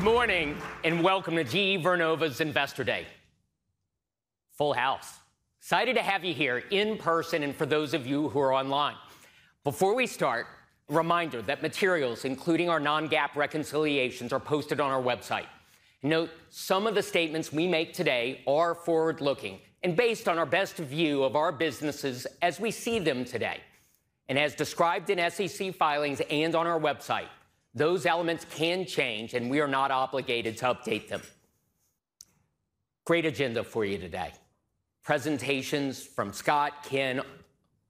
Good morning and welcome to GE Vernova's Investor Day. Full house. Excited to have you here in person and for those of you who are online. Before we start, a reminder that materials, including our non-GAAP reconciliations, are posted on our website. Note: some of the statements we make today are forward-looking and based on our best view of our businesses as we see them today. As described in SEC filings and on our website, those elements can change and we are not obligated to update them. Great agenda for you today: presentations from Scott, Ken,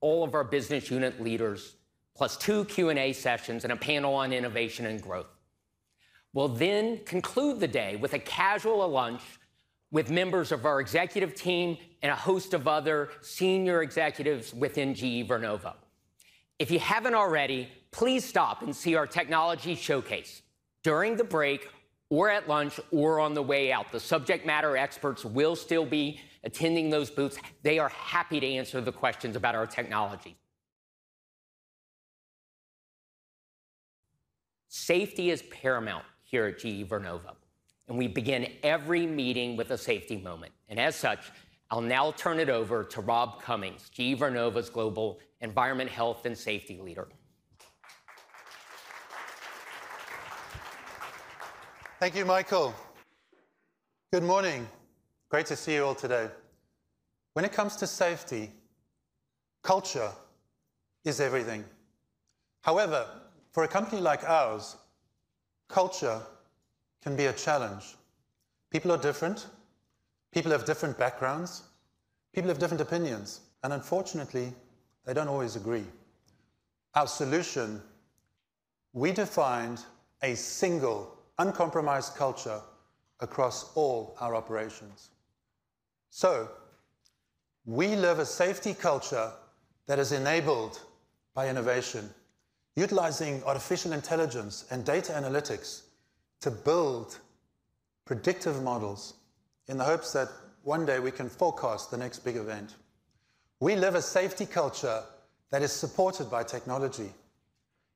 all of our business unit leaders, plus two Q&A sessions and a panel on innovation and growth. We'll then conclude the day with a casual lunch with members of our executive team and a host of other senior executives within GE Vernova. If you haven't already, please stop and see our technology showcase during the break or at lunch or on the way out. The subject matter experts will still be attending those booths. They are happy to answer the questions about our technology. Safety is paramount here at GE Vernova, and we begin every meeting with a safety moment. As such, I'll now turn it over to Rob Cummings, GE Vernova's Global Environmental, Health, and Safety Leader. Thank you, Michael. Good morning. Great to see you all today. When it comes to safety, culture is everything. However, for a company like ours, culture can be a challenge. People are different. People have different backgrounds. People have different opinions. Unfortunately, they don't always agree. Our solution: we defined a single, uncompromised culture across all our operations. So we live a safety culture that is enabled by innovation, utilizing artificial intelligence and data analytics to build predictive models in the hopes that one day we can forecast the next big event. We live a safety culture that is supported by technology,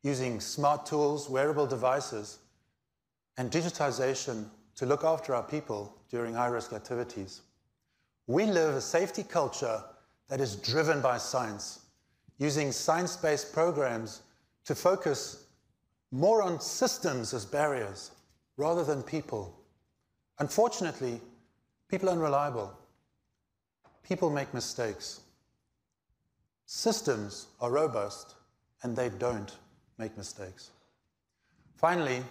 using smart tools, wearable devices, and digitization to look after our people during high-risk activities. We live a safety culture that is driven by science, using science-based programs to focus more on systems as barriers rather than people. Unfortunately, people are unreliable. People make mistakes. Systems are robust, and they don't make mistakes. Finally,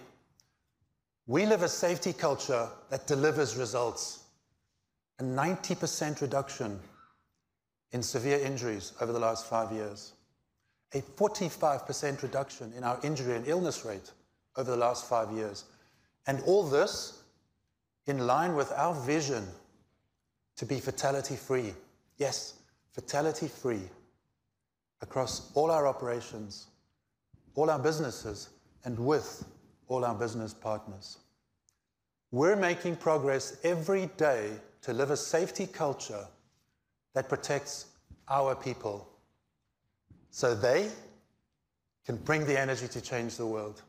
we live a safety culture that delivers results: a 90% reduction in severe injuries over the last five years, a 45% reduction in our injury and illness rate over the last five years. All this in line with our vision to be fatality-free--yes, fatality-free--across all our operations, all our businesses, and with all our business partners. We're making progress every day to live a safety culture that protects our people so they can bring the energy to change the world.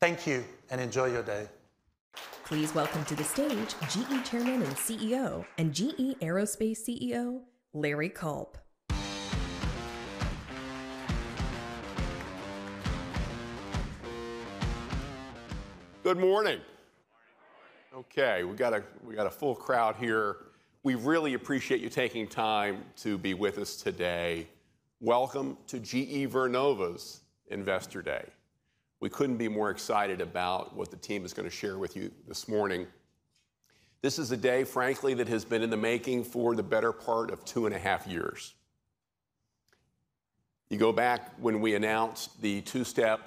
Thank you, and enjoy your day. Please welcome to the stage GE Chairman and CEO and GE Aerospace CEO Larry Culp. Good morning. Good morning. OK, we've got a full crowd here. We really appreciate you taking time to be with us today. Welcome to GE Vernova's Investor Day. We couldn't be more excited about what the team is going to share with you this morning. This is a day, frankly, that has been in the making for the better part of two and a half years. You go back when we announced the two-step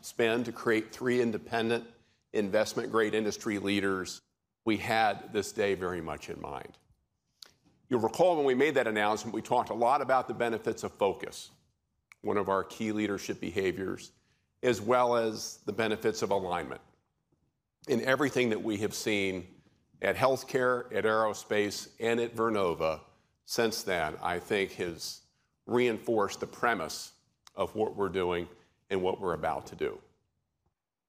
spin to create three independent, investment-grade industry leaders; we had this day very much in mind. You'll recall when we made that announcement, we talked a lot about the benefits of focus, one of our key leadership behaviors, as well as the benefits of alignment. Everything that we have seen at healthcare, at Aerospace, and at Vernova since then, I think, has reinforced the premise of what we're doing and what we're about to do.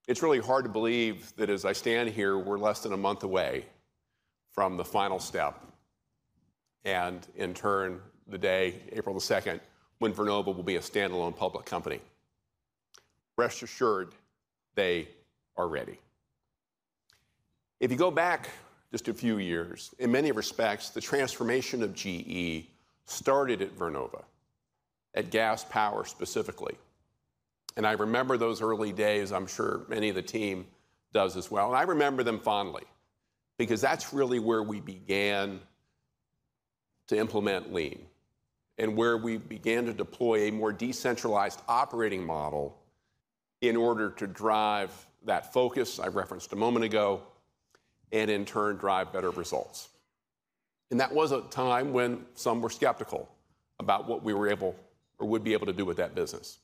It's really hard to believe that, as I stand here, we're less than a month away from the final step and, in turn, the day, April the 2nd, when Vernova will be a standalone public company. Rest assured, they are ready. If you go back just a few years, in many respects, the transformation of GE started at Vernova, Gas Power specifically. I remember those early days. I'm sure many of the team does as well. I remember them fondly because that's really where we began to implement lean and where we began to deploy a more decentralized operating model in order to drive that focus I referenced a moment ago and, in turn, drive better results. That was a time when some were skeptical about what we were able or would be able to do with that business.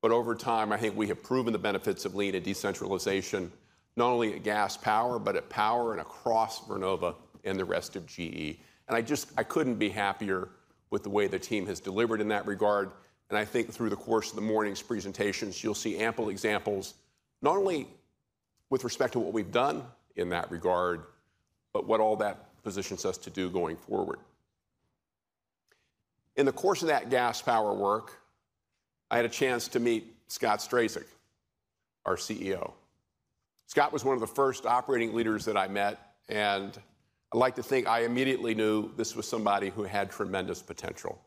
But over time, I think we have proven the benefits of lean and decentralization, not only Gas Power, but at Power and across Vernova and the rest of GE. And I just couldn't be happier with the way the team has delivered in that regard. And I think through the course of the morning's presentations, you'll see ample examples, not only with respect to what we've done in that regard, but what all that positions us to do going forward. In the course of Gas Power work, I had a chance to meet Scott Strazik, our CEO. Scott was one of the first operating leaders that I met. And I like to think I immediately knew this was somebody who had tremendous potential.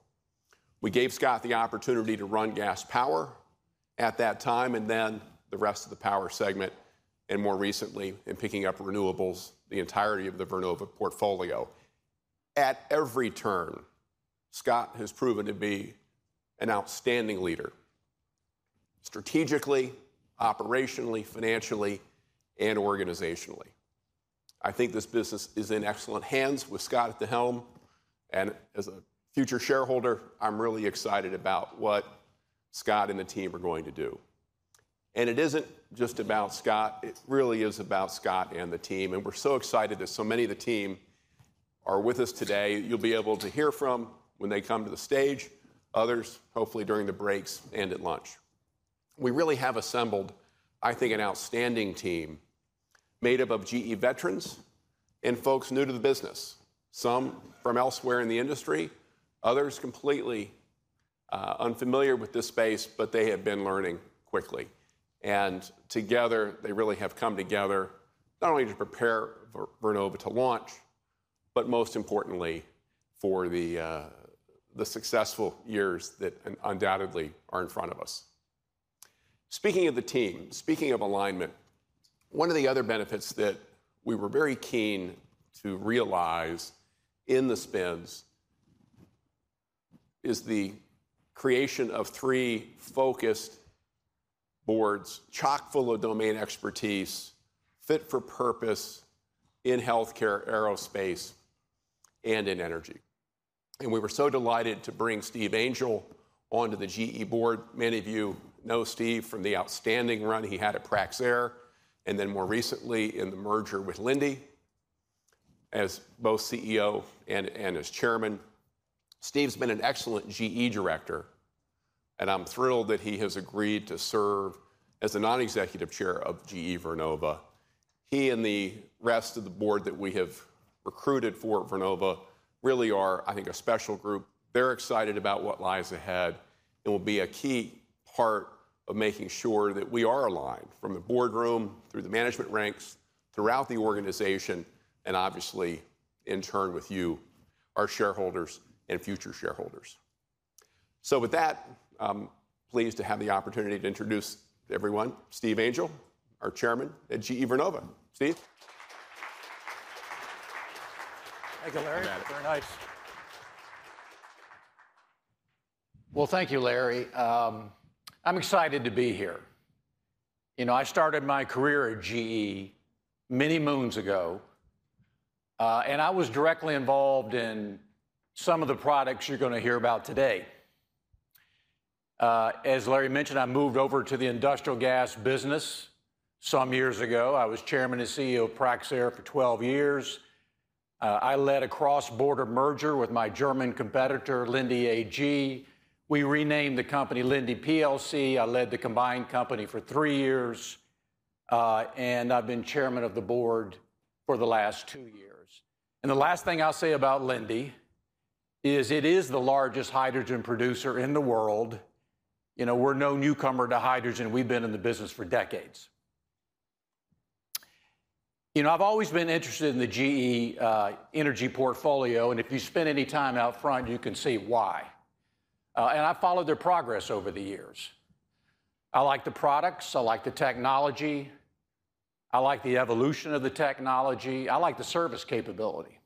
We gave Scott the opportunity to Gas Power at that time and then the rest of the Power segment and, more recently, in picking up renewables, the entirety of the Vernova portfolio. At every turn, Scott has proven to be an outstanding leader strategically, operationally, financially, and organizationally. I think this business is in excellent hands with Scott at the helm. And as a future shareholder, I'm really excited about what Scott and the team are going to do. And it isn't just about Scott. It really is about Scott and the team. And we're so excited that so many of the team are with us today. You'll be able to hear from when they come to the stage, others, hopefully, during the breaks and at lunch. We really have assembled, I think, an outstanding team made up of GE veterans and folks new to the business, some from elsewhere in the industry, others completely unfamiliar with this space, but they have been learning quickly. And together, they really have come together not only to prepare Vernova to launch, but most importantly, for the successful years that undoubtedly are in front of us. Speaking of the team, speaking of alignment, one of the other benefits that we were very keen to realize in the spends is the creation of three focused boards, chock-full of domain expertise, fit for purpose in health care, aerospace, and in energy. And we were so delighted to bring Steve Angel onto the GE board. Many of you know Steve from the outstanding run he had at Praxair. Then, more recently, in the merger with Linde as both CEO and as chairman, Steve's been an excellent GE director. I'm thrilled that he has agreed to serve as the non-executive chairman of GE Vernova. He and the rest of the board that we have recruited for Vernova really are, I think, a special group. They're excited about what lies ahead and will be a key part of making sure that we are aligned from the boardroom, through the management ranks, throughout the organization, and obviously, in turn, with you, our shareholders and future shareholders. With that, I'm pleased to have the opportunity to introduce to everyone Steve Angel, our chairman at GE Vernova. Steve? Thank you, Larry. Very nice. Well, thank you, Larry. I'm excited to be here. You know, I started my career at GE many moons ago. And I was directly involved in some of the products you're going to hear about today. As Larry mentioned, I moved over to the industrial gas business some years ago. I was Chairman and CEO of Praxair for 12 years. I led a cross-border merger with my German competitor, Linde AG. We renamed the company Linde plc. I led the combined company for three years. And I've been Chairman of the Board for the last two years. And the last thing I'll say about Linde is it is the largest hydrogen producer in the world. You know, we're no newcomer to hydrogen. We've been in the business for decades. You know, I've always been interested in the GE energy portfolio. If you spend any time out front, you can see why. I've followed their progress over the years. I like the products. I like the technology. I like the evolution of the technology. I like the service capability.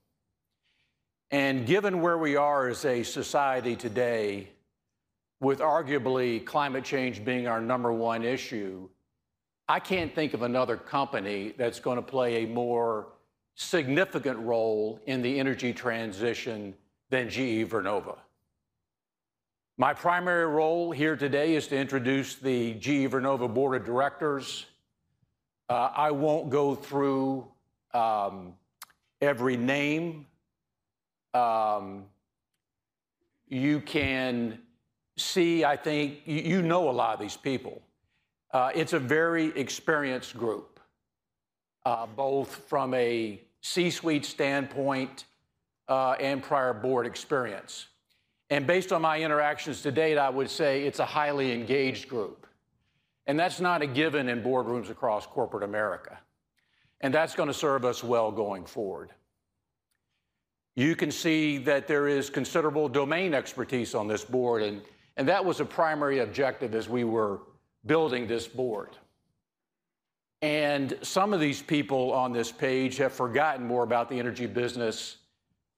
Given where we are as a society today, with arguably climate change being our number one issue, I can't think of another company that's going to play a more significant role in the energy transition than GE Vernova. My primary role here today is to introduce the GE Vernova Board of Directors. I won't go through every name. You can see, I think you know a lot of these people. It's a very experienced group, both from a C-suite standpoint and prior board experience. Based on my interactions to date, I would say it's a highly engaged group. That's not a given in boardrooms across corporate America. That's going to serve us well going forward. You can see that there is considerable domain expertise on this board. That was a primary objective as we were building this board. Some of these people on this page have forgotten more about the energy business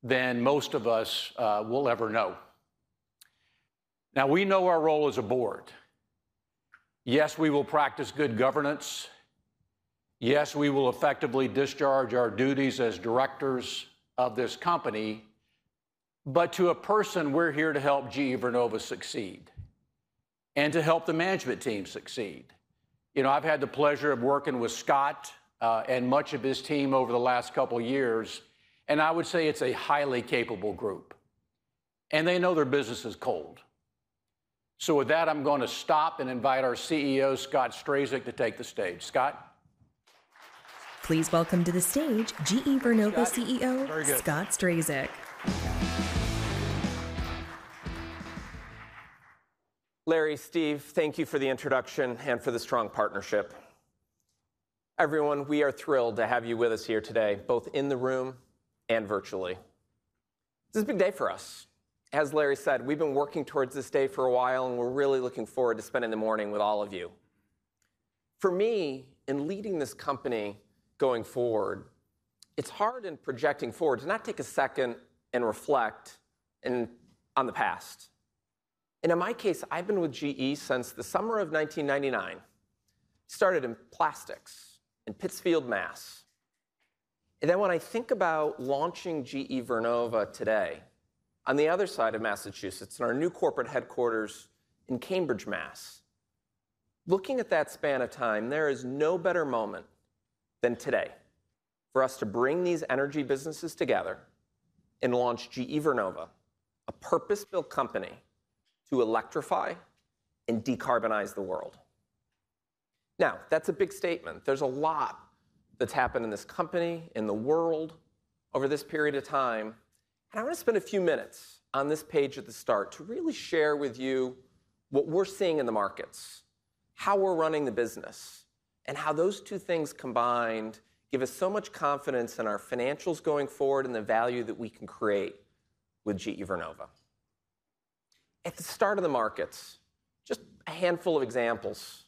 than most of us will ever know. Now, we know our role as a board. Yes, we will practice good governance. Yes, we will effectively discharge our duties as directors of this company. But to a person, we're here to help GE Vernova succeed and to help the management team succeed. You know, I've had the pleasure of working with Scott and much of his team over the last couple of years. I would say it's a highly capable group. They know their business is cold. With that, I'm going to stop and invite our CEO, Scott Strazik, to take the stage. Scott? Please welcome to the stage GE Vernova CEO, Scott Strazik. Larry, Steve, thank you for the introduction and for the strong partnership. Everyone, we are thrilled to have you with us here today, both in the room and virtually. This is a big day for us. As Larry said, we've been working towards this day for a while. We're really looking forward to spending the morning with all of you. For me, in leading this company going forward, it's hard in projecting forward to not take a second and reflect on the past. In my case, I've been with GE since the summer of 1999. I started in plastics in Pittsfield, Mass. And then when I think about launching GE Vernova today on the other side of Massachusetts, in our new corporate headquarters in Cambridge, Mass., looking at that span of time, there is no better moment than today for us to bring these energy businesses together and launch GE Vernova, a purpose-built company to electrify and decarbonize the world. Now, that's a big statement. There's a lot that's happened in this company, in the world, over this period of time. I want to spend a few minutes on this page at the start to really share with you what we're seeing in the markets, how we're running the business, and how those two things combined give us so much confidence in our financials going forward and the value that we can create with GE Vernova. At the start of the markets, just a handful of examples.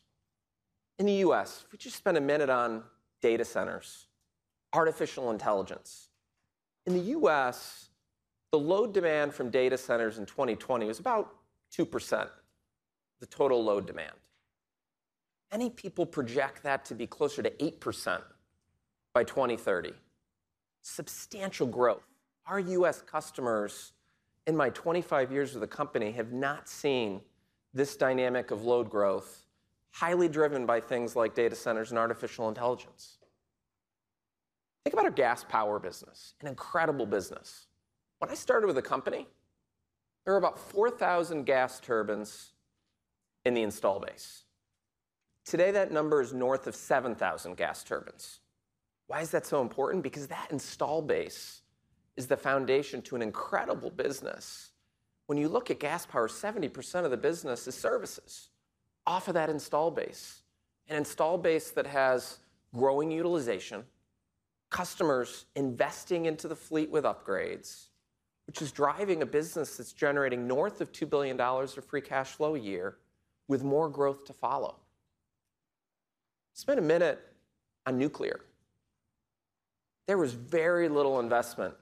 In the U.S., if we just spend a minute on data centers, artificial intelligence, in the U.S., the load demand from data centers in 2020 was about 2%, the total load demand. Many people project that to be closer to 8% by 2030, substantial growth. Our U.S. customers in my 25 years with the company have not seen this dynamic of load growth highly driven by things like data centers and artificial intelligence. Think about Gas Power business, an incredible business. When I started with the company, there were about 4,000 gas turbines in the install base. Today, that number is north of 7,000 gas turbines. Why is that so important? Because that install base is the foundation to an incredible business. When you look Gas Power, 70% of the business is services off of that install base, an install base that has growing utilization, customers investing into the fleet with upgrades, which is driving a business that's generating north of $2 billion of free cash flow a year with more growth to follow. Spend a minute on Nuclear. There was very little investment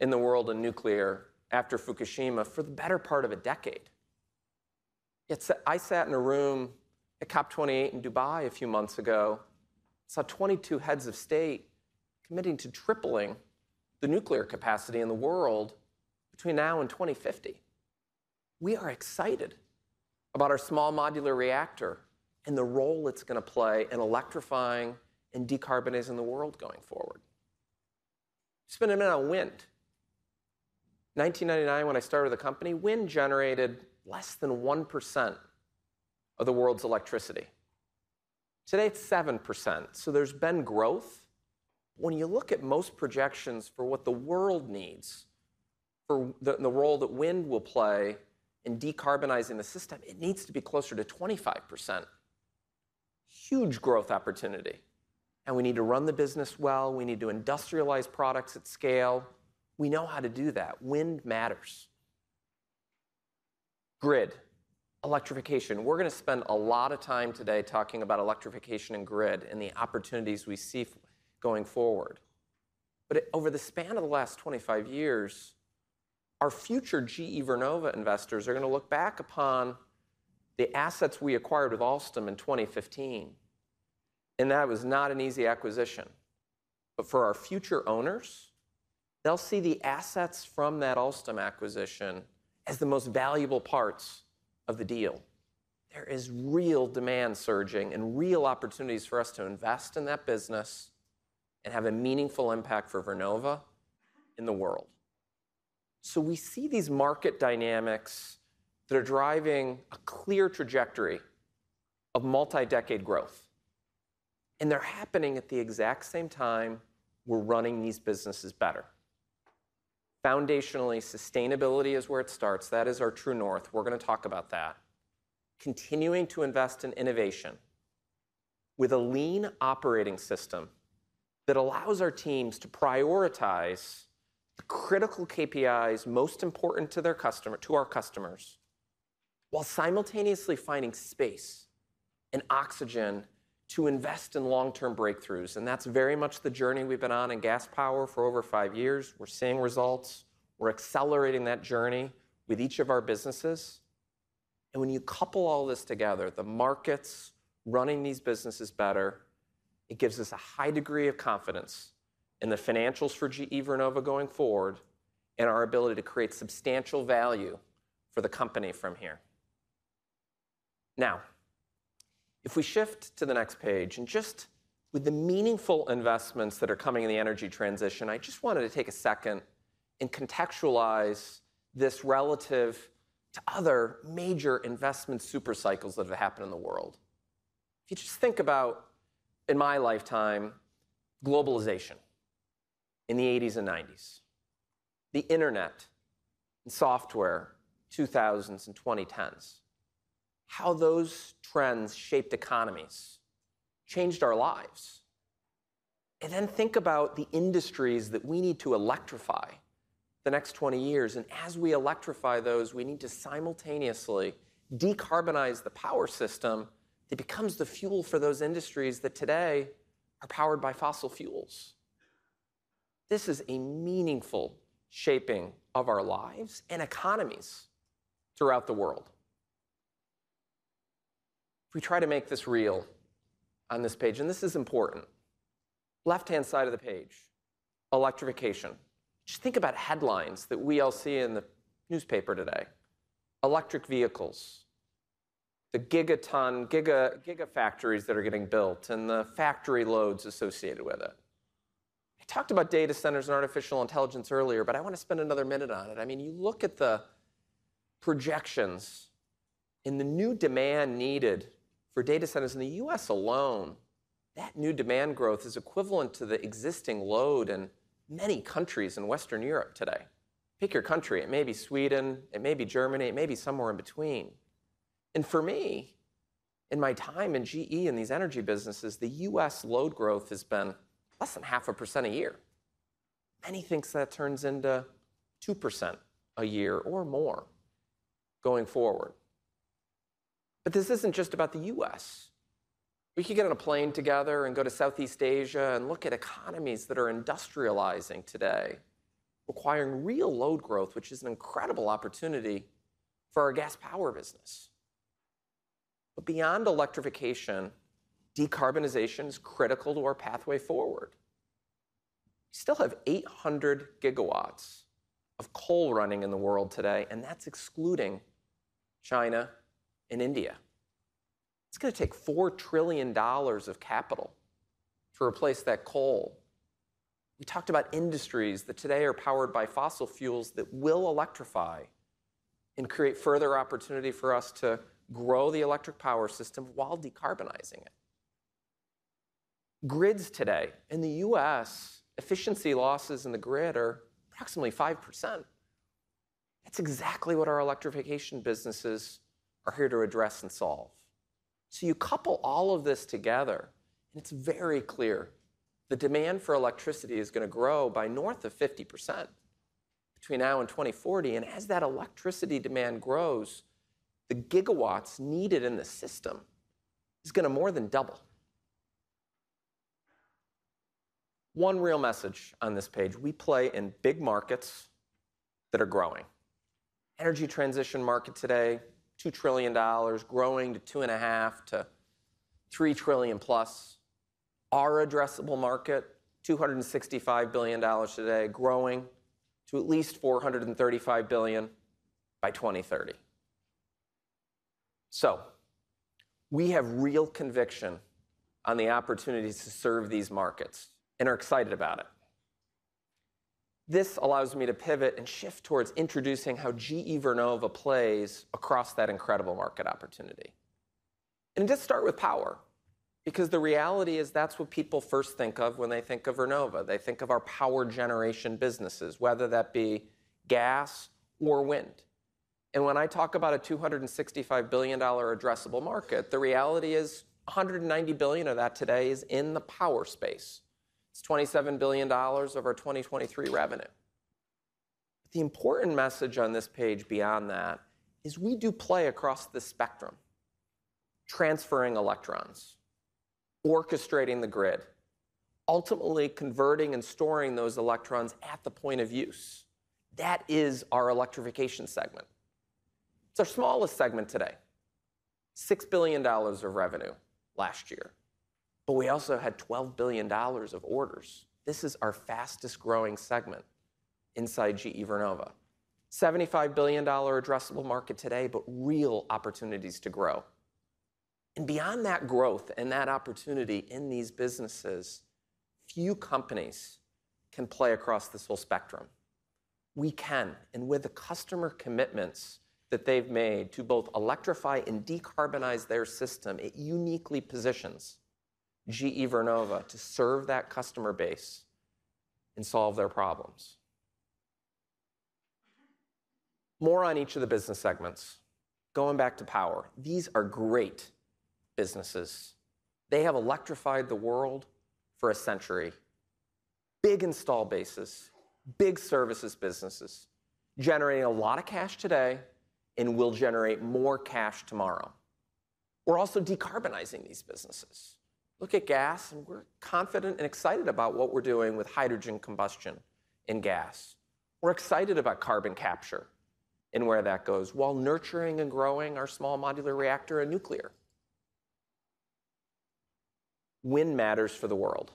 in the world in Nuclear after Fukushima for the better part of a decade. Yet I sat in a room at COP 28 in Dubai a few months ago, saw 22 heads of state committing to tripling the Nuclear capacity in the world between now and 2050. We are excited small modular reactor and the role it's going to play in electrifying and decarbonizing the world going forward. Spend a minute on Wind. In 1999, when I started the company, Wind generated less than 1% of the world's electricity. Today, it's 7%. So there's been growth. But when you look at most projections for what the world needs for the role that Wind will play in decarbonizing the system, it needs to be closer to 25%, huge growth opportunity. And we need to run the business well. We need to industrialize products at scale. We know how to do that. Wind matters. Grid, Electrification. We're going to spend a lot of time today talking about Electrification and Grid and the opportunities we see going forward. But over the span of the last 25 years, our future GE Vernova investors are going to look back upon the assets we acquired with Alstom in 2015. And that was not an easy acquisition. But for our future owners, they'll see the assets from that Alstom acquisition as the most valuable parts of the deal. There is real demand surging and real opportunities for us to invest in that business and have a meaningful impact for Vernova in the world. So we see these market dynamics that are driving a clear trajectory of multi-decade growth. And they're happening at the exact same time we're running these businesses better. Foundationally, sustainability is where it starts. That is our true north. We're going to talk about that, continuing to invest in innovation with a Lean operating system that allows our teams to prioritize the critical KPIs most important to our customers while simultaneously finding space and oxygen to invest in long-term breakthroughs. And that's very much the journey we've been on Gas Power for over five years. We're seeing results. We're accelerating that journey with each of our businesses. And when you couple all this together, the markets running these businesses better, it gives us a high degree of confidence in the financials for GE Vernova going forward and our ability to create substantial value for the company from here. Now, if we shift to the next page, and just with the meaningful investments that are coming in the energy transition, I just wanted to take a second and contextualize this relative to other major investment super cycles that have happened in the world. If you just think about, in my lifetime, globalization in the 1980s and 1990s, the internet and software 2000s and 2010s, how those trends shaped economies, changed our lives. And then think about the industries that we need to electrify the next 20 years. As we electrify those, we need to simultaneously decarbonize the Power system that becomes the fuel for those industries that today are powered by fossil fuels. This is a meaningful shaping of our lives and economies throughout the world. If we try to make this real on this page, and this is important, left-hand side of the page, Electrification. Just think about headlines that we all see in the newspaper today, electric vehicles, the gigaton gigafactories that are getting built, and the factory loads associated with it. I talked about data centers and artificial intelligence earlier. But I want to spend another minute on it. I mean, you look at the projections and the new demand needed for data centers in the U.S. alone, that new demand growth is equivalent to the existing load in many countries in Western Europe today. Pick your country. It may be Sweden. It may be Germany. It may be somewhere in between. And for me, in my time in GE and these energy businesses, the U.S. load growth has been less than 0.5% a year. Many think that turns into 2% a year or more going forward. But this isn't just about the U.S. We could get on a plane together and go to Southeast Asia and look at economies that are industrializing today, requiring real load growth, which is an incredible opportunity for Gas Power business. But beyond Electrification, decarbonization is critical to our pathway forward. We still have 800 GW of coal running in the world today. And that's excluding China and India. It's going to take $4 trillion of capital to replace that coal. We talked about industries that today are powered by fossil fuels that will electrify and create further opportunity for us to grow the electric power system while decarbonizing it. Grids today, in the U.S., efficiency losses in the Grid are approximately 5%. That's exactly what our Electrification businesses are here to address and solve. So you couple all of this together, and it's very clear the demand for electricity is going to grow by north of 50% between now and 2040. And as that electricity demand grows, the GW needed in the system is going to more than double. One real message on this page, we play in big markets that are growing. Energy transition market today, $2 trillion, growing to $2.5 trillion-$3 trillion plus. Our addressable market, $265 billion today, growing to at least $435 billion by 2030. So we have real conviction on the opportunities to serve these markets and are excited about it. This allows me to pivot and shift towards introducing how GE Vernova plays across that incredible market opportunity. To start with Power, because the reality is that's what people first think of when they think of Vernova. They think of our Power generation businesses, whether that be gas or Wind. When I talk about a $265 billion addressable market, the reality is $190 billion of that today is in the Power space. It's $27 billion of our 2023 revenue. The important message on this page beyond that is we do play across the spectrum, transferring electrons, orchestrating the Grid, ultimately converting and storing those electrons at the point of use. That is our Electrification segment. It's our smallest segment today, $6 billion of revenue last year. But we also had $12 billion of orders. This is our fastest growing segment inside GE Vernova, $75 billion addressable market today, but real opportunities to grow. And beyond that growth and that opportunity in these businesses, few companies can play across this whole spectrum. We can. And with the customer commitments that they've made to both electrify and decarbonize their system, it uniquely positions GE Vernova to serve that customer base and solve their problems. More on each of the business segments. Going back to Power, these are great businesses. They have electrified the world for a century, big installed bases, big services businesses, generating a lot of cash today and will generate more cash tomorrow. We're also decarbonizing these businesses. Look at gas. And we're confident and excited about what we're doing with hydrogen combustion and gas. We're excited about carbon capture and where that goes while nurturing and small modular reactor and nuclear. Wind matters for the world.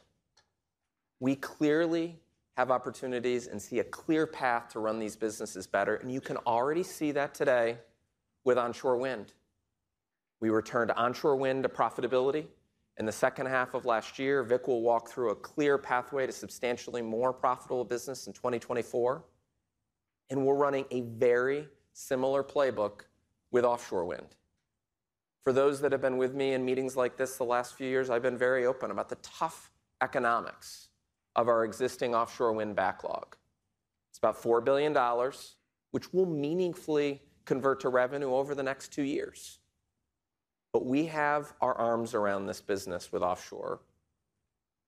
We clearly have opportunities and see a clear path to run these businesses better. And you can already see that today with Onshore Wind. We returned Onshore Wind to profitability. In the second half of last year, Vic will walk through a clear pathway to substantially more profitable business in 2024. And we're running a very similar playbook with Offshore Wind. For those that have been with me in meetings like this the last few years, I've been very open about the tough economics of our existing Offshore Wind backlog. It's about $4 billion, which will meaningfully convert to revenue over the next two years. But we have our arms around this business with offshore.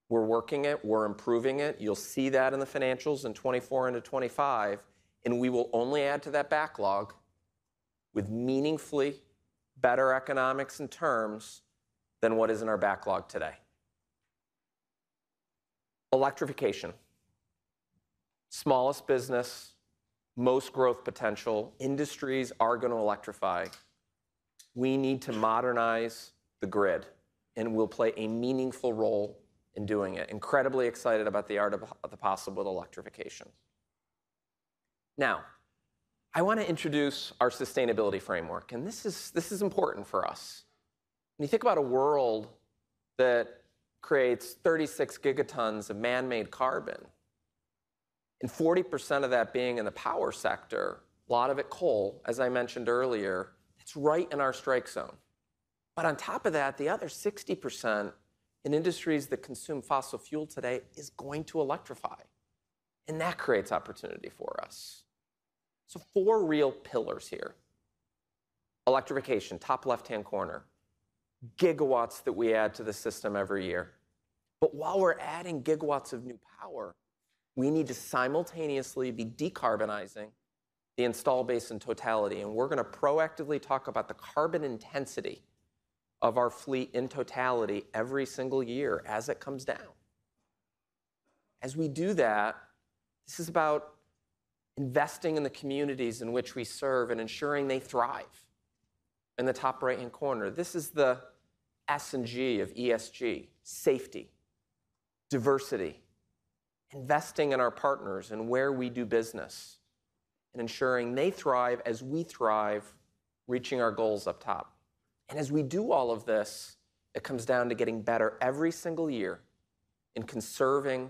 We're working it. We're improving it. You'll see that in the financials in 2024 into 2025. We will only add to that backlog with meaningfully better economics and terms than what is in our backlog today. Electrification, smallest business, most growth potential, industries are going to electrify. We need to modernize the Grid. We'll play a meaningful role in doing it. Incredibly excited about the art of the possible with Electrification. Now, I want to introduce our sustainability framework. This is important for us. When you think about a world that creates 36 gigatons of manmade carbon and 40% of that being in the Power sector, a lot of it coal, as I mentioned earlier, that's right in our strike zone. But on top of that, the other 60% in industries that consume fossil fuel today is going to electrify. That creates opportunity for us. So, four real pillars here: Electrification, top left-hand corner, GW that we add to the system every year. But while we're adding GW of new Power, we need to simultaneously be decarbonizing the install base in totality. And we're going to proactively talk about the carbon intensity of our fleet in totality every single year as it comes down. As we do that, this is about investing in the communities in which we serve and ensuring they thrive. In the top right-hand corner, this is the S&G of ESG: safety, diversity, investing in our partners and where we do business, and ensuring they thrive as we thrive, reaching our goals up top. As we do all of this, it comes down to getting better every single year in conserving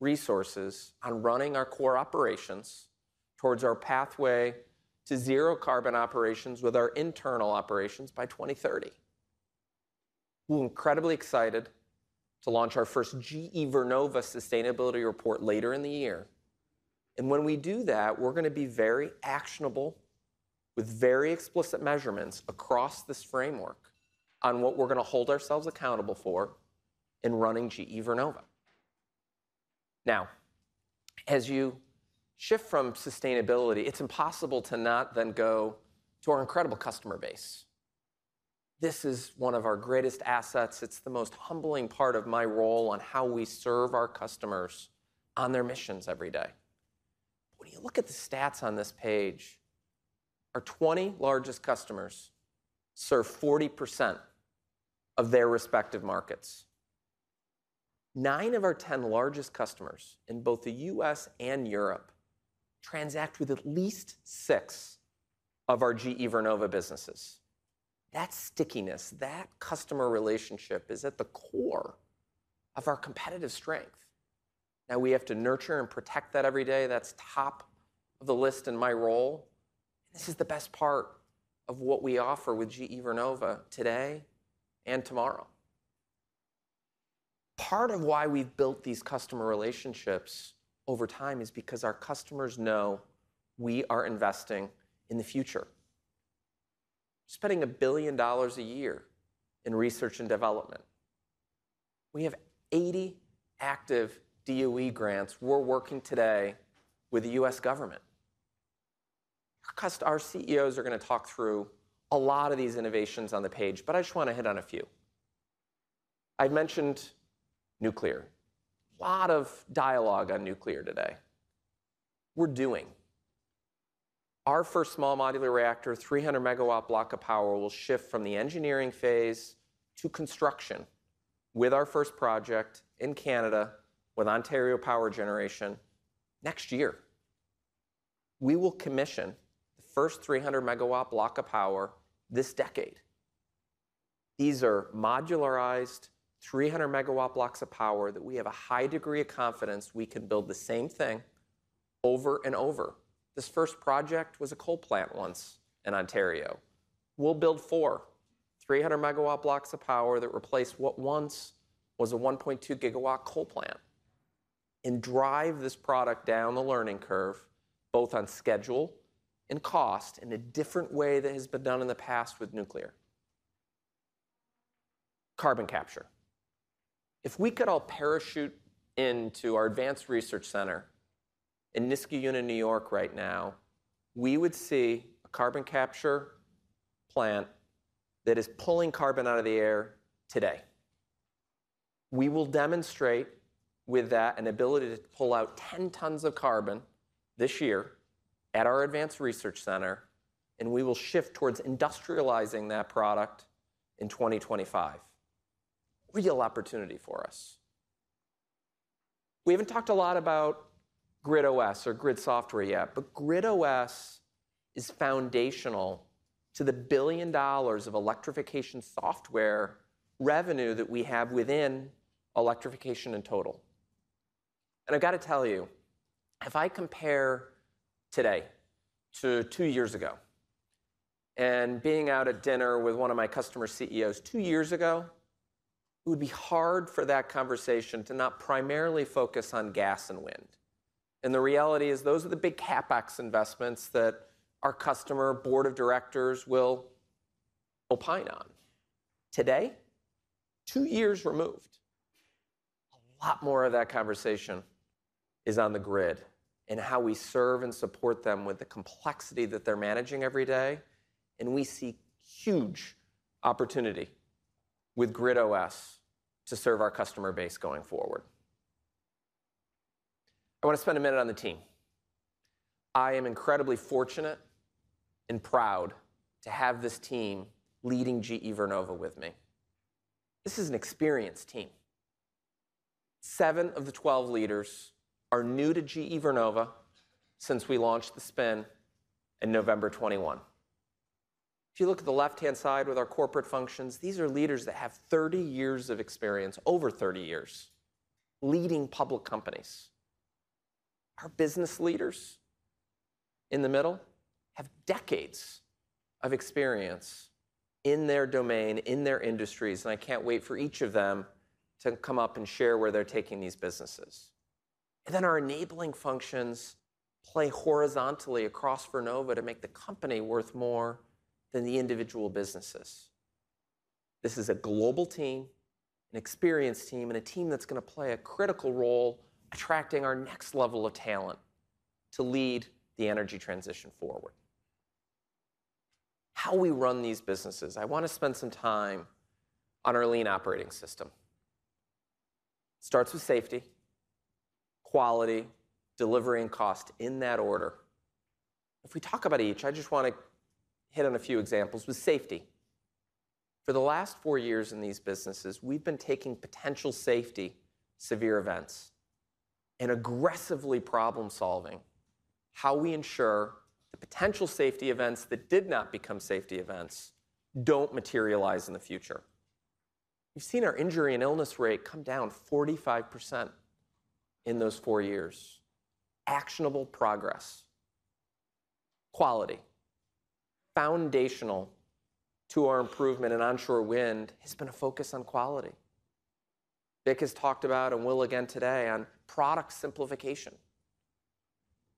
resources on running our core operations towards our pathway to zero carbon operations with our internal operations by 2030. We're incredibly excited to launch our first GE Vernova sustainability report later in the year. When we do that, we're going to be very actionable with very explicit measurements across this framework on what we're going to hold ourselves accountable for in running GE Vernova. Now, as you shift from sustainability, it's impossible to not then go to our incredible customer base. This is one of our greatest assets. It's the most humbling part of my role on how we serve our customers on their missions every day. When you look at the stats on this page, our 20 largest customers serve 40% of their respective markets. Nine of our 10 largest customers in both the U.S. and Europe transact with at least six of our GE Vernova businesses. That stickiness, that customer relationship is at the core of our competitive strength. Now, we have to nurture and protect that every day. That's top of the list in my role. And this is the best part of what we offer with GE Vernova today and tomorrow. Part of why we've built these customer relationships over time is because our customers know we are investing in the future. We're spending $1 billion a year in research and development. We have 80 active DOE grants. We're working today with the U.S. government. Our CEOs are going to talk through a lot of these innovations on the page. But I just want to hit on a few. I mentioned Nuclear. A lot of dialogue on Nuclear today. We're doing. small modular reactor, 300 MW block of Power, will shift from the engineering phase to construction with our first project in Canada with Ontario Power Generation next year. We will commission the first 300 MW block of Power this decade. These are modularized 300 MW blocks of Power that we have a high degree of confidence we can build the same thing over and over. This first project was a coal plant once in Ontario. We'll build four 300 MW blocks of Power that replace what once was a 1.2 GW coal plant and drive this product down the learning curve both on schedule and cost in a different way that has been done in the past with Nuclear. Carbon capture, if we could all parachute into our advanced research center in Niskayuna, New York, right now, we would see a carbon capture plant that is pulling carbon out of the air today. We will demonstrate with that an ability to pull out 10 tons of carbon this year at our advanced research center. And we will shift towards industrializing that product in 2025, real opportunity for us. We haven't talked a lot about GridOS or Grid software yet. But GridOS is foundational to the $1 billion of Electrification software revenue that we have within Electrification in total. And I've got to tell you, if I compare today to two years ago and being out at dinner with one of my customer CEOs two years ago, it would be hard for that conversation to not primarily focus on gas and Wind. The reality is those are the big CapEx investments that our customer board of directors will opine on. Today, two years removed, a lot more of that conversation is on the Grid and how we serve and support them with the complexity that they're managing every day. We see huge opportunity with GridOS to serve our customer base going forward. I want to spend a minute on the team. I am incredibly fortunate and proud to have this team leading GE Vernova with me. This is an experienced team. Seven of the 12 leaders are new to GE Vernova since we launched the spin in November 2021. If you look at the left-hand side with our corporate functions, these are leaders that have 30 years of experience, over 30 years, leading public companies. Our business leaders in the middle have decades of experience in their domain, in their industries. And I can't wait for each of them to come up and share where they're taking these businesses. And then our enabling functions play horizontally across Vernova to make the company worth more than the individual businesses. This is a global team, an experienced team, and a team that's going to play a critical role attracting our next level of talent to lead the energy transition forward. How we run these businesses, I want to spend some time on our lean operating system. It starts with safety, quality, delivery, and cost in that order. If we talk about each, I just want to hit on a few examples with safety. For the last four years in these businesses, we've been taking potential safety severe events and aggressively problem-solving how we ensure the potential safety events that did not become safety events don't materialize in the future. We've seen our injury and illness rate come down 45% in those four years. Actionable progress, quality, foundational to our improvement in Onshore Wind has been a focus on quality. Vic has talked about and will again today on product simplification,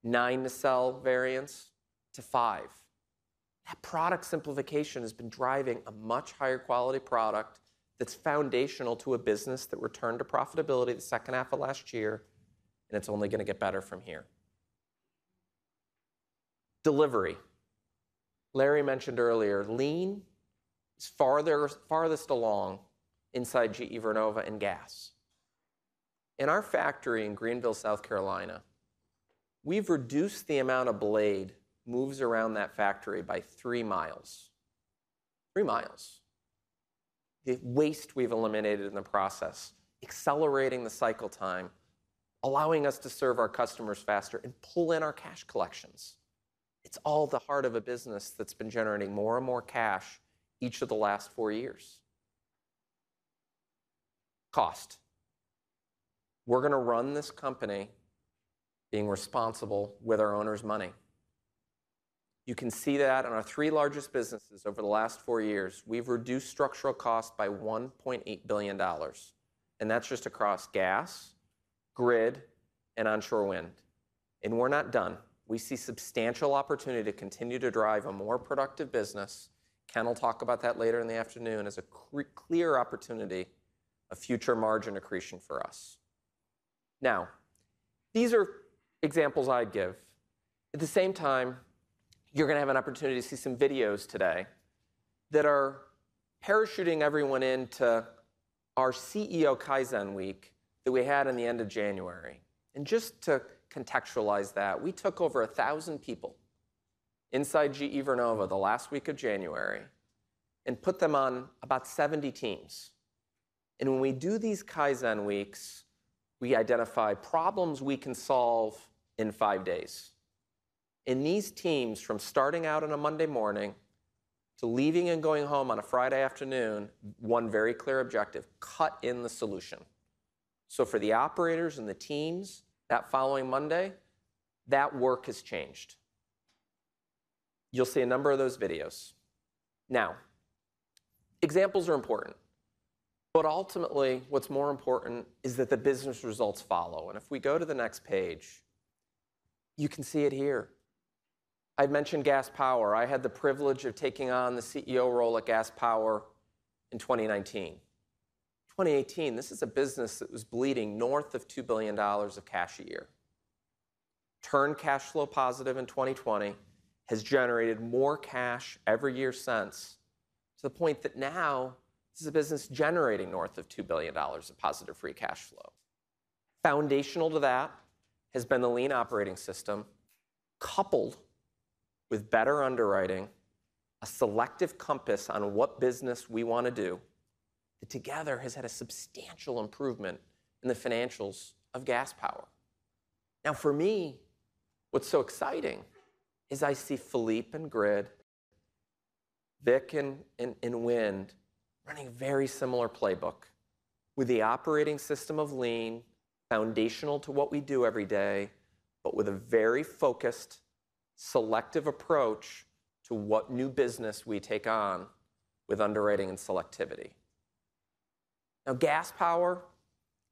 nine nacelle variants to five. That product simplification has been driving a much higher quality product that's foundational to a business that returned to profitability the second half of last year. It's only going to get better from here. Delivery, Larry mentioned earlier, lean is farthest along inside GE Vernova and gas. In our factory in Greenville, South Carolina, we've reduced the amount of blade moves around that factory by three miles, three miles. The waste we've eliminated in the process, accelerating the cycle time, allowing us to serve our customers faster and pull in our cash collections. It's at the heart of a business that's been generating more and more cash each of the last four years. On cost, we're going to run this company being responsible with our owner's money. You can see that in our three largest businesses over the last four years, we've reduced structural cost by $1.8 billion. And that's just across gas, Grid, and Onshore Wind. And we're not done. We see substantial opportunity to continue to drive a more productive business. Ken will talk about that later in the afternoon as a clear opportunity, a future margin accretion for us. Now, these are examples I'd give. At the same time, you're going to have an opportunity to see some videos today that are parachuting everyone into our CEO Kaizen Week that we had in the end of January. And just to contextualize that, we took over 1,000 people inside GE Vernova the last week of January and put them on about 70 teams. And when we do these Kaizen Weeks, we identify problems we can solve in five days. And these teams, from starting out on a Monday morning to leaving and going home on a Friday afternoon, one very clear objective: cut in the solution. So for the operators and the teams that following Monday, that work has changed. You'll see a number of those videos. Now, examples are important. But ultimately, what's more important is that the business results follow. And if we go to the next page, you can see it here. I mentioned Gas Power. I had the privilege of taking on the CEO role at Gas Power in 2019. In 2018, this is a business that was bleeding north of $2 billion of cash a year. Turned cash flow positive in 2020 has generated more cash every year since to the point that now this is a business generating north of $2 billion of positive free cash flow. Foundational to that has been the Lean operating system coupled with better underwriting, a selective compass on what business we want to do that together has had a substantial improvement in the financials of Gas Power. Now, for me, what's so exciting is I see Philippe and Grid, Vic and Wind running a very similar playbook with the operating system of lean foundational to what we do every day, but with a very focused, selective approach to what new business we take on with underwriting and selectivity. Now, Gas Power,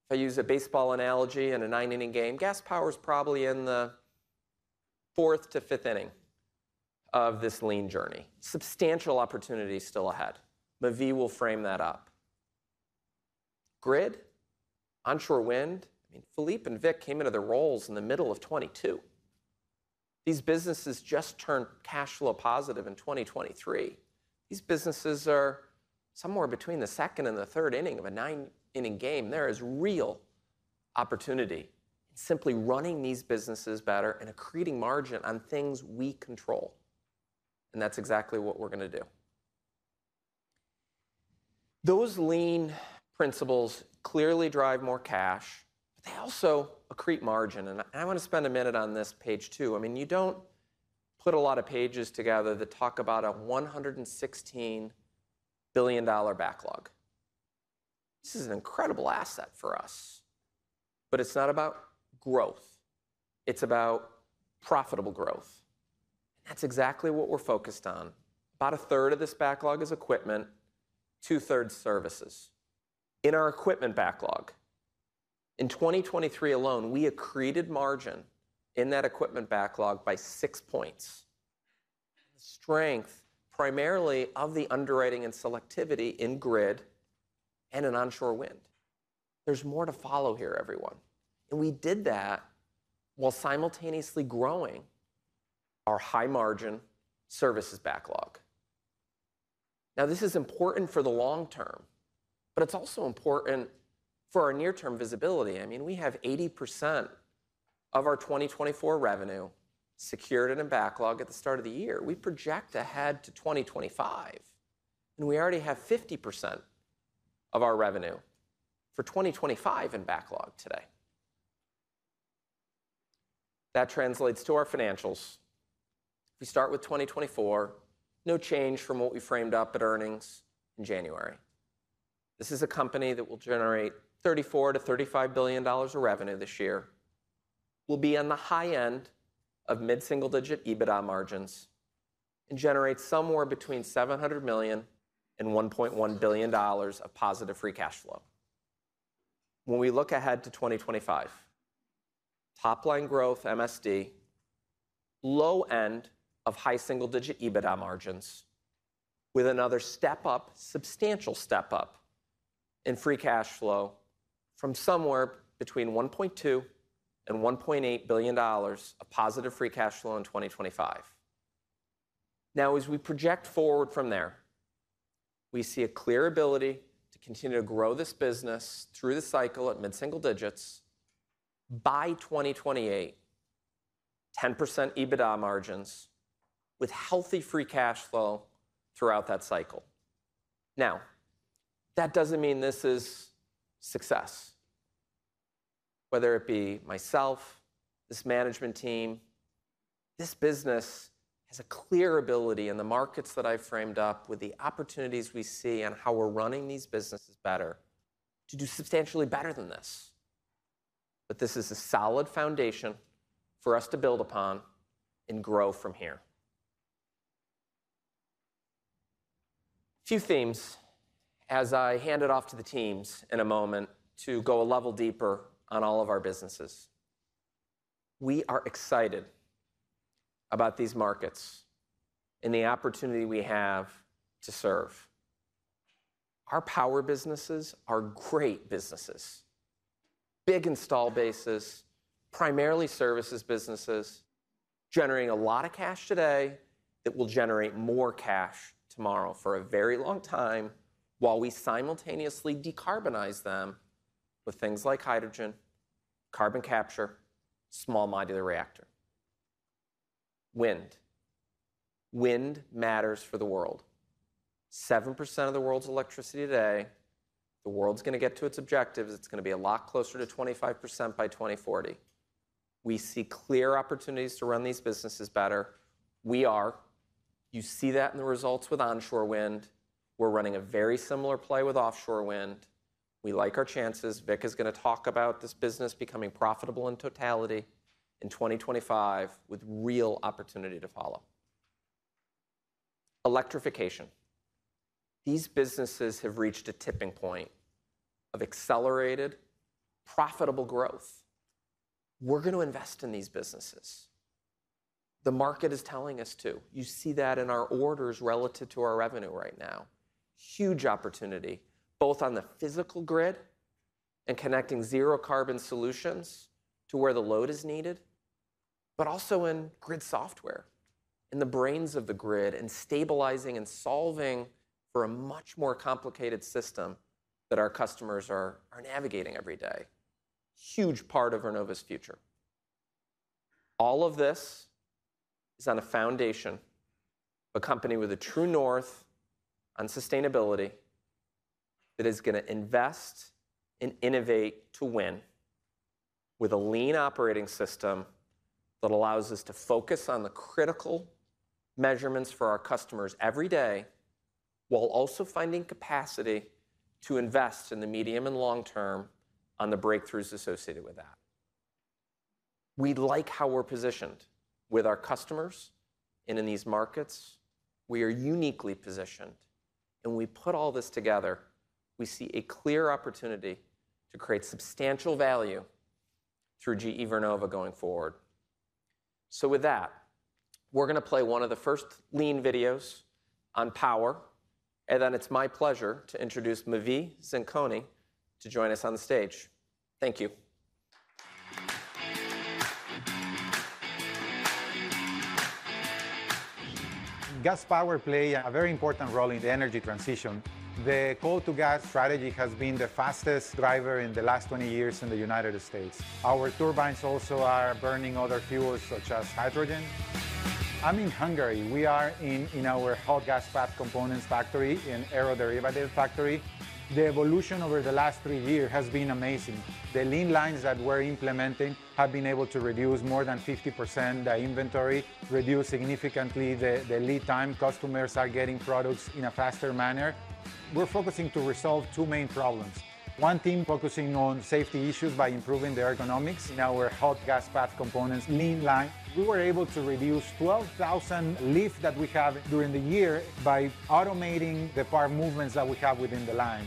if I use a baseball analogy in a nine-inning game, Gas Power is probably in the fourth to fifth inning of this lean journey. Substantial opportunity still ahead. Mavi will frame that up. Grid, Onshore Wind, I mean, Philippe and Vic came into their roles in the middle of '22. These businesses just turned cash flow positive in 2023. These businesses are somewhere between the second and the third inning of a nine-inning game. There is real opportunity in simply running these businesses better and accreting margin on things we control. That's exactly what we're going to do. Those lean principles clearly drive more cash, but they also accrete margin. I want to spend a minute on this page too. I mean, you don't put a lot of pages together that talk about a $116 billion backlog. This is an incredible asset for us. But it's not about growth. It's about profitable growth. That's exactly what we're focused on. About a third of this backlog is equipment, two-thirds services. In our equipment backlog, in 2023 alone, we accreted margin in that equipment backlog by six points. The strength primarily of the underwriting and selectivity in Grid and in Onshore Wind. There's more to follow here, everyone. We did that while simultaneously growing our high margin services backlog. Now, this is important for the long term, but it's also important for our near-term visibility. I mean, we have 80% of our 2024 revenue secured in a backlog at the start of the year. We project ahead to 2025. We already have 50% of our revenue for 2025 in backlog today. That translates to our financials. If we start with 2024, no change from what we framed up at earnings in January. This is a company that will generate $34 billion-$35 billion of revenue this year. We'll be on the high end of mid-single digit EBITDA margins and generate somewhere between $700 million and $1.1 billion of positive free cash flow. When we look ahead to 2025, top line growth MSD, low end of high single digit EBITDA margins with another step up, substantial step up in free cash flow from somewhere between $1.2 billion and $1.8 billion of positive free cash flow in 2025. Now, as we project forward from there, we see a clear ability to continue to grow this business through the cycle at mid-single digits. By 2028, 10% EBITDA margins with healthy free cash flow throughout that cycle. Now, that doesn't mean this is success. Whether it be myself, this management team, this business has a clear ability in the markets that I framed up with the opportunities we see and how we're running these businesses better to do substantially better than this. But this is a solid foundation for us to build upon and grow from here. A few themes as I hand it off to the teams in a moment to go a level deeper on all of our businesses. We are excited about these markets and the opportunity we have to serve. Our Power businesses are great businesses, big install bases, primarily services businesses, generating a lot of cash today that will generate more cash tomorrow for a very long time while we simultaneously decarbonize them with things like hydrogen, small modular reactor. wind, wind matters for the world. 7% of the world's electricity today, the world's going to get to its objectives. It's going to be a lot closer to 25% by 2040. We see clear opportunities to run these businesses better. We are. You see that in the results with Onshore Wind. We're running a very similar play with Offshore Wind. We like our chances. Vic is going to talk about this business becoming profitable in totality in 2025 with real opportunity to follow. Electrification, these businesses have reached a tipping point of accelerated profitable growth. We're going to invest in these businesses. The market is telling us to. You see that in our orders relative to our revenue right now. Huge opportunity both on the physical Grid and connecting zero carbon solutions to where the load is needed, but also in Grid software, in the brains of the Grid and stabilizing and solving for a much more complicated system that our customers are navigating every day. Huge part of Vernova's future. All of this is on a foundation, a company with a true north on sustainability that is going to invest and innovate to win with a lean operating system that allows us to focus on the critical measurements for our customers every day while also finding capacity to invest in the medium and long term on the breakthroughs associated with that. We like how we're positioned with our customers and in these markets. We are uniquely positioned. We put all this together, we see a clear opportunity to create substantial value through GE Vernova going forward. With that, we're going to play one of the first lean videos on Power. Then it's my pleasure to introduce Mavi Zingoni to join us on the stage. Thank you. Gas Power plays a very important role in the energy transition. The coal-to-gas strategy has been the fastest driver in the last 20 years in the United States. Our turbines also are burning other fuels such as hydrogen. I'm in Hungary. We are in our hot gas path components factory in aeroderivative factory. The evolution over the last three years has been amazing. The lean lines that we're implementing have been able to reduce more than 50% the inventory, reduce significantly the lead time. Customers are getting products in a faster manner. We're focusing to resolve two main problems. One team focusing on safety issues by improving the ergonomics in our hot gas path components, lean line. We were able to reduce 12,000 lift that we have during the year by automating the part movements that we have within the line.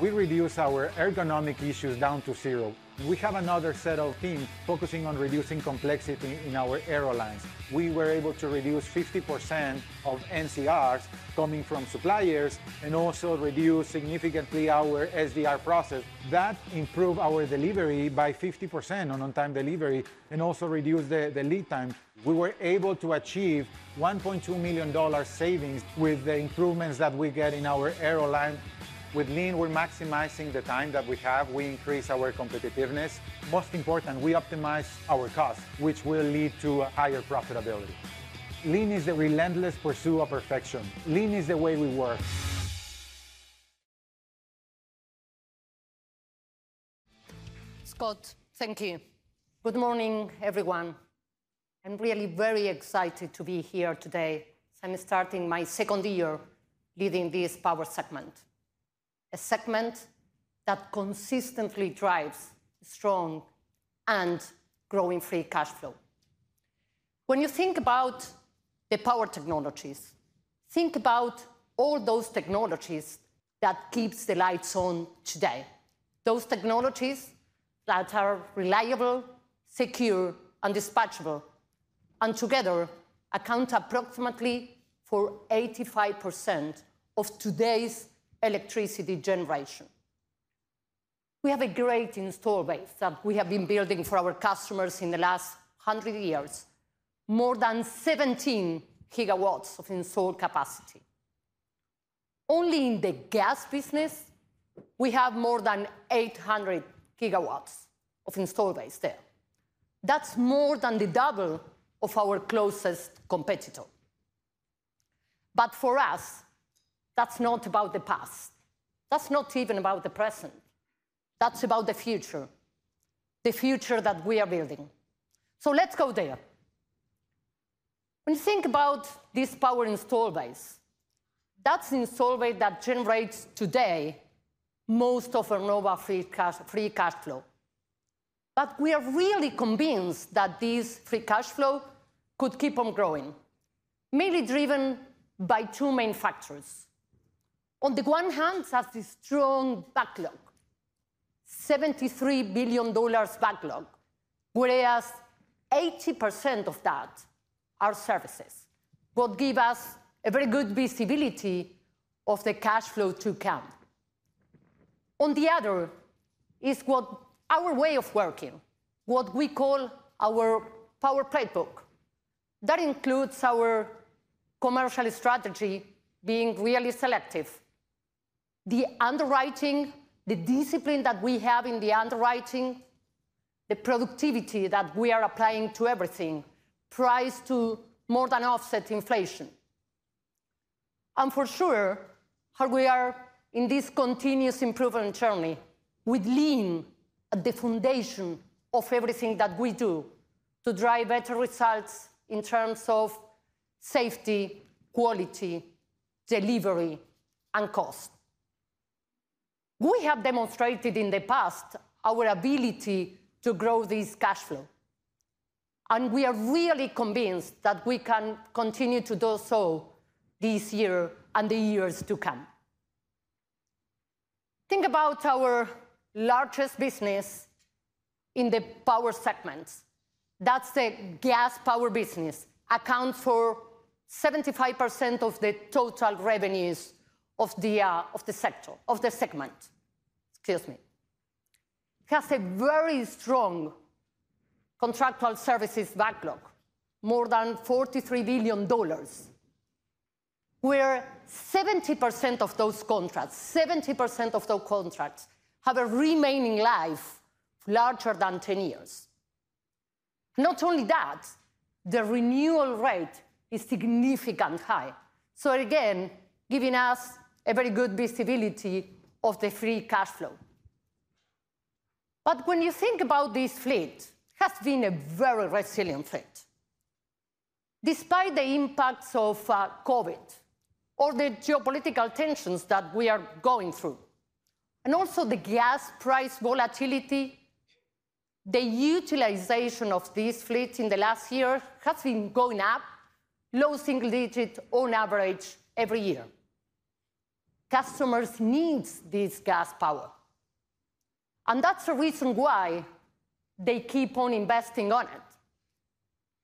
We reduce our ergonomic issues down to zero. We have another set of teams focusing on reducing complexity in our aeroderivatives. We were able to reduce 50% of NCRs coming from suppliers and also reduce significantly our SDR process. That improved our delivery by 50% on on-time delivery and also reduced the lead time. We were able to achieve $1.2 million savings with the improvements that we get in our aeroderivative. With lean, we're maximizing the time that we have. We increase our competitiveness. Most important, we optimize our costs, which will lead to higher profitability. Lean is the relentless pursuit of perfection. Lean is the way we work. Scott, thank you. Good morning, everyone. I'm really very excited to be here today as I'm starting my second year leading this Power segment, a segment that consistently drives strong and growing free cash flow. When you think about the Power technologies, think about all those technologies that keep the lights on today, those technologies that are reliable, secure, and dispatchable, and together account approximately for 85% of today's electricity generation. We have a great installed base that we have been building for our customers in the last 100 years, more than 17 GW of installed capacity. Only in the gas business, we have more than 800 GW of installed base there. That's more than the double of our closest competitor. But for us, that's not about the past. That's not even about the present. That's about the future, the future that we are building. So let's go there. When you think about this Power install base, that's the install base that generates today most of Vernova's free cash flow. But we are really convinced that this free cash flow could keep on growing, mainly driven by two main factors. On the one hand, it has this strong backlog, $73 billion backlog, whereas 80% of that are services, what gives us a very good visibility of the cash flow to come. On the other is what our way of working, what we call our Power playbook. That includes our commercial strategy being really selective, the underwriting, the discipline that we have in the underwriting, the productivity that we are applying to everything, priced to more than offset inflation. For sure, how we are in this continuous improvement journey with lean at the foundation of everything that we do to drive better results in terms of safety, quality, delivery, and cost. We have demonstrated in the past our ability to grow this cash flow. We are really convinced that we can continue to do so this year and the years to come. Think about our largest business in the Power segment. That's the Gas Power business. It accounts for 75% of the total revenues of the sector, of the segment. Excuse me. It has a very strong contractual services backlog, more than $43 billion. Where 70% of those contracts, 70% of those contracts have a remaining life larger than 10 years. Not only that, the renewal rate is significantly high. Again, giving us a very good visibility of the free cash flow. But when you think about this fleet, it has been a very resilient fleet. Despite the impacts of COVID or the geopolitical tensions that we are going through, and also the gas price volatility, the utilization of this fleet in the last year has been going up, low single digit on average every year. Customers need this Gas Power. And that's the reason why they keep on investing on it.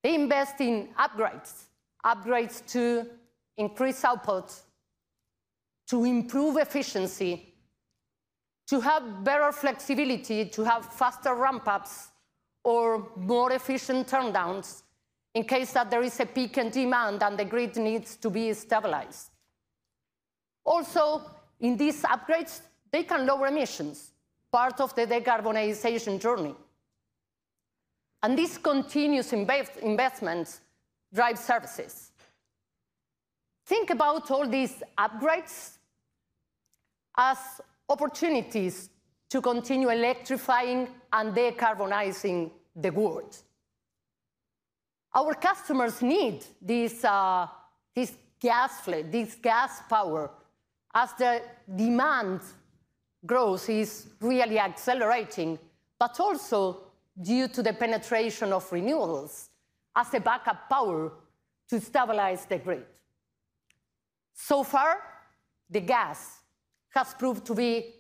They invest in upgrades, upgrades to increase outputs, to improve efficiency, to have better flexibility, to have faster ramp-ups or more efficient turndowns in case that there is a peak in demand and the Grid needs to be stabilized. Also, in these upgrades, they can lower emissions, part of the decarbonization journey. And this continuous investment drives services. Think about all these upgrades as opportunities to continue electrifying and decarbonizing the world. Our customers need this gas fleet, this Gas Power as the demand growth is really accelerating, but also due to the penetration of renewables as a backup Power to stabilize the Grid. So far, the gas has proved to be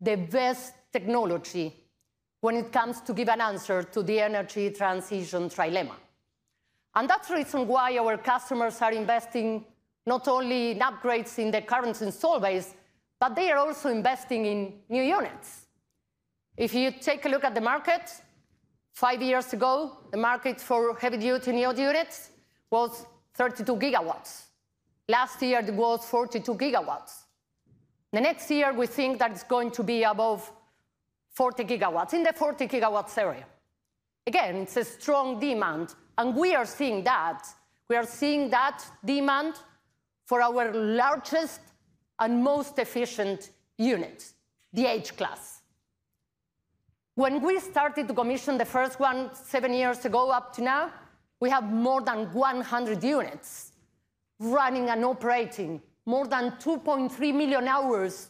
the best technology when it comes to giving an answer to the energy transition trilemma. And that's the reason why our customers are investing not only in upgrades in the current install base, but they are also investing in new units. If you take a look at the market, five years ago, the market for heavy-duty aeroderivatives was 32 GW. Last year, it was 42 GW. The next year, we think that it's going to be above 40 GW, in the 40 GW area. Again, it's a strong demand. And we are seeing that, we are seeing that demand for our largest and most efficient unit, the H-Class. When we started to commission the first one seven years ago up to now, we have more than 100 units running and operating, more than 2.3 million hours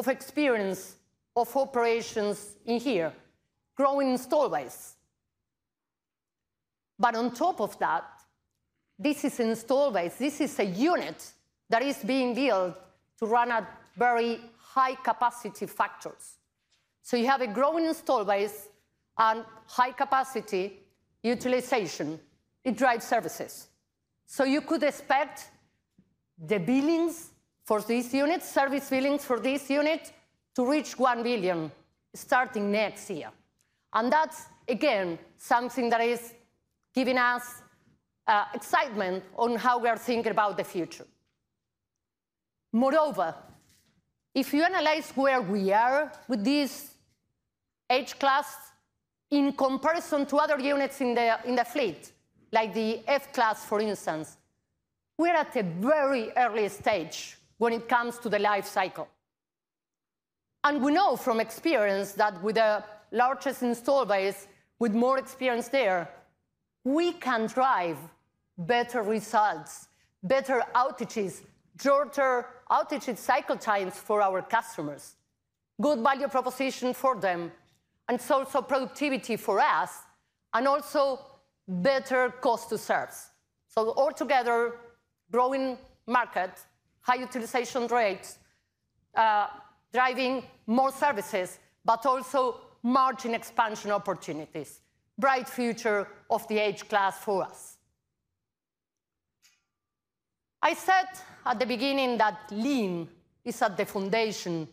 of experience of operations in here, growing installed base. But on top of that, this is installed base, this is a unit that is being built to run at very high capacity factors. So you have a growing installed base and high capacity utilization. It drives services. So you could expect the billings for this unit, service billings for this unit, to reach $1 billion starting next year. And that's, again, something that is giving us excitement on how we are thinking about the future. Moreover, if you analyze where we are with this H-Class in comparison to other units in the fleet, like the F-Class, for instance, we are at a very early stage when it comes to the life cycle. And we know from experience that with the largest install base, with more experience there, we can drive better results, better outages, shorter outage cycle times for our customers, good value proposition for them, and also productivity for us, and also better cost to service. So altogether, growing market, high utilization rates, driving more services, but also margin expansion opportunities, bright future of the H-Class for us. I said at the beginning that Lean is at the foundation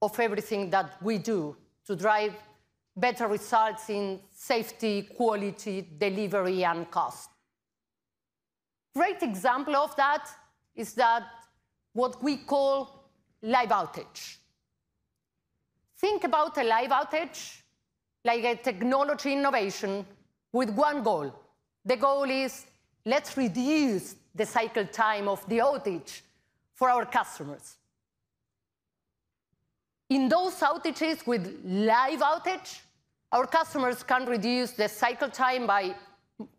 of everything that we do to drive better results in safety, quality, delivery, and cost. A great example of that is what we call Live Outage. Think about a Live Outage like a technology innovation with one goal. The goal is, let's reduce the cycle time of the outage for our customers. In those outages with Live Outage, our customers can reduce the cycle time by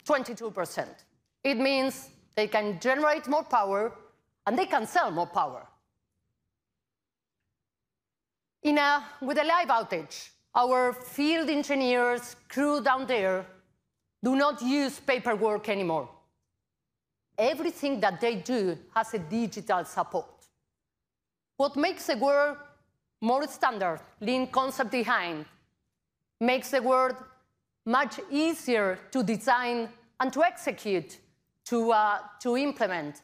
22%. It means they can generate more Power and they can sell more Power. With a Live Outage, our field engineers, crew down there, do not use paperwork anymore. Everything that they do has a digital support. What makes the world more standard, lean concept behind, makes the world much easier to design and to execute, to implement,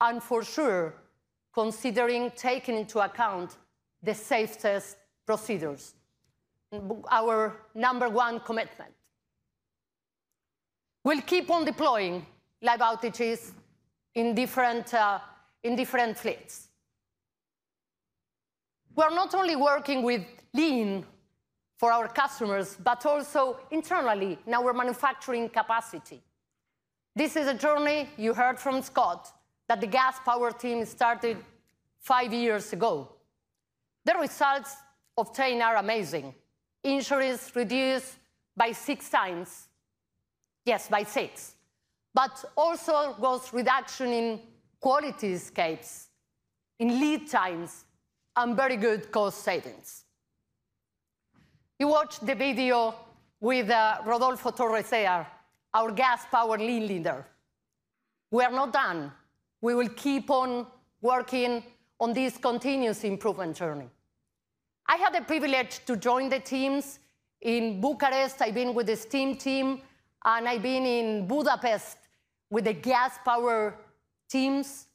and for sure, considering taking into account the safest procedures, our number one commitment. We'll keep on deploying Live Outages in different fleets. We are not only working with lean for our customers, but also internally in our manufacturing capacity. This is a journey you heard from Scott, that the Gas Power team started five years ago. The results obtained are amazing. Injuries reduced by six times, yes, by six, but also there was reduction in quality escapes, in lead times, and very good cost savings. You watched the video with Rodolfo Torres, our Gas Power lean leader. We are not done. We will keep on working on this continuous improvement journey. I had the privilege to join the teams in Bucharest. I've been with the Steam team, and I've been in Budapest with the Gas Power teams.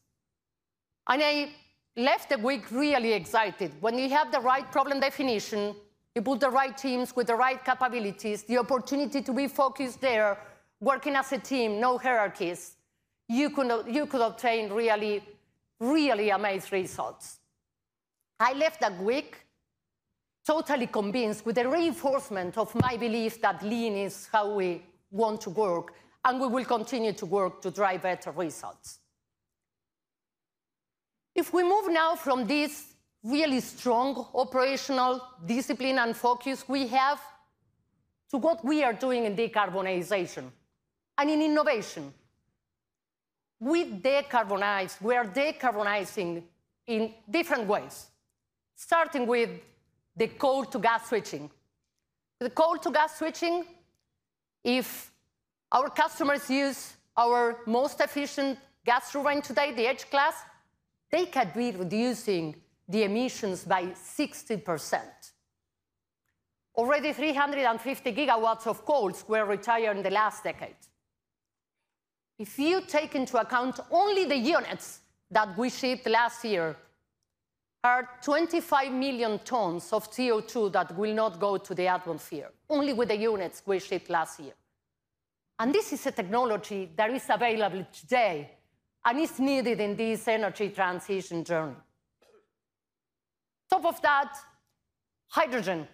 I left the week really excited. When you have the right problem definition, you put the right teams with the right capabilities, the opportunity to be focused there, working as a team, no hierarchies, you could obtain really, really amazing results. I left that week totally convinced, with the reinforcement of my belief that lean is how we want to work, and we will continue to work to drive better results. If we move now from this really strong operational discipline and focus we have to what we are doing in decarbonization and in innovation, we decarbonize, we are decarbonizing in different ways, starting with the coal-to-gas switching. With the coal-to-gas switching, if our customers use our most efficient gas turbine today, the H-Class, they could be reducing the emissions by 60%. Already 350 GW of coal were retired in the last decade. If you take into account only the units that we shipped last year, there are 25 million tons of CO2 that will not go to the atmosphere, only with the units we shipped last year. And this is a technology that is available today and is needed in this energy transition journey. On top of that, hydrogen,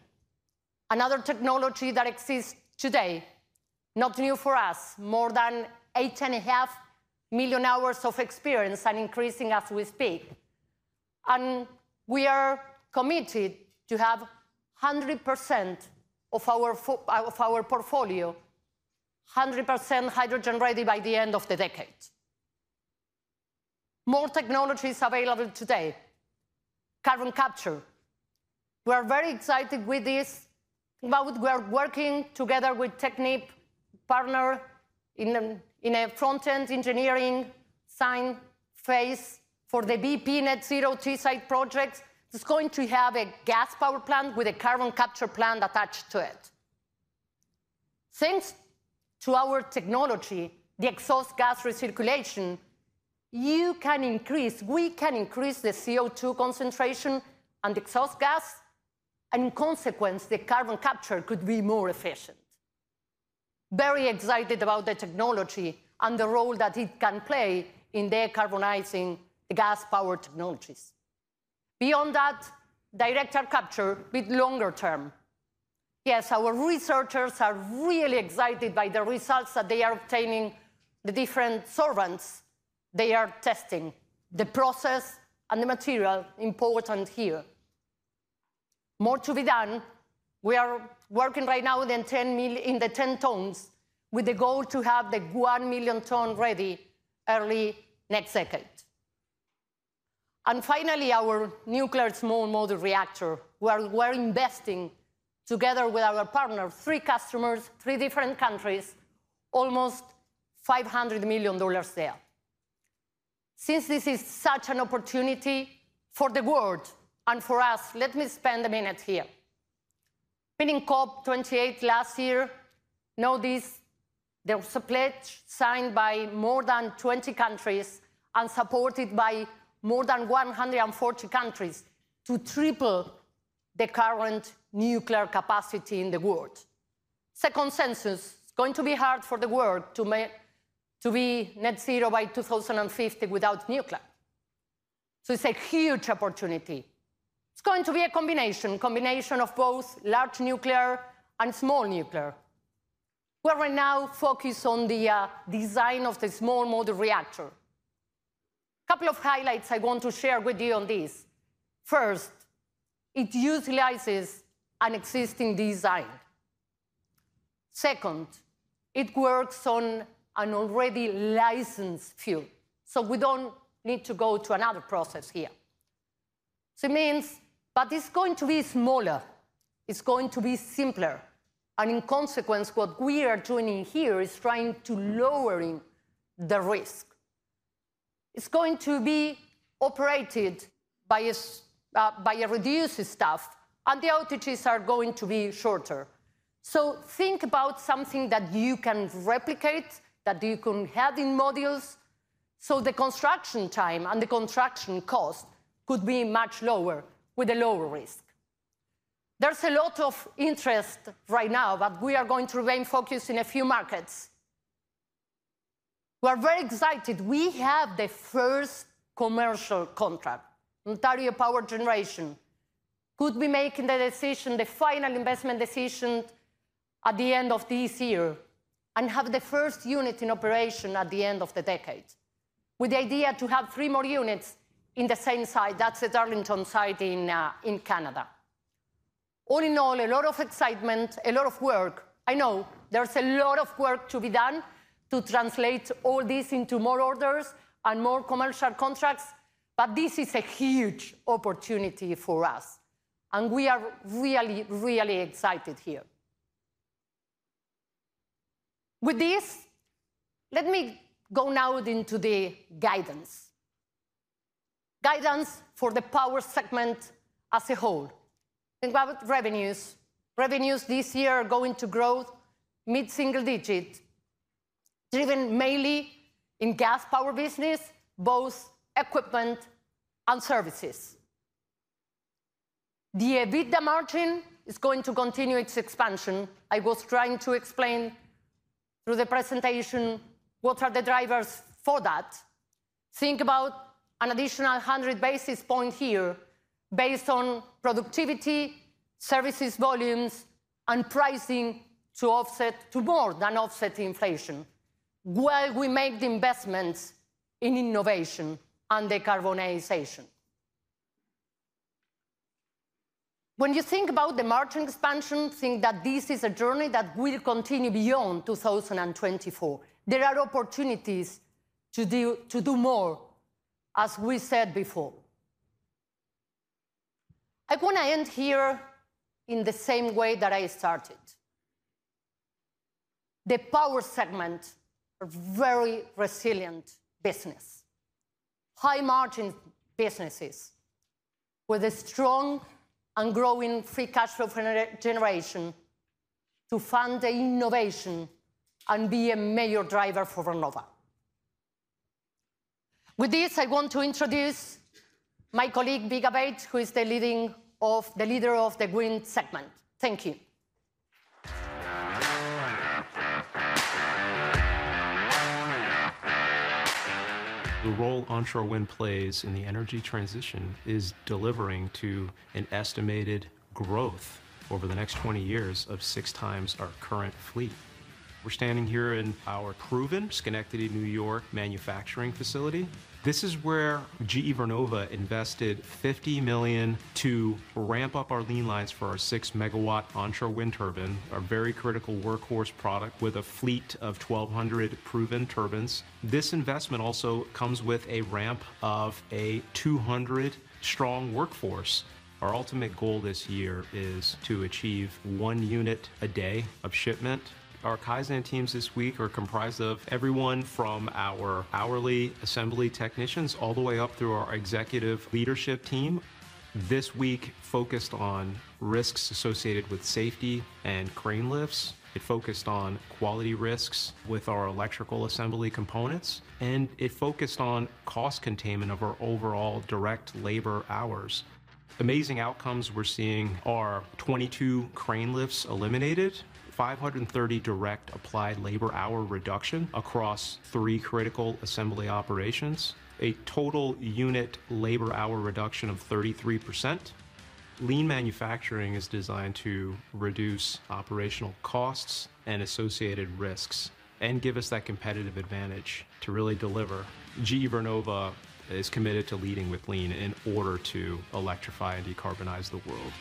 another technology that exists today, not new for us, more than 8.5 million hours of experience and increasing as we speak. We are committed to have 100% of our portfolio, 100% hydrogen ready by the end of the decade. More technology is available today, carbon capture. We are very excited with this. We are working together with Technip, a partner in a front-end engineering side phase for the BP Net Zero Teesside project that's going to have a Gas Power plant with a carbon capture plant attached to it. Thanks to our technology, the exhaust gas recirculation, you can increase, we can increase the CO2 concentration and exhaust gas, and in consequence, the carbon capture could be more efficient. Very excited about the technology and the role that it can play in decarbonizing the Gas Power technologies. Beyond that, direct air capture with longer term. Yes, our researchers are really excited by the results that they are obtaining, the different solvents they are testing, the process and the material important here. More to be done. We are working right now on the 10 tons with the goal to have the 1 million ton ready early next decade. And finally, small modular reactor, we are investing together with our partner, three customers, three different countries, almost $500 million there. Since this is such an opportunity for the world and for us, let me spend a minute here. Being in COP28 last year, notice, there was a pledge signed by more than 20 countries and supported by more than 140 countries to triple the current Nuclear capacity in the world. It's a consensus. It's going to be hard for the world to be net zero by 2050 without Nuclear. So it's a huge opportunity. It's going to be a combination, combination of both large Nuclear and small Nuclear. We are right now focused on the design small modular reactor. a couple of highlights I want to share with you on this. First, it utilizes an existing design. Second, it works on an already licensed fuel, so we don't need to go to another process here. So it means, but it's going to be smaller, it's going to be simpler, and in consequence, what we are doing here is trying to lower the risk. It's going to be operated by a reduced staff, and the outages are going to be shorter. So think about something that you can replicate, that you can have in models, so the construction time and the construction cost could be much lower with a lower risk. There's a lot of interest right now, but we are going to remain focused in a few markets. We are very excited. We have the first commercial contract, Ontario Power Generation, could be making the decision, the final investment decision at the end of this year, and have the first unit in operation at the end of the decade, with the idea to have three more units in the same site, that's the Darlington site in Canada. All in all, a lot of excitement, a lot of work. I know there's a lot of work to be done to translate all this into more orders and more commercial contracts, but this is a huge opportunity for us, and we are really, really excited here. With this, let me go now into the guidance, guidance for the Power segment as a whole. Think about revenues. Revenues this year are going to grow mid-single-digit, driven mainly in the Gas Power business, both equipment and services. The EBITDA margin is going to continue its expansion. I was trying to explain through the presentation what are the drivers for that. Think about an additional 100 basis points here based on productivity, services volumes, and pricing to offset to more than offset inflation, while we make the investments in innovation and decarbonization. When you think about the margin expansion, think that this is a journey that will continue beyond 2024. There are opportunities to do more, as we said before. I want to end here in the same way that I started. The Power segment is a very resilient business, high-margin businesses, with a strong and growing free cash flow generation to fund the innovation and be a major driver for Vernova. With this, I want to introduce my colleague Vic Abate, who is the leader of the green segment. Thank you. The role Onshore Wind plays in the energy transition is delivering to an estimated growth over the next 20 years of 6x our current fleet. We're standing here in our proven Schenectady, New York, manufacturing facility. This is where GE Vernova invested $50 million to ramp up our lean lines for our 6 MW Onshore Wind turbine, our very critical workhorse product with a fleet of 1,200 proven turbines. This investment also comes with a ramp of a 200-strong workforce. Our ultimate goal this year is to achieve 1 unit a day of shipment. Our Kaizen teams this week are comprised of everyone from our hourly assembly technicians all the way up through our executive leadership team. This week focused on risks associated with safety and crane lifts. It focused on quality risks with our electrical assembly components, and it focused on cost containment of our overall direct labor hours. Amazing outcomes we're seeing are 22 crane lifts eliminated, 530 direct applied labor hour reduction across three critical assembly operations, a total unit labor hour reduction of 33%. Lean manufacturing is designed to reduce operational costs and associated risks and give us that competitive advantage to really deliver. GE Vernova is committed to leading with lean in order to electrify and decarbonize the world.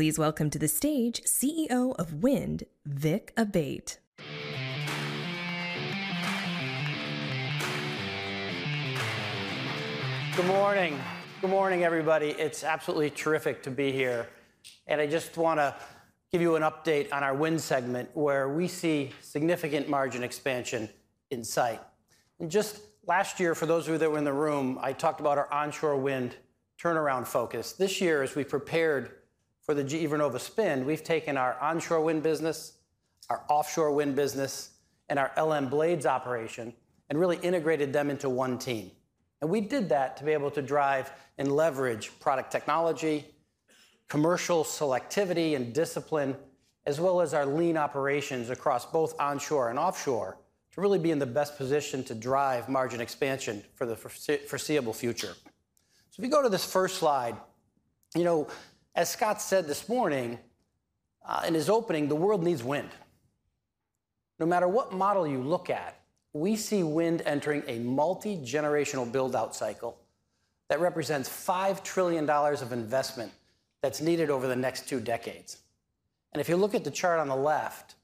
Please welcome to the stage CEO of Wind, Vic Abate. Good morning. Good morning, everybody. It's absolutely terrific to be here. I just want to give you an update on our Wind segment where we see significant margin expansion in sight. Just last year, for those of you that were in the room, I talked about our Onshore Wind turnaround focus. This year, as we prepared for the GE Vernova spin, we've taken our Onshore Wind business, our Offshore Wind business, and our LM Blades operation, and really integrated them into one team. We did that to be able to drive and leverage product technology, commercial selectivity and discipline, as well as our lean operations across both onshore and offshore to really be in the best position to drive margin expansion for the foreseeable future. If you go to this first slide, you know as Scott said this morning in his opening, the world needs Wind. No matter what model you look at, we see Wind entering a multi-generational build-out cycle that represents $5 trillion of investment that's needed over the next two decades. And if you look at the chart on the left,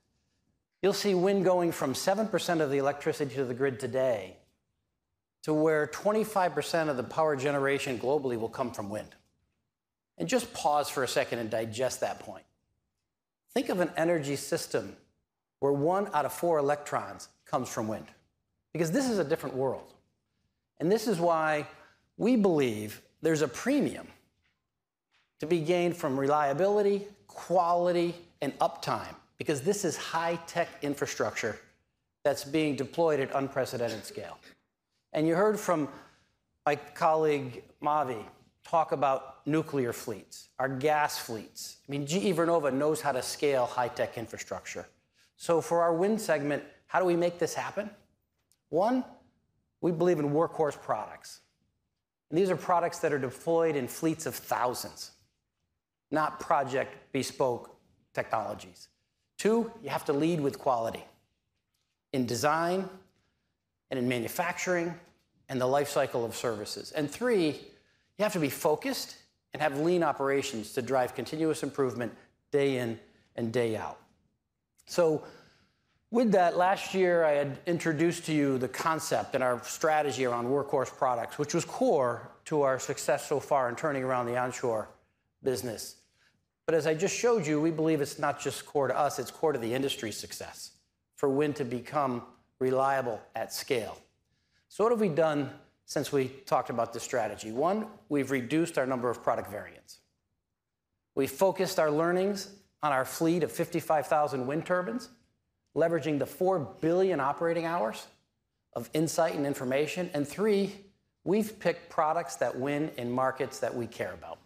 you'll see Wind going from 7% of the electricity to the Grid today to where 25% of the Power generation globally will come from Wind. And just pause for a second and digest that point. Think of an energy system where one out of four electrons comes from Wind, because this is a different world. And this is why we believe there's a premium to be gained from reliability, quality, and uptime, because this is high-tech infrastructure that's being deployed at unprecedented scale. And you heard from my colleague Mavi talk about Nuclear fleets, our gas fleets. I mean, GE Vernova knows how to scale high-tech infrastructure. So for our Wind segment, how do we make this happen? One, we believe in workhorse products. These are products that are deployed in fleets of thousands, not project bespoke technologies. Two, you have to lead with quality in design and in manufacturing and the lifecycle of services. Three, you have to be focused and have lean operations to drive continuous improvement day in and day out. So with that, last year I had introduced to you the concept and our strategy around workhorse products, which was core to our success so far in turning around the onshore business. But as I just showed you, we believe it's not just core to us, it's core to the industry's success for Wind to become reliable at scale. So what have we done since we talked about this strategy? One, we've reduced our number of product variants. We've focused our learnings on our fleet of 55,000 Wind turbines, leveraging the 4 billion operating hours of insight and information. And three, we've picked products that win in markets that we care about.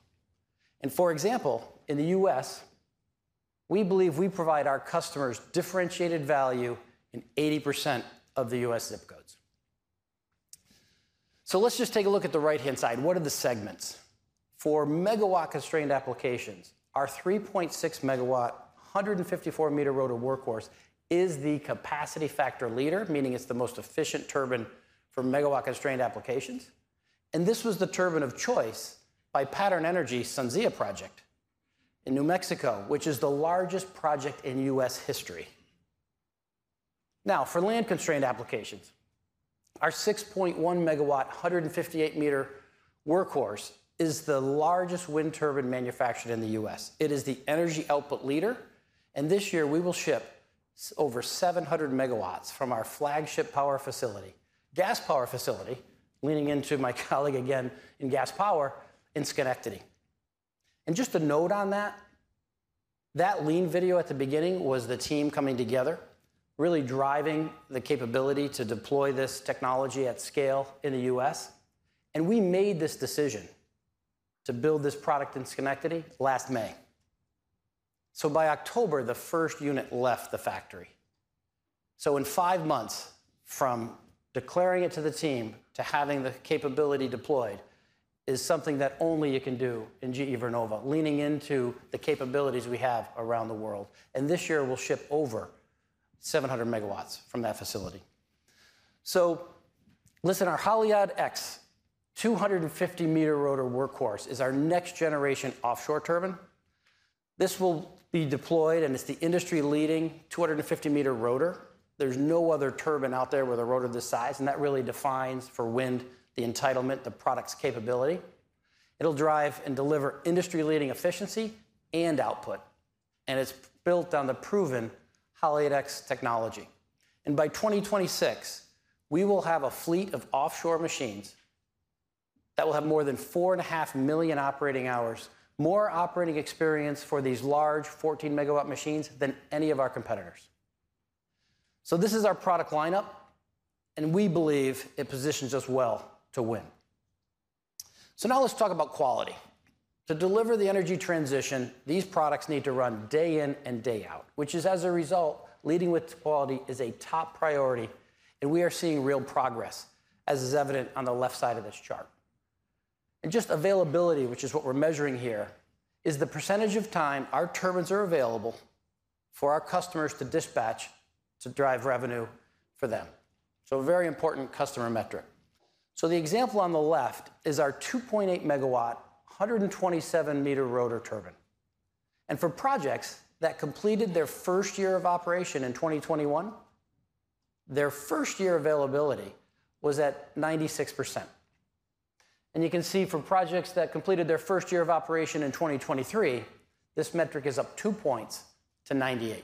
For example, in the U.S., we believe we provide our customers differentiated value in 80% of the U.S. zip codes. So let's just take a look at the right-hand side. What are the segments? For MW-constrained applications, our 3.6 MW-154m workhorse is the capacity factor leader, meaning it's the most efficient turbine for MW-constrained applications. And this was the turbine of choice by Pattern Energy's SunZia project in New Mexico, which is the largest project in U.S. history. Now, for land-constrained applications, our 6.1 MW-158m workhorse is the largest Wind turbine manufactured in the U.S. It is the energy output leader. This year we will ship over 700 MW from our flagship Power facility, Gas Power facility, leaning into my colleague again in Gas Power in Schenectady. Just a note on that, that Lean video at the beginning was the team coming together, really driving the capability to deploy this technology at scale in the U.S. We made this decision to build this product in Schenectady last May. By October, the first unit left the factory. In five months from declaring it to the team to having the capability deployed is something that only you can do in GE Vernova, leaning into the capabilities we have around the world. This year we'll ship over 700 MW from that facility. Listen, our Haliade-X 250-m rotor workhorse is our next-generation offshore turbine. This will be deployed, and it's the industry-leading 250-m rotor. There's no other turbine out there with a rotor this size, and that really defines for Wind the entitlement, the product's capability. It'll drive and deliver industry-leading efficiency and output. It's built on the proven Haliade-X technology. By 2026, we will have a fleet of offshore machines that will have more than 4.5 million operating hours, more operating experience for these large 14 MW machines than any of our competitors. This is our product lineup, and we believe it positions us well to win. Now let's talk about quality. To deliver the energy transition, these products need to run day in and day out, which is, as a result, leading with quality is a top priority. We are seeing real progress, as is evident on the left side of this chart. Just availability, which is what we're measuring here, is the percentage of time our turbines are available for our customers to dispatch to drive revenue for them. A very important customer metric. The example on the left is our 2.8 MW, 127 m rotor turbine. For projects that completed their first year of operation in 2021, their first year availability was at 96%. You can see for projects that completed their first year of operation in 2023, this metric is up two points to 98%.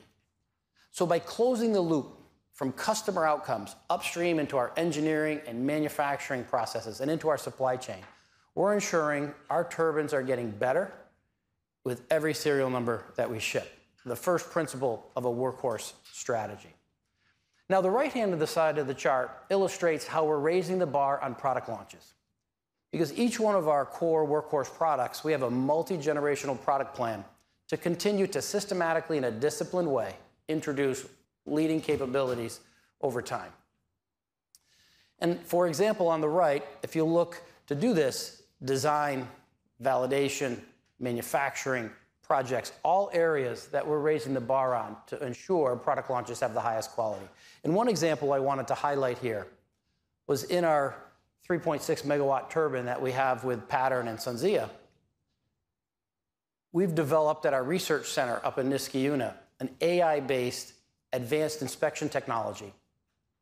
By closing the loop from customer outcomes upstream into our engineering and manufacturing processes and into our supply chain, we're ensuring our turbines are getting better with every serial number that we ship, the first principle of a workhorse strategy. Now, the right-hand side of the chart illustrates how we're raising the bar on product launches, because each one of our core workhorse products, we have a multi-generational product plan to continue to systematically, in a disciplined way, introduce leading capabilities over time. For example, on the right, if you look to do this, design, validation, manufacturing, projects, all areas that we're raising the bar on to ensure product launches have the highest quality. One example I wanted to highlight here was in our 3.6-MW turbine that we have with Pattern Energy and SunZia. We've developed at our research center up in Niskayuna an AI-based advanced inspection technology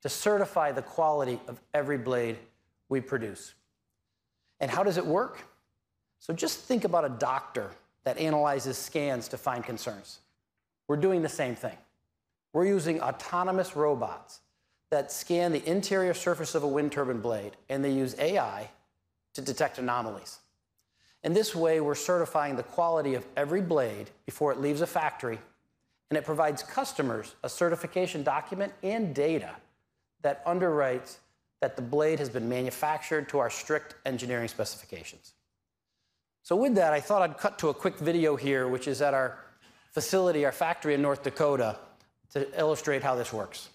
to certify the quality of every blade we produce. And how does it work? So just think about a doctor that analyzes scans to find concerns. We're doing the same thing. We're using autonomous robots that scan the interior surface of a Wind turbine blade, and they use AI to detect anomalies. This way, we're certifying the quality of every blade before it leaves a factory, and it provides customers a certification document and data that underwrites that the blade has been manufactured to our strict engineering specifications. With that, I thought I'd cut to a quick video here, which is at our facility, our factory in North Dakota, to illustrate how this works.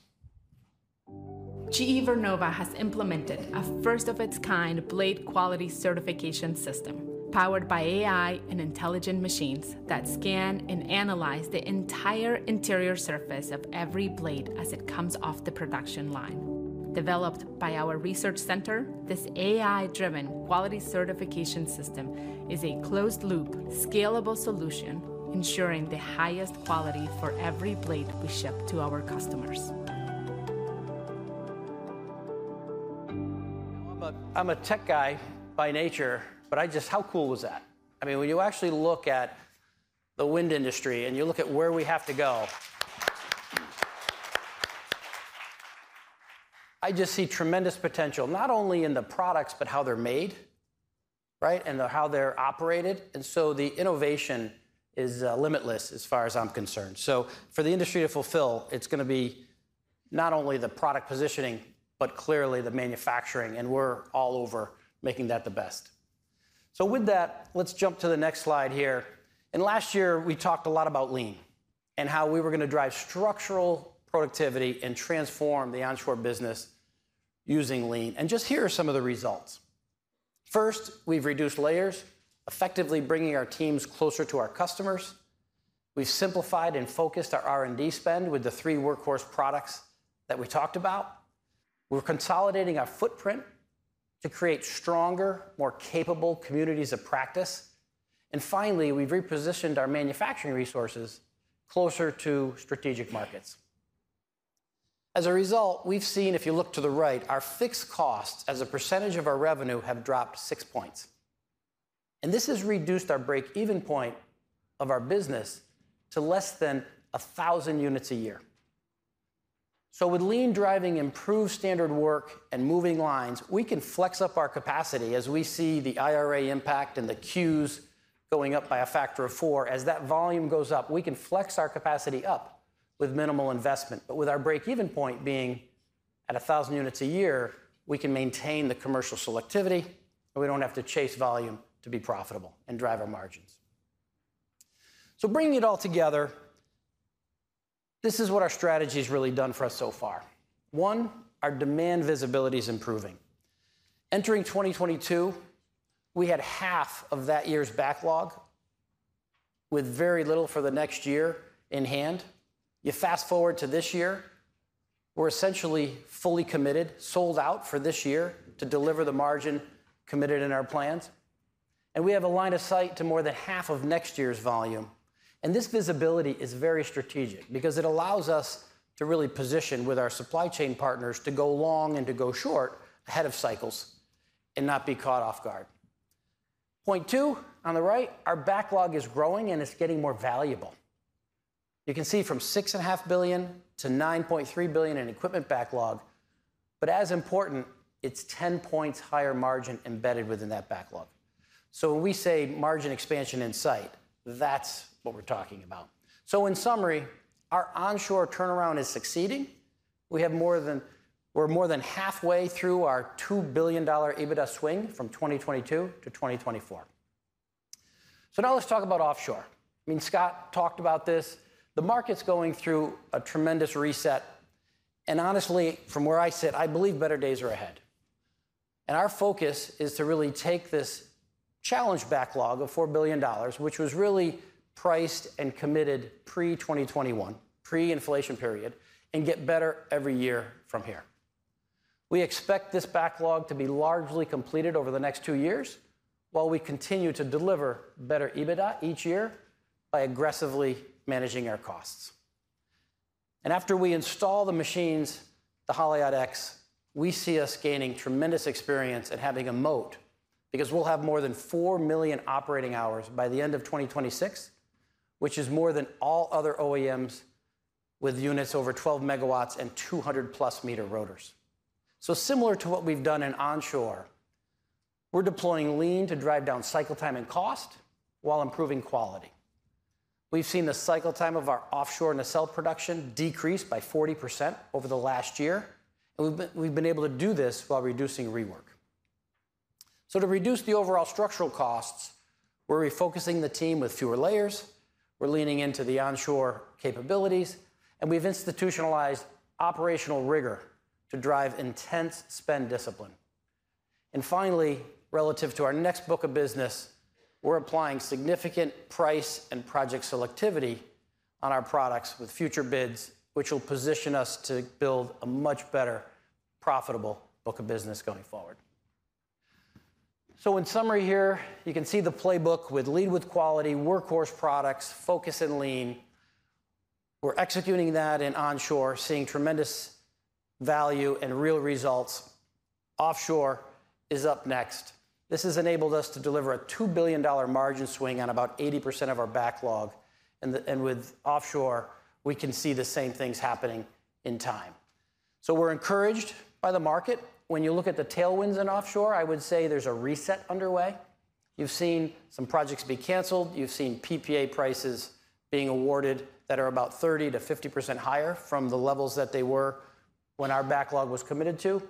GE Vernova has implemented a first-of-its-kind blade quality certification system Powered by AI and intelligent machines that scan and analyze the entire interior surface of every blade as it comes off the production line. Developed by our research center, this AI-driven quality certification system is a closed-loop, scalable solution ensuring the highest quality for every blade we ship to our customers. I'm a tech guy by nature, but just how cool was that? I mean, when you actually look at the Wind industry and you look at where we have to go, I just see tremendous potential not only in the products, but how they're made and how they're operated. And so the innovation is limitless as far as I'm concerned. So for the industry to fulfill, it's going to be not only the product positioning, but clearly the manufacturing. And we're all over making that the best. So with that, let's jump to the next slide here. And last year we talked a lot about lean and how we were going to drive structural productivity and transform the onshore business using lean. And just here are some of the results. First, we've reduced layers, effectively bringing our teams closer to our customers. We've simplified and focused our R&D spend with the three workhorse products that we talked about. We're consolidating our footprint to create stronger, more capable communities of practice. And finally, we've repositioned our manufacturing resources closer to strategic markets. As a result, we've seen, if you look to the right, our fixed costs as a percentage of our revenue have dropped six points. And this has reduced our break-even point of our business to less than 1,000 units a year. So with lean driving improved standard work and moving lines, we can flex up our capacity as we see the IRA impact and the queues going up by a factor of four. As that volume goes up, we can flex our capacity up with minimal investment. But with our break-even point being at 1,000 units a year, we can maintain the commercial selectivity, and we don't have to chase volume to be profitable and drive our margins. So bringing it all together, this is what our strategy has really done for us so far. One, our demand visibility is improving. Entering 2022, we had half of that year's backlog with very little for the next year in hand. You fast forward to this year, we're essentially fully committed, sold out for this year to deliver the margin committed in our plans. And we have a line of sight to more than half of next year's volume. And this visibility is very strategic because it allows us to really position with our supply chain partners to go long and to go short ahead of cycles and not be caught off guard. Point two, on the right, our backlog is growing, and it's getting more valuable. You can see from $6.5 billion-$9.3 billion in equipment backlog, but as important, it's 10 points higher margin embedded within that backlog. So when we say margin expansion in sight, that's what we're talking about. So in summary, our onshore turnaround is succeeding. We are more than halfway through our $2 billion EBITDA swing from 2022 to 2024. So now let's talk about offshore. I mean, Scott talked about this. The market's going through a tremendous reset. And honestly, from where I sit, I believe better days are ahead. And our focus is to really take this challenge backlog of $4 billion, which was really priced and committed pre-2021, pre-inflation period, and get better every year from here. We expect this backlog to be largely completed over the next two years while we continue to deliver better EBITDA each year by aggressively managing our costs. And after we install the machines, the Haliade-X, we see us gaining tremendous experience and having a moat because we'll have more than four million operating hours by the end of 2026, which is more than all other OEMs with units over 12 MW and 200+-meter rotors. So similar to what we've done in onshore, we're deploying lean to drive down cycle time and cost while improving quality. We've seen the cycle time of our offshore nacelle production decrease by 40% over the last year. And we've been able to do this while reducing rework. So to reduce the overall structural costs, we're refocusing the team with fewer layers. We're leaning into the onshore capabilities, and we've institutionalized operational rigor to drive intense spend discipline. And finally, relative to our next book of business, we're applying significant price and project selectivity on our products with future bids, which will position us to build a much better, profitable book of business going forward. So in summary here, you can see the playbook with lead with quality, workhorse products, focus in lean. We're executing that in onshore, seeing tremendous value and real results. Offshore is up next. This has enabled us to deliver a $2 billion margin swing on about 80% of our backlog. And with offshore, we can see the same things happening in time. So we're encouraged by the market. When you look at the tailwinds in offshore, I would say there's a reset underway. You've seen some projects be canceled. You've seen PPA prices being awarded that are about 30%-50% higher from the levels that they were when our backlog was committed to.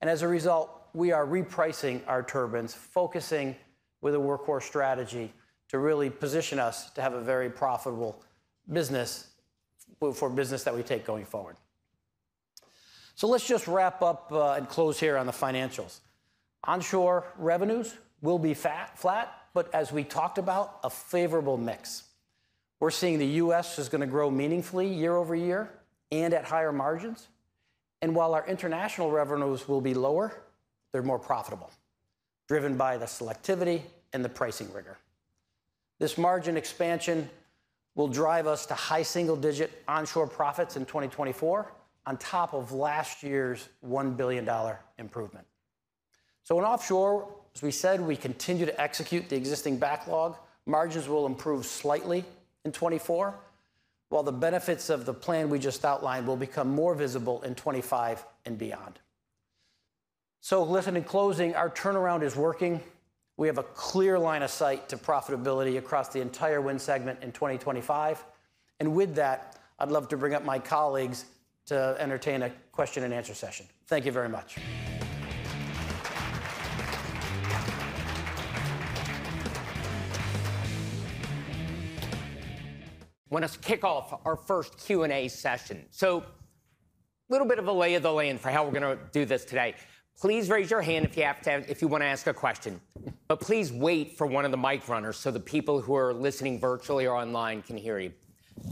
And as a result, we are repricing our turbines, focusing with a workhorse strategy to really position us to have a very profitable business for business that we take going forward. So let's just wrap up and close here on the financials. Onshore revenues will be flat, but as we talked about, a favorable mix. We're seeing the US is going to grow meaningfully year-over-year and at higher margins. And while our international revenues will be lower, they're more profitable, driven by the selectivity and the pricing rigor. This margin expansion will drive us to high single-digit onshore profits in 2024 on top of last year's $1 billion improvement. So in offshore, as we said, we continue to execute the existing backlog. Margins will improve slightly in 2024, while the benefits of the plan we just outlined will become more visible in 2025 and beyond. So listen, in closing, our turnaround is working. We have a clear line of sight to profitability across the entire Wind segment in 2025. And with that, I'd love to bring up my colleagues to entertain a question-and-answer session. Thank you very much. I want us to kick off our first Q&A session. So a little bit of a lay of the land for how we're going to do this today. Please raise your hand if you have to if you want to ask a question, but please wait for one of the mic runners so the people who are listening virtually or online can hear you.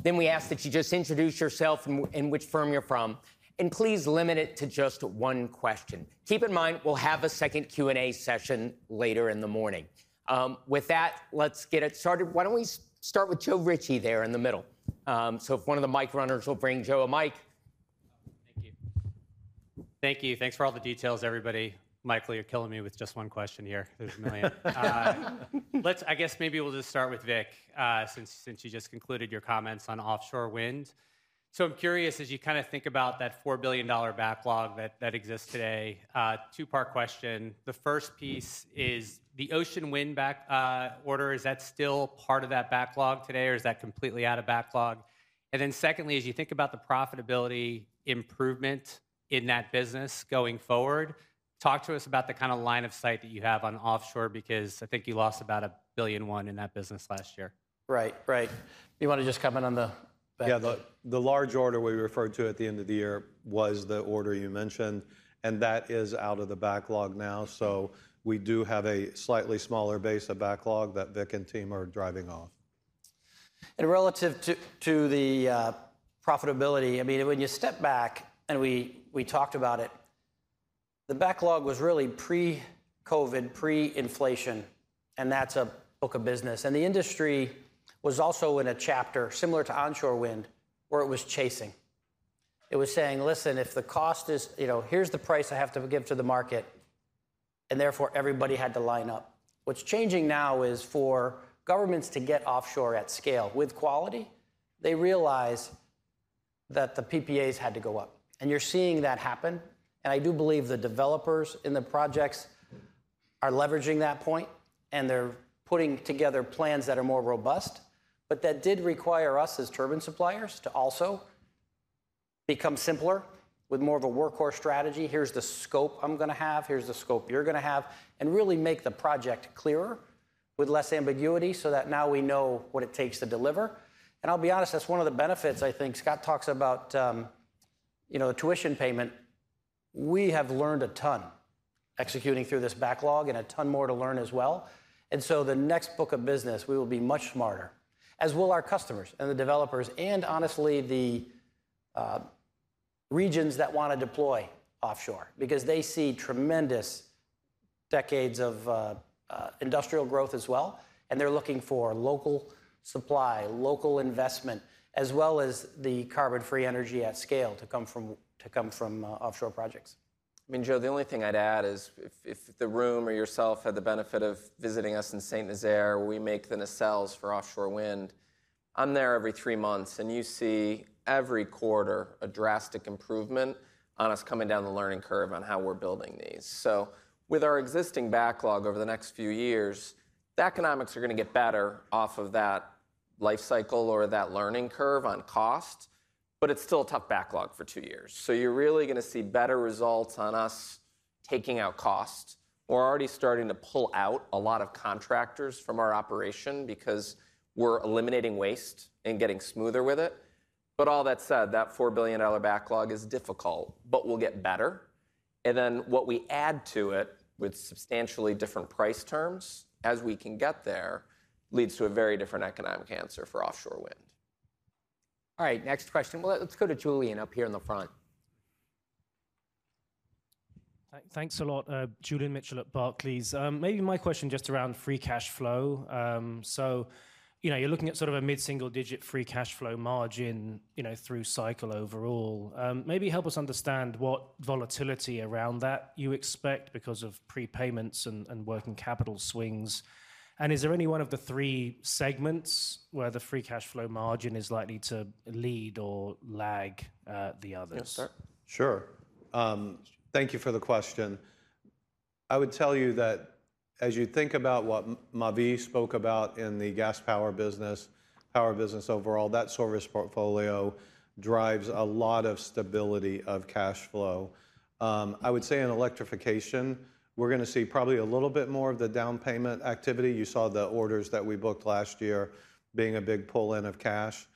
Then we ask that you just introduce yourself and which firm you're from, and please limit it to just one question. Keep in mind, we'll have a second Q&A session later in the morning. With that, let's get it started. Why don't we start with Joe Ritchie there in the middle? So if one of the mic runners will bring Joe a mic. Thank you. Thank you. Thanks for all the details, everybody. Michael, you're killing me with just one question here. There's a million. I guess maybe we'll just start with Vic since you just concluded your comments on Offshore Wind. So I'm curious, as you kind of think about that $4 billion backlog that exists today, two-part question. The first piece is the Ocean Wind order, is that still part of that backlog today, or is that completely out of backlog? And then secondly, as you think about the profitability improvement in that business going forward, talk to us about the kind of line of sight that you have on offshore because I think you lost about $1 billion in that business last year. Right. Right. You want to just comment on the backlog? Yeah. The large order we referred to at the end of the year was the order you mentioned, and that is out of the backlog now. So we do have a slightly smaller base of backlog that Vic and team are driving off. Relative to the profitability, I mean, when you step back and we talked about it, the backlog was really pre-COVID, pre-inflation, and that's a book of business. The industry was also in a chapter, similar to Onshore Wind, where it was chasing. It was saying, listen, if the cost is here's the price I have to give to the market, and therefore everybody had to line up. What's changing now is for governments to get offshore at scale with quality, they realize that the PPAs had to go up. You're seeing that happen. I do believe the developers in the projects are leveraging that point, and they're putting together plans that are more robust. But that did require us as turbine suppliers to also become simpler with more of a workhorse strategy. Here's the scope I'm going to have. Here's the scope you're going to have, and really make the project clearer with less ambiguity so that now we know what it takes to deliver. And I'll be honest, that's one of the benefits I think Scott talks about, the tuition payment. We have learned a ton executing through this backlog and a ton more to learn as well. And so the next book of business, we will be much smarter, as will our customers and the developers and honestly the regions that want to deploy offshore because they see tremendous decades of industrial growth as well. And they're looking for local supply, local investment, as well as the carbon-free energy at scale to come from offshore projects. I mean, Joe, the only thing I'd add is if the room or yourself had the benefit of visiting us in Saint-Nazaire, where we make the nacelles for Offshore Wind, I'm there every three months, and you see every quarter a drastic improvement on us coming down the learning curve on how we're building these. So with our existing backlog over the next few years, the economics are going to get better off of that life cycle or that learning curve on cost, but it's still a tough backlog for two years. So you're really going to see better results on us taking out cost. We're already starting to pull out a lot of contractors from our operation because we're eliminating waste and getting smoother with it. But all that said, that $4 billion backlog is difficult, but we'll get better. And then what we add to it with substantially different price terms as we can get there leads to a very different economic answer for Offshore Wind. All right. Next question. Well, let's go to Julian up here in the front. Thanks a lot, Julian Mitchell at Barclays. Maybe my question just around free cash flow. So you're looking at sort of a mid-single digit free cash flow margin through cycle overall. Maybe help us understand what volatility around that you expect because of prepayments and working capital swings. And is there any one of the three segments where the free cash flow margin is likely to lead or lag the others? Sure. Thank you for the question. I would tell you that as you think about what Mavi spoke about in the Gas Power business, Power business overall, that service portfolio drives a lot of stability of cash flow. I would say in Electrification, we're going to see probably a little bit more of the down payment activity. You saw the orders that we booked last year being a big pull-in of cash.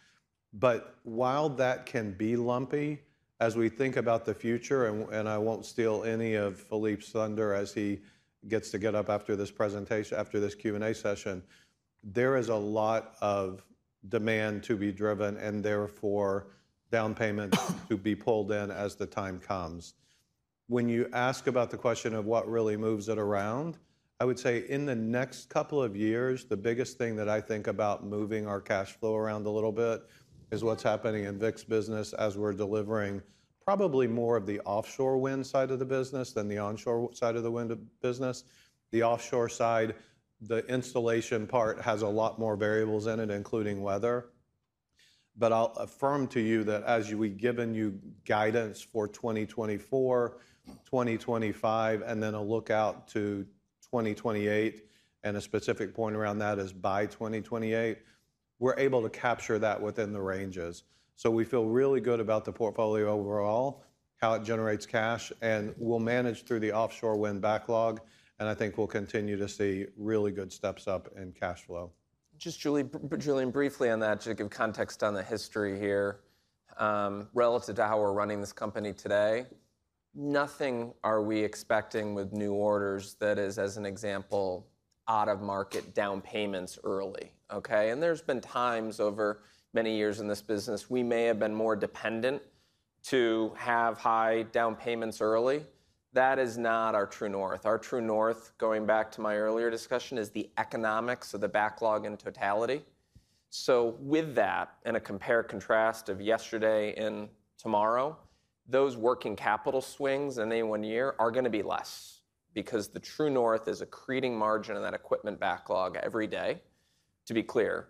But while that can be lumpy as we think about the future, and I won't steal any of Philippe's thunder as he gets to get up after this Q&A session, there is a lot of demand to be driven and therefore down payment to be pulled in as the time comes. When you ask about the question of what really moves it around, I would say in the next couple of years, the biggest thing that I think about moving our cash flow around a little bit is what's happening in Vic's business as we're delivering probably more of the Offshore Wind side of the business than the onshore side of the Wind business. The offshore side, the installation part has a lot more variables in it, including weather. But I'll affirm to you that as we've given you guidance for 2024, 2025, and then a lookout to 2028, and a specific point around that is by 2028, we're able to capture that within the ranges. So we feel really good about the portfolio overall, how it generates cash, and we'll manage through the Offshore Wind backlog. And I think we'll continue to see really good steps up in cash flow. Just Julian, briefly on that, to give context on the history here relative to how we're running this company today, nothing are we expecting with new orders that is, as an example, out of market down payments early, okay? There's been times over many years in this business we may have been more dependent to have high down payments early. That is not our true north. Our true north, going back to my earlier discussion, is the economics of the backlog in totality. So with that and a compare-contrast of yesterday and tomorrow, those working capital swings in any one year are going to be less because the true north is a creating margin in that equipment backlog every day, to be clear.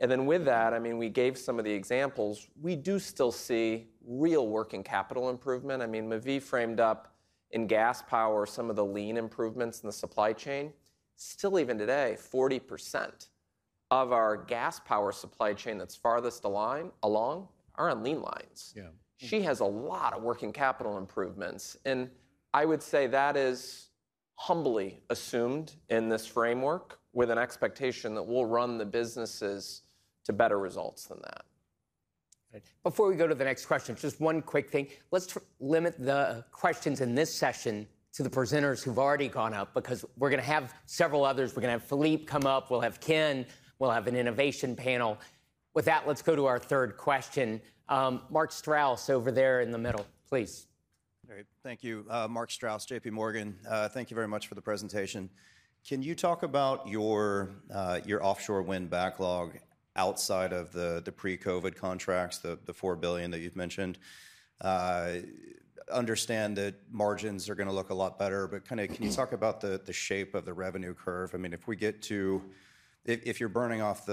And then with that, I mean, we gave some of the examples. We do still see real working capital improvement. I mean, Mavi framed up in Gas Power some of the lean improvements in the supply chain. Still even today, 40% of our Gas Power supply chain that's farthest along are on lean lines. She has a lot of working capital improvements. I would say that is humbly assumed in this framework with an expectation that we'll run the businesses to better results than that. Before we go to the next question, just one quick thing. Let's limit the questions in this session to the presenters who've already gone up because we're going to have several others. We're going to have Philippe come up. We'll have Ken. We'll have an innovation panel. With that, let's go to our third question. Mark Strouse over there in the middle, please. All right. Thank you, Mark Strouse, JPMorgan. Thank you very much for the presentation. Can you talk about your Offshore Wind backlog outside of the pre-COVID contracts, the $4 billion that you've mentioned? Understand that margins are going to look a lot better, but kind of can you talk about the shape of the revenue curve? I mean, if you're burning off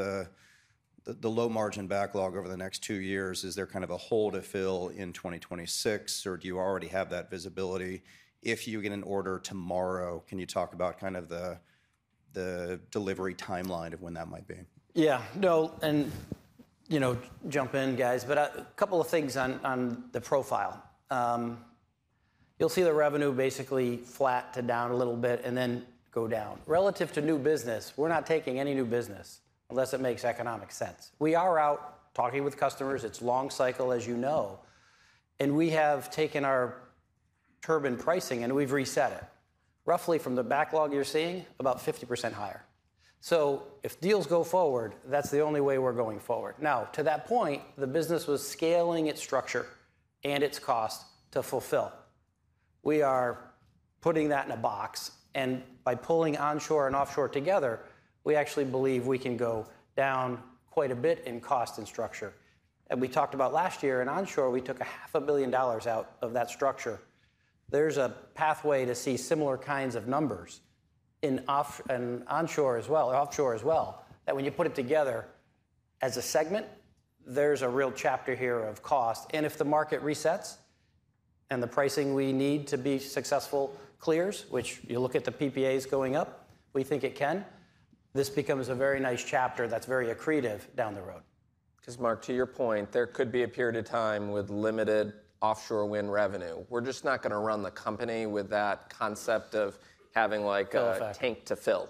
the low margin backlog over the next two years, is there kind of a hole to fill in 2026, or do you already have that visibility? If you get an order tomorrow, can you talk about kind of the delivery timeline of when that might be? Yeah. No, and jump in, guys, but a couple of things on the profile. You'll see the revenue basically flat to down a little bit and then go down. Relative to new business, we're not taking any new business unless it makes economic sense. We are out talking with customers. It's long cycle, as you know. And we have taken our turbine pricing, and we've reset it roughly from the backlog you're seeing, about 50% higher. So if deals go forward, that's the only way we're going forward. Now, to that point, the business was scaling its structure and its cost to fulfill. We are putting that in a box. And by pulling onshore and offshore together, we actually believe we can go down quite a bit in cost and structure. And we talked about last year in onshore, we took $500 million out of that structure. There's a pathway to see similar kinds of numbers in onshore as well, offshore as well, that when you put it together as a segment, there's a real chapter here of cost. And if the market resets and the pricing we need to be successful clears, which you look at the PPAs going up, we think it can, this becomes a very nice chapter that's very accretive down the road. Because, Mark, to your point, there could be a period of time with limited Offshore Wind revenue. We're just not going to run the company with that concept of having a tank to fill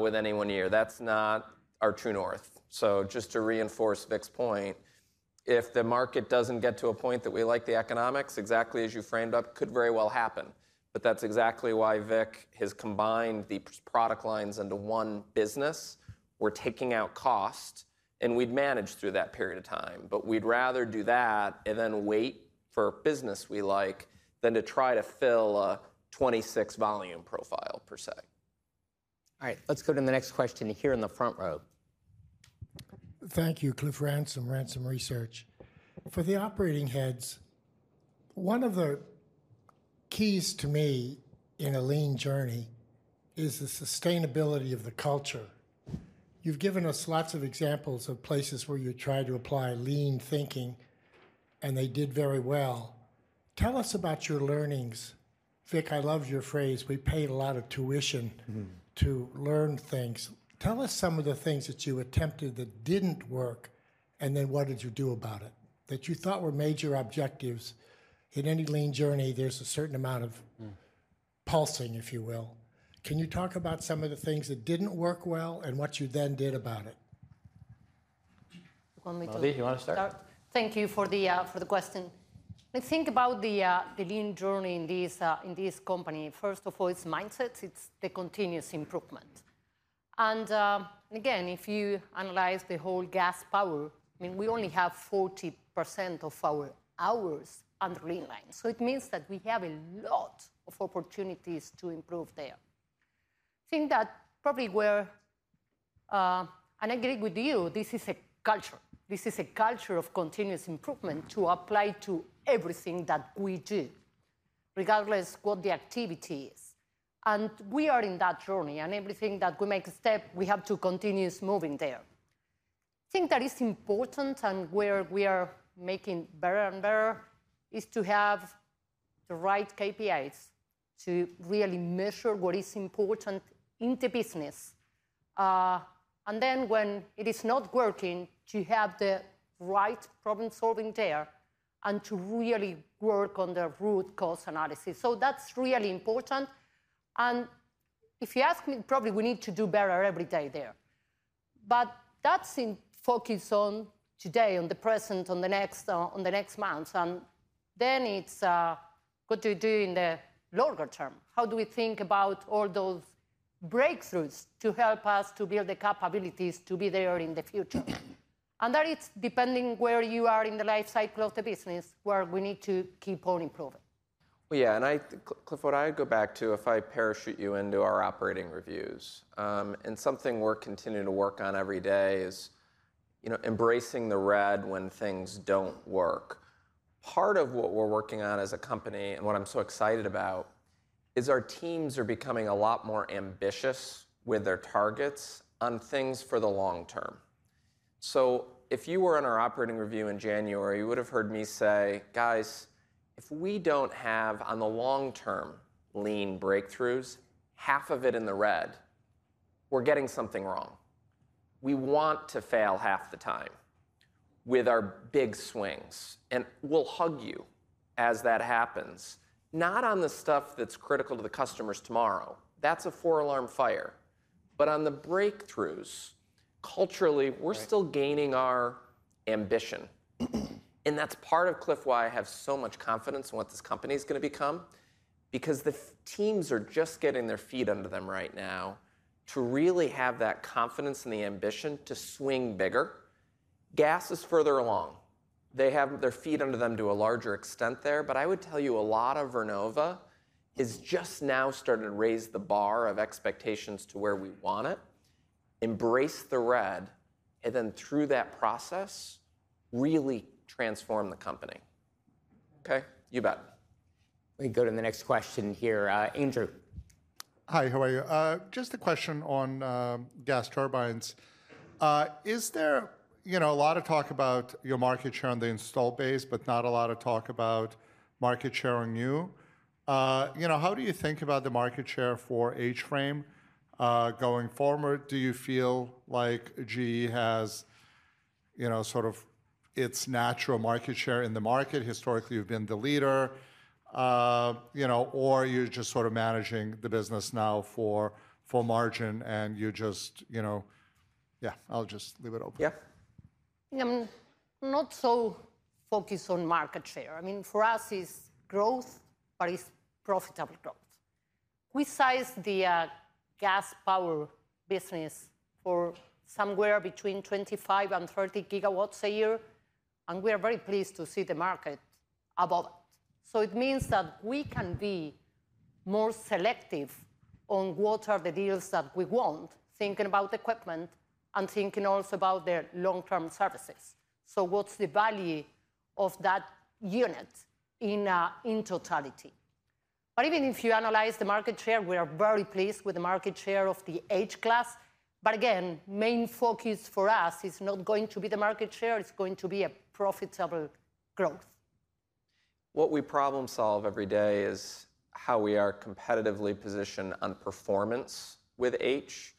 with any one year. That's not our true north. So just to reinforce Vic's point, if the market doesn't get to a point that we like the economics, exactly as you framed up, could very well happen. But that's exactly why Vic has combined the product lines into one business. We're taking out cost, and we'd manage through that period of time. But we'd rather do that and then wait for business we like than to try to fill a 26-volume profile, per se. All right. Let's go to the next question here in the front row. Thank you, Cliff Ransom, Ransom Research. For the operating heads, one of the keys to me in a lean journey is the sustainability of the culture. You've given us lots of examples of places where you tried to apply lean thinking, and they did very well. Tell us about your learnings. Vic, I love your phrase. We paid a lot of tuition to learn things. Tell us some of the things that you attempted that didn't work, and then what did you do about it that you thought were major objectives? In any lean journey, there's a certain amount of pulsing, if you will. Can you talk about some of the things that didn't work well and what you then did about it? Mavi, you want to start? Thank you for the question. When you think about the lean journey in this company, first of all, it's mindset. It's the continuous improvement. And again, if you analyze the whole Gas Power, I mean, we only have 40% of our hours under lean lines. So it means that we have a lot of opportunities to improve there. I think that probably where and I agree with you, this is a culture. This is a culture of continuous improvement to apply to everything that we do, regardless of what the activity is. And we are in that journey. And everything that we make a step, we have to continue moving there. I think that is important. And where we are making better and better is to have the right KPIs to really measure what is important in the business. And then when it is not working, to have the right problem-solving there and to really work on the root cause analysis. So that's really important. And if you ask me, probably we need to do better every day there. But that's in focus on today, on the present, on the next months. And then it's what do you do in the longer term? How do we think about all those breakthroughs to help us to build the capabilities to be there in the future? And that is depending where you are in the life cycle of the business, where we need to keep on improving. Well, yeah. And Cliff, what I'd go back to, if I parachute you into our operating reviews and something we're continuing to work on every day is embracing the red when things don't work. Part of what we're working on as a company and what I'm so excited about is our teams are becoming a lot more ambitious with their targets on things for the long term. So if you were in our operating review in January, you would have heard me say, "Guys, if we don't have on the long-term lean breakthroughs, half of it in the red, we're getting something wrong. We want to fail half the time with our big swings." And we'll hug you as that happens, not on the stuff that's critical to the customers tomorrow. That's a four-alarm fire. But on the breakthroughs, culturally, we're still gaining our ambition. That's part of Cliff why I have so much confidence in what this company is going to become because the teams are just getting their feet under them right now to really have that confidence and the ambition to swing bigger. Gas is further along. They have their feet under them to a larger extent there. But I would tell you, a lot of Vernova has just now started to raise the bar of expectations to where we want it, embrace the red, and then through that process, really transform the company, okay? You bet. We go to the next question here. Andrew. Hi. How are you? Just a question on gas turbines. Is there a lot of talk about your market share on the install base, but not a lot of talk about market share on you? How do you think about the market share for H-class going forward? Do you feel like GE has sort of its natural market share in the market? Historically, you've been the leader, or you're just sort of managing the business now for margin, and you just yeah, I'll just leave it open. Yeah. I'm not so focused on market share. I mean, for us, it's growth, but it's profitable growth. We size the Gas Power business for somewhere between 25-30 GW a year. And we are very pleased to see the market above it. So it means that we can be more selective on what are the deals that we want, thinking about equipment and thinking also about their long-term services. So what's the value of that unit in totality? But even if you analyze the market share, we are very pleased with the market share of the H-Class. But again, main focus for us is not going to be the market share. It's going to be profitable growth. What we problem-solve every day is how we are competitively positioned on performance with H,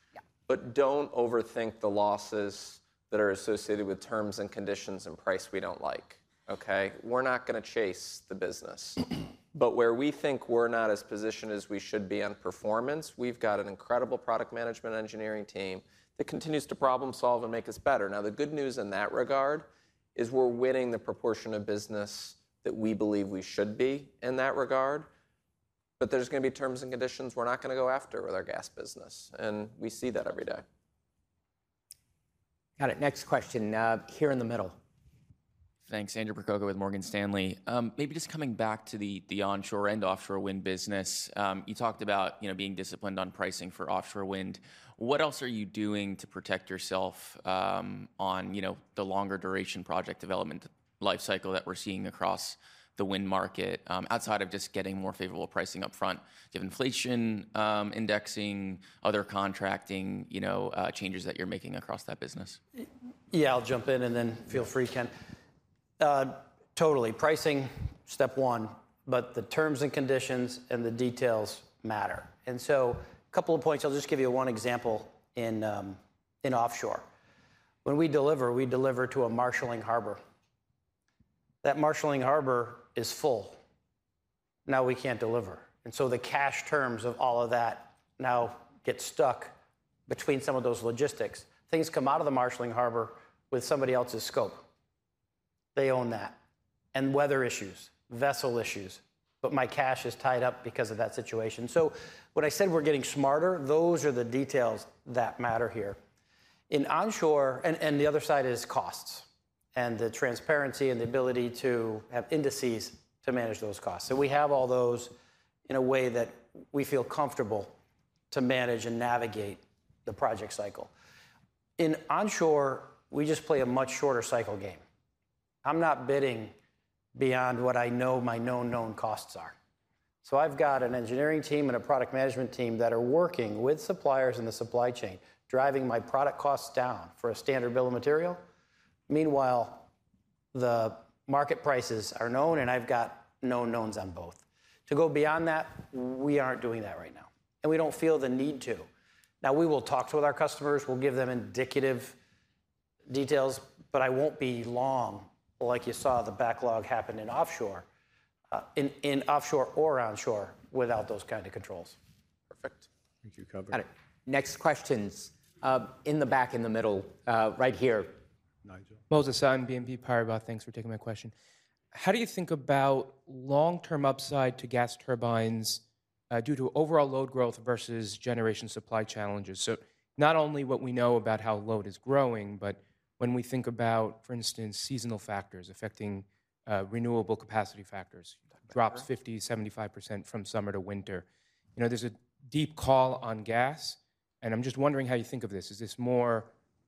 but don't overthink the losses that are associated with terms and conditions and price we don't like, okay? We're not going to chase the business. But where we think we're not as positioned as we should be on performance, we've got an incredible product management engineering team that continues to problem-solve and make us better. Now, the good news in that regard is we're winning the proportion of business that we believe we should be in that regard. But there's going to be terms and conditions we're not going to go after with our gas business. And we see that every day. Got it. Next question here in the middle. Thanks. Andrew Percoco with Morgan Stanley. Maybe just coming back to the onshore and Offshore Wind business, you talked about being disciplined on pricing for Offshore Wind. What else are you doing to protect yourself on the longer-duration project development life cycle that we're seeing across the Wind market outside of just getting more favorable pricing upfront, given inflation, indexing, other contracting changes that you're making across that business? Yeah. I'll jump in, and then feel free, Ken. Totally. Pricing, step one. But the terms and conditions and the details matter. And so a couple of points. I'll just give you one example in offshore. When we deliver, we deliver to a marshaling harbor. That marshaling harbor is full. Now, we can't deliver. And so the cash terms of all of that now get stuck between some of those logistics. Things come out of the marshaling harbor with somebody else's scope. They own that. And weather issues, vessel issues. But my cash is tied up because of that situation. So when I said we're getting smarter, those are the details that matter here. And the other side is costs and the transparency and the ability to have indices to manage those costs. So we have all those in a way that we feel comfortable to manage and navigate the project cycle. In onshore, we just play a much shorter cycle game. I'm not bidding beyond what I know my known, known costs are. So I've got an engineering team and a product management team that are working with suppliers in the supply chain, driving my product costs down for a standard bill of material. Meanwhile, the market prices are known, and I've got known, knowns on both. To go beyond that, we aren't doing that right now. And we don't feel the need to. Now, we will talk to our customers. We'll give them indicative details. But I won't be long, like you saw the backlog happen in offshore or onshore, without those kinds of controls. Perfect. Got it. Next questions in the back, in the middle, right here. Moses Sutton, BNP Paribas. Thanks for taking my question. How do you think about long-term upside to gas turbines due to overall load growth versus generation supply challenges? So not only what we know about how load is growing, but when we think about, for instance, seasonal factors affecting renewable capacity factors, drops 50%-75% from summer to winter, there's a deep call on gas. And I'm just wondering how you think of this. Is this more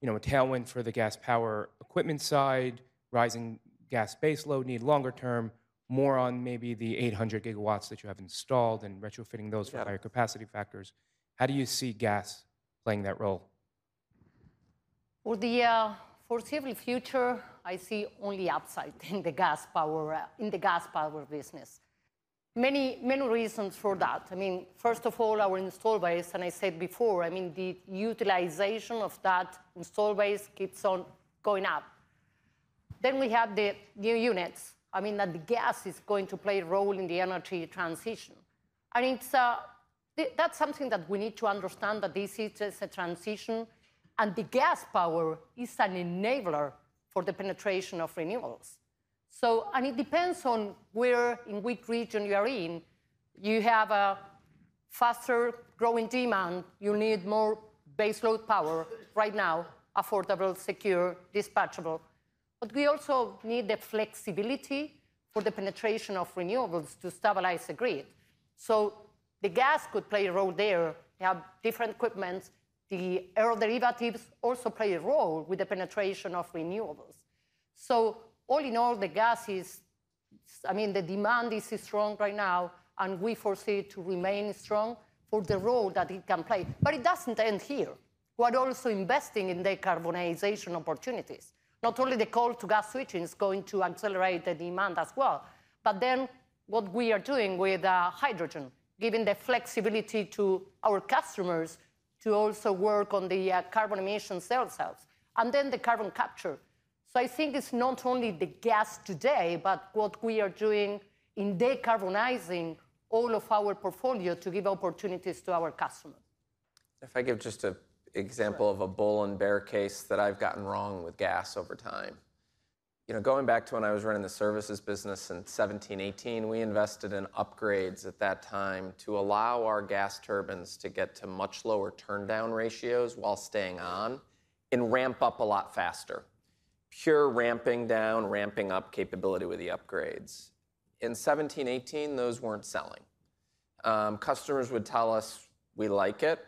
a tailwind for the Gas Power equipment side, rising gas baseload need longer term, more on maybe the 800 GW that you have installed and retrofitting those for higher capacity factors? How do you see gas playing that role? Well, the foreseeable future, I see only upside in the Gas Power business. Many reasons for that. I mean, first of all, our install base, and I said before, I mean, the utilization of that install base keeps on going up. Then we have the new units. I mean, that the gas is going to play a role in the energy transition. And that's something that we need to understand, that this is a transition. And the Gas Power is an enabler for the penetration of renewables. And it depends on in which region you are in. You have a faster growing demand. You need more baseload Power right now, affordable, secure, dispatchable. But we also need the flexibility for the penetration of renewables to stabilize the Grid. So the gas could play a role there. They have different equipment. The aeroderivatives also play a role with the penetration of renewables. So all in all, the gas is—I mean, the demand is strong right now. And we foresee it to remain strong for the role that it can play. But it doesn't end here. We are also investing in decarbonization opportunities. Not only the coal-to-gas switching is going to accelerate the demand as well, but then what we are doing with hydrogen, giving the flexibility to our customers to also work on the carbon emissions, fuel cells, and then the carbon capture. So I think it's not only the gas today, but what we are doing in decarbonizing all of our portfolio to give opportunities to our customers. If I give just an example of a bull and bear case that I've gotten wrong with gas over time, going back to when I was running the services business in 2017-2018, we invested in upgrades at that time to allow our gas turbines to get to much lower turndown ratios while staying on and ramp up a lot faster, pure ramping down, ramping up capability with the upgrades. In 2017-2018, those weren't selling. Customers would tell us we like it,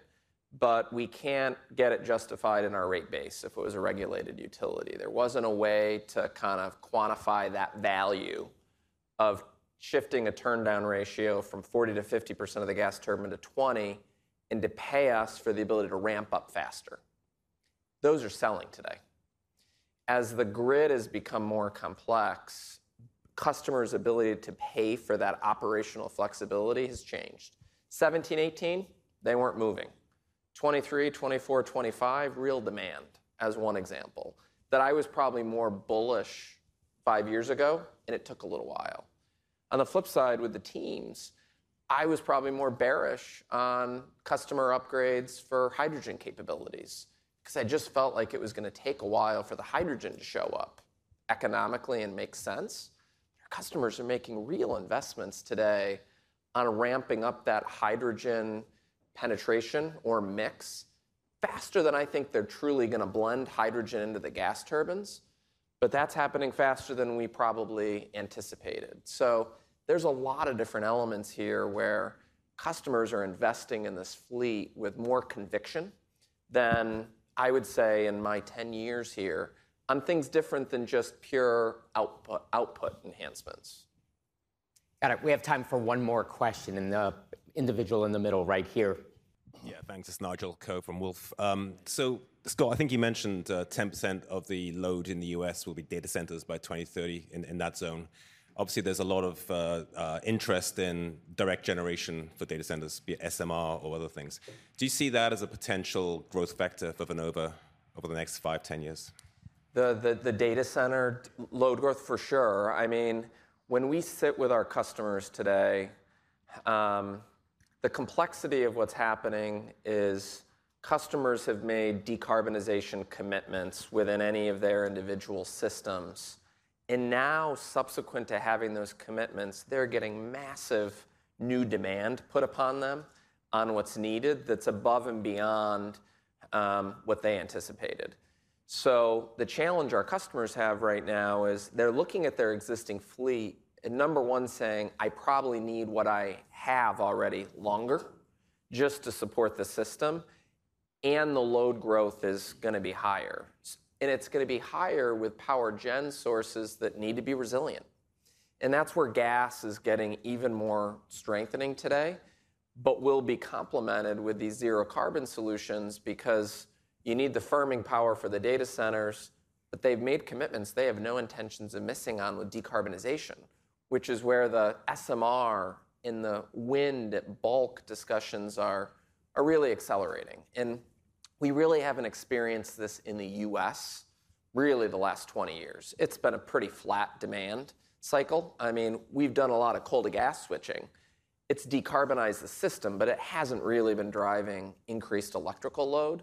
but we can't get it justified in our rate base if it was a regulated utility. There wasn't a way to kind of quantify that value of shifting a turndown ratio from 40%-50% of the gas turbine to 20% and to pay us for the ability to ramp up faster. Those are selling today. As the Grid has become more complex, customers' ability to pay for that operational flexibility has changed. 2017, 2018, they weren't moving. 2023, 2024, 2025, real demand as one example that I was probably more bullish five years ago, and it took a little while. On the flip side, with the teams, I was probably more bearish on customer upgrades for hydrogen capabilities because I just felt like it was going to take a while for the hydrogen to show up economically and make sense. Our customers are making real investments today on ramping up that hydrogen penetration or mix faster than I think they're truly going to blend hydrogen into the gas turbines. But that's happening faster than we probably anticipated. There's a lot of different elements here where customers are investing in this fleet with more conviction than I would say in my 10 years here on things different than just pure output enhancements. Got it. We have time for one more question and the individual in the middle right here. Yeah. Thanks. It's Nigel Coe from Wolfe. So Scott, I think you mentioned 10% of the load in the U.S. will be data centers by 2030 in that zone. Obviously, there's a lot of interest in direct generation for data centers, be it SMR or other things. Do you see that as a potential growth factor for Vernova over the next five-10 years? The data center load growth, for sure. I mean, when we sit with our customers today, the complexity of what's happening is customers have made decarbonization commitments within any of their individual systems. Now, subsequent to having those commitments, they're getting massive new demand put upon them on what's needed that's above and beyond what they anticipated. The challenge our customers have right now is they're looking at their existing fleet and, number one, saying, "I probably need what I have already longer just to support the system." The load growth is going to be higher. It's going to be higher with Power gen sources that need to be resilient. That's where gas is getting even more strengthening today but will be complemented with these zero-carbon solutions because you need the firming Power for the data centers. They've made commitments. They have no intentions of missing on with decarbonization, which is where the SMR in the Wind bulk discussions are really accelerating. We really haven't experienced this in the U.S., really, the last 20 years. It's been a pretty flat demand cycle. I mean, we've done a lot of coal-to-gas switching. It's decarbonized the system, but it hasn't really been driving increased electrical load.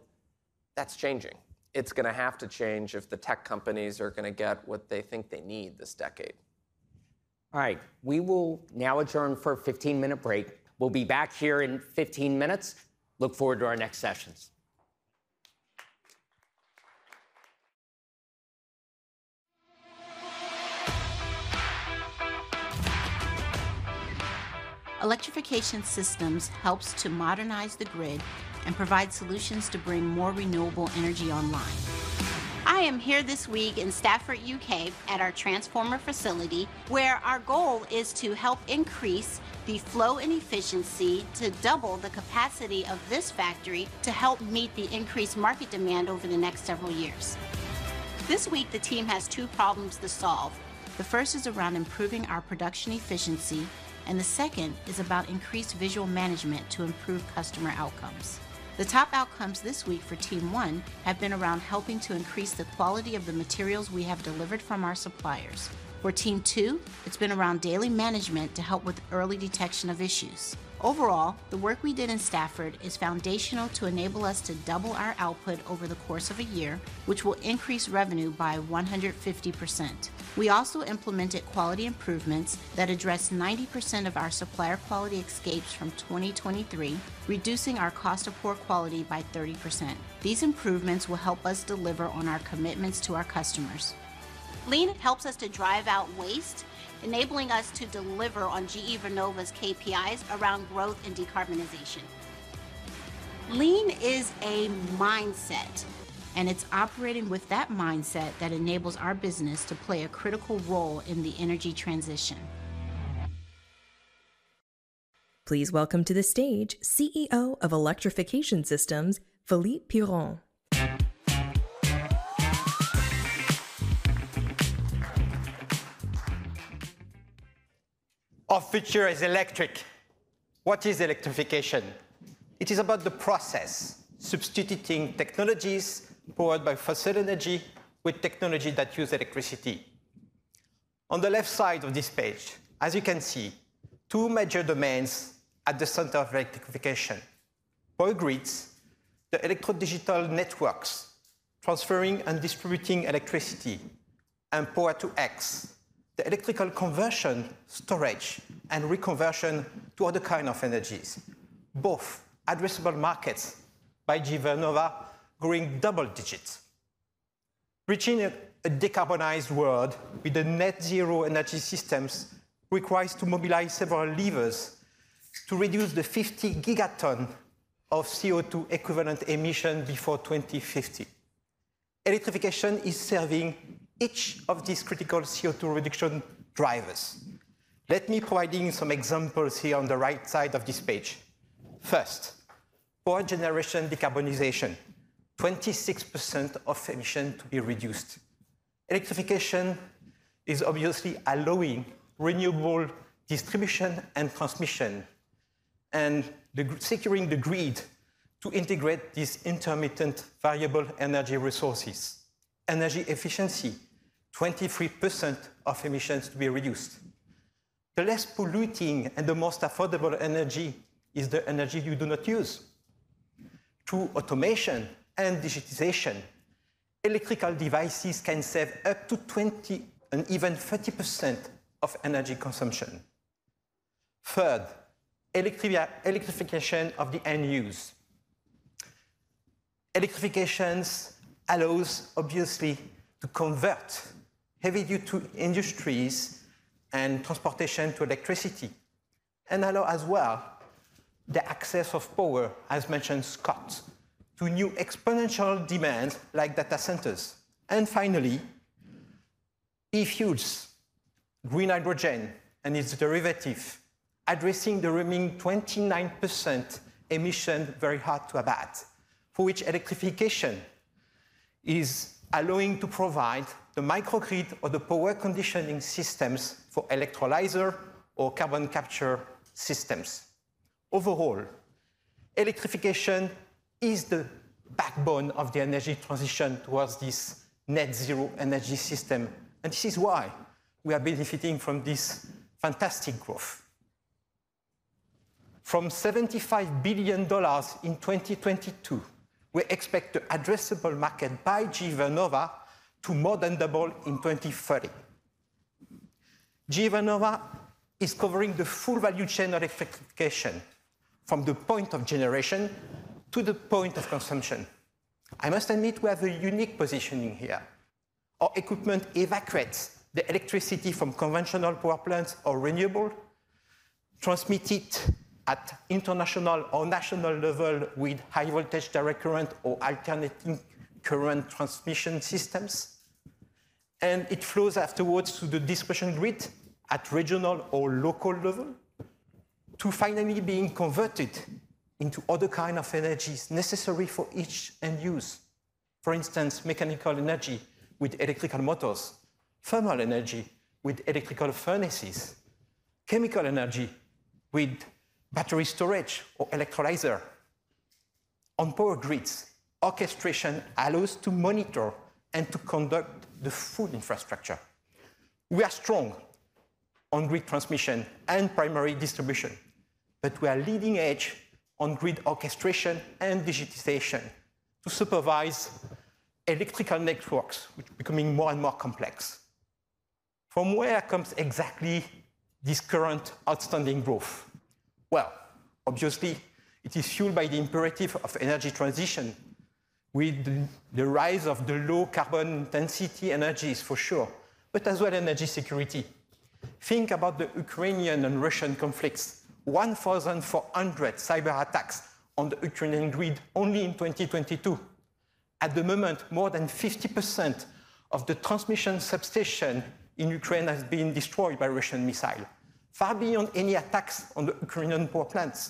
That's changing. It's going to have to change if the tech companies are going to get what they think they need this decade. All right. We will now adjourn for a 15-minute break. We'll be back here in 15 minutes. Look forward to our next sessions. Electrification Systems helps to modernize the Grid and provide solutions to bring more renewable energy online. I am here this week in Stafford, U.K., at our transformer facility, where our goal is to help increase the flow and efficiency to double the capacity of this factory to help meet the increased market demand over the next several years. This week, the team has two problems to solve. The first is around improving our production efficiency. The second is about increased visual management to improve customer outcomes. The top outcomes this week for Team One have been around helping to increase the quality of the materials we have delivered from our suppliers. For Team Two, it's been around daily management to help with early detection of issues. Overall, the work we did in Stafford is foundational to enable us to double our output over the course of a year, which will increase revenue by 150%. We also implemented quality improvements that addressed 90% of our supplier quality escapes from 2023, reducing our cost of poor quality by 30%. These improvements will help us deliver on our commitments to our customers. Lean helps us to drive out waste, enabling us to deliver on GE Vernova's KPIs around growth and decarbonization. Lean is a mindset. And it's operating with that mindset that enables our business to play a critical role in the energy transition. Please welcome to the stage CEO of Electrification Systems, Philippe Piron. Our future is electric. What is Electrification? It is about the process substituting technologies Powered by fossil energy with technology that uses electricity. On the left side of this page, as you can see, two major domains at the center of Electrification: Power Grids, the electro-digital networks transferring and distributing electricity, and Power-to-X, the electrical conversion, storage, and reconversion to other kinds of energies, both addressable markets. By GE Vernova, growing double digits. Reaching a decarbonized world with the net-zero energy systems requires to mobilize several levers to reduce the 50 gigaton of CO2 equivalent emission before 2050. Electrification is serving each of these critical CO2 reduction drivers. Let me provide some examples here on the right side of this page. First, Power generation decarbonization, 26% of emission to be reduced. Electrification is obviously allowing renewable distribution and transmission and securing the Grid to integrate these intermittent variable energy resources. Energy efficiency, 23% of emissions to be reduced. The less polluting and the most affordable energy is the energy you do not use. Through automation and digitization, electrical devices can save up to 20% and even 30% of energy consumption. Third, Electrification of the end use. Electrification allows, obviously, to convert heavy-duty industries and transportation to electricity and allow, as well, the access of Power, as mentioned Scott, to new exponential demands like data centers. And finally, E-fuels, green hydrogen and its derivatives, addressing the remaining 29% emission very hard to abate, for which Electrification is allowing to provide the microgrid or the Power conditioning systems for electrolyzer or carbon capture systems. Overall, Electrification is the backbone of the energy transition towards this net-zero energy system. And this is why we are benefiting from this fantastic growth. From $75 billion in 2022, we expect the addressable market by GE Vernova to more than double in 2030. GE Vernova is covering the full value chain of Electrification from the point of generation to the point of consumption. I must admit, we have a unique positioning here. Our equipment evacuates the electricity from conventional Power plants or renewable, transmits it at international or national level with high-voltage direct current or alternating current transmission systems. And it flows afterwards to the distribution Grid at regional or local level to finally being converted into other kinds of energies necessary for each end use, for instance, mechanical energy with electrical motors, thermal energy with electrical furnaces, chemical energy with battery storage or electrolyzer. On Power Grids, orchestration allows us to monitor and to conduct the full infrastructure. We are strong on Grid transmission and primary distribution. But we are leading edge on Grid orchestration and digitization to supervise electrical networks, which are becoming more and more complex. From where comes exactly this current outstanding growth? Well, obviously, it is fueled by the imperative of energy transition with the rise of the low-carbon intensity energies, for sure, but as well as energy security. Think about the Ukrainian and Russian conflicts: 1,400 cyberattacks on the Ukrainian Grid only in 2022. At the moment, more than 50% of the transmission substation in Ukraine has been destroyed by Russian missiles, far beyond any attacks on the Ukrainian Power plants.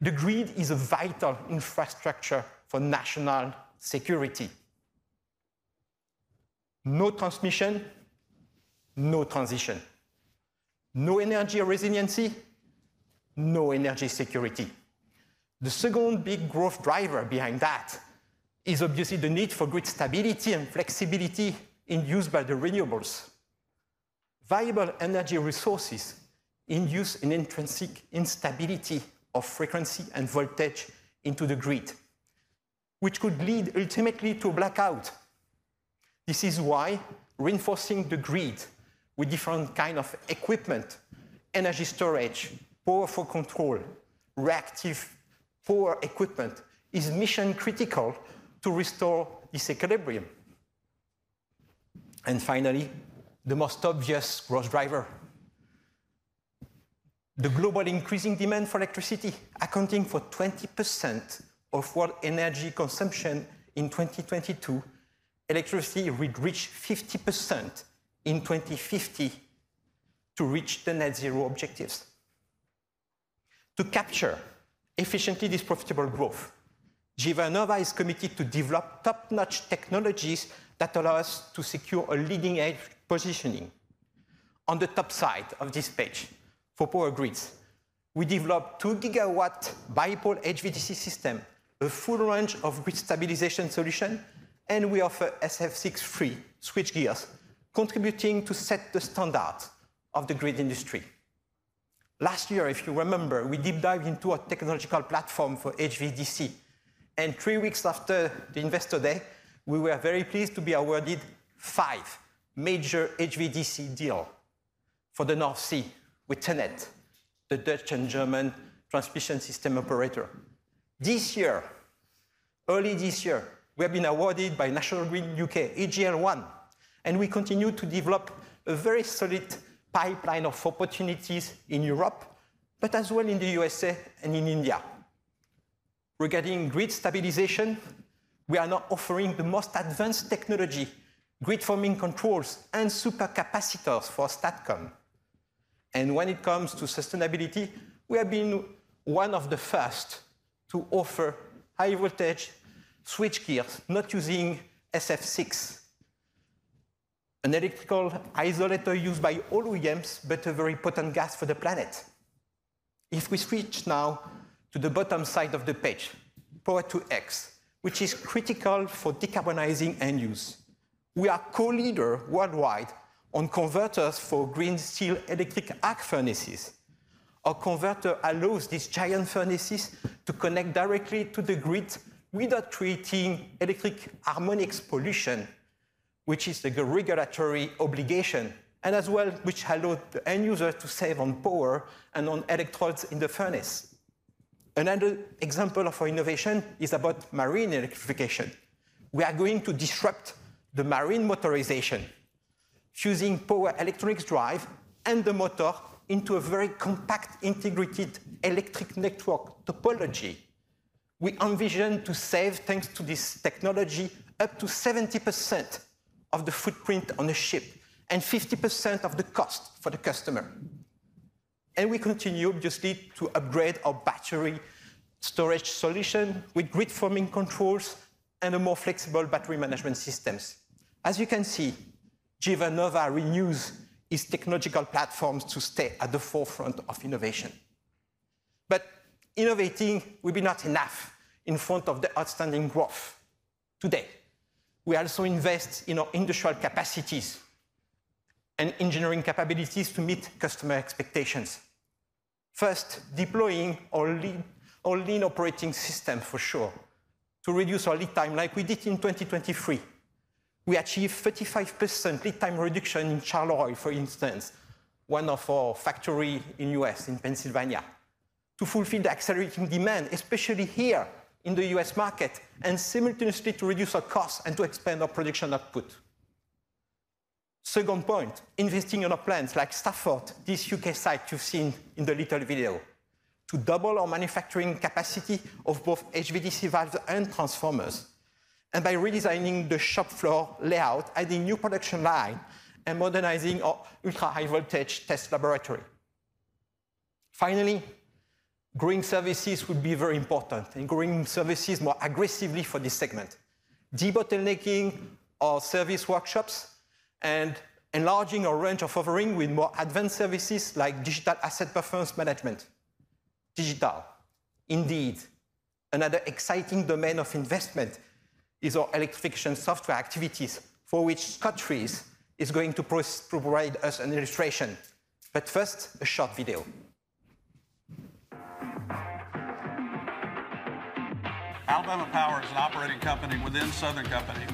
The Grid is a vital infrastructure for national security. No transmission, no transition. No energy resiliency, no energy security. The second big growth driver behind that is, obviously, the need for Grid stability and flexibility induced by the renewables. Variable energy resources induce an intrinsic instability of frequency and voltage into the Grid, which could lead ultimately to a blackout. This is why reinforcing the Grid with different kinds of equipment, energy storage, Powerful control, reactive Power equipment is mission-critical to restore this equilibrium. Finally, the most obvious growth driver: the global increasing demand for electricity. Accounting for 20% of world energy consumption in 2022, electricity would reach 50% in 2050 to reach the net-zero objectives. To capture efficiently this profitable growth, GE Vernova is committed to develop top-notch technologies that allow us to secure a leading-edge positioning. On the top side of this page for Power Grids, we developed a 2 GW bipole HVDC system, a full range of Grid stabilization solutions, and we offer SF6-free switchgears, contributing to set the standard of the Grid industry. Last year, if you remember, we deep-dived into our technological platform for HVDC. Three weeks after the Investor Day, we were very pleased to be awarded five major HVDC deals for the North Sea with TenneT, the Dutch and German transmission system operator. This year, early this year, we have been awarded by National Grid UK, EGL1. We continue to develop a very solid pipeline of opportunities in Europe, but as well in the USA and in India. Regarding Grid stabilization, we are now offering the most advanced technology, grid-forming controls, and supercapacitors for STATCOM. When it comes to sustainability, we have been one of the first to offer high-voltage switchgears not using SF6, an electrical isolator used by all OEMs but a very potent gas for the planet. If we switch now to the bottom side of the page, Power-to-X, which is critical for decarbonizing end use, we are a co-leader worldwide on converters for green steel electric arc furnaces. Our converter allows these giant furnaces to connect directly to the Grid without creating electric harmonics pollution, which is the regulatory obligation, and as well which allows the end user to save on Power and on electrodes in the furnace. Another example of our innovation is about marine Electrification. We are going to disrupt the marine motorization, fusing Power electronics drive and the motor into a very compact, integrated electric network topology. We envision to save, thanks to this technology, up to 70% of the footprint on a ship and 50% of the cost for the customer. We continue, obviously, to upgrade our battery storage solution with grid-forming controls and more flexible battery management systems. As you can see, GE Vernova renews its technological platforms to stay at the forefront of innovation. But innovating will be not enough in front of the outstanding growth today. We also invest in our industrial capacities and engineering capabilities to meet customer expectations. First, deploying our lean operating system, for sure, to reduce our lead time, like we did in 2023. We achieved 35% lead time reduction in Charlottesville, for instance, one of our factories in the U.S., in Pennsylvania, to fulfill the accelerating demand, especially here in the U.S. market, and simultaneously to reduce our costs and to expand our production output. Second point, investing in our plants like Stafford, this U.K. site you've seen in the little video, to double our manufacturing capacity of both HVDC valves and transformers, and by redesigning the shop floor layout, adding a new production line, and modernizing our ultra-high-voltage test laboratory. Finally, growing services will be very important, and growing services more aggressively for this segment, debottlenecking our service workshops and enlarging our range of offerings with more advanced services like digital asset performance management. Digital, indeed, another exciting domain of investment is our Electrification software activities, for which Scott Reese is going to provide us an illustration. But first, a short video. Alabama Power is an operating company within Southern Company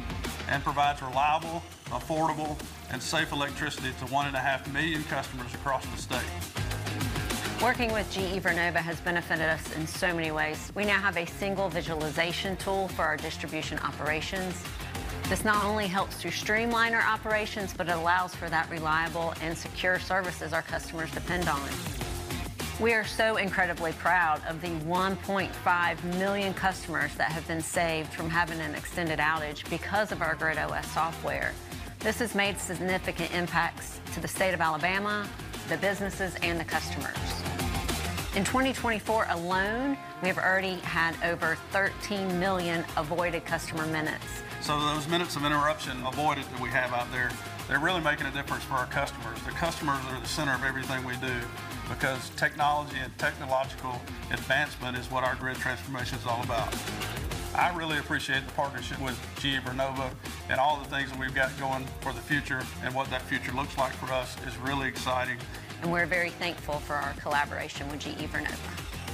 and provides reliable, affordable, and safe electricity to 1.5 million customers across the state. Working with GE Vernova has benefited us in so many ways. We now have a single visualization tool for our distribution operations. This not only helps to streamline our operations, but it allows for that reliable and secure service as our customers depend on. We are so incredibly proud of the 1.5 million customers that have been saved from having an extended outage because of our GridOS software. This has made significant impacts to the state of Alabama, the businesses, and the customers. In 2024 alone, we have already had over 13 million avoided customer minutes. So those minutes of interruption avoided that we have out there, they're really making a difference for our customers. The customers are at the center of everything we do because technology and technological advancement is what our Grid transformation is all about. I really appreciate the partnership with GE Vernova and all the things that we've got going for the future and what that future looks like for us is really exciting. We're very thankful for our collaboration with GE Vernova.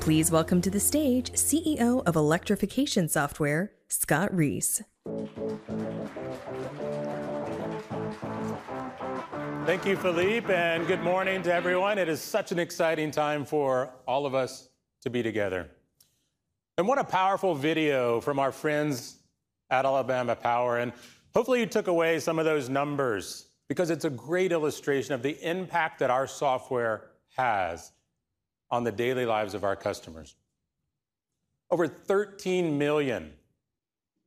Please welcome to the stage CEO of Electrification Software, Scott Reese. Thank you, Philippe. Good morning to everyone. It is such an exciting time for all of us to be together. What a Powerful video from our friends at Alabama Power. Hopefully, you took away some of those numbers, because it's a great illustration of the impact that our software has on the daily lives of our customers. Over 13 million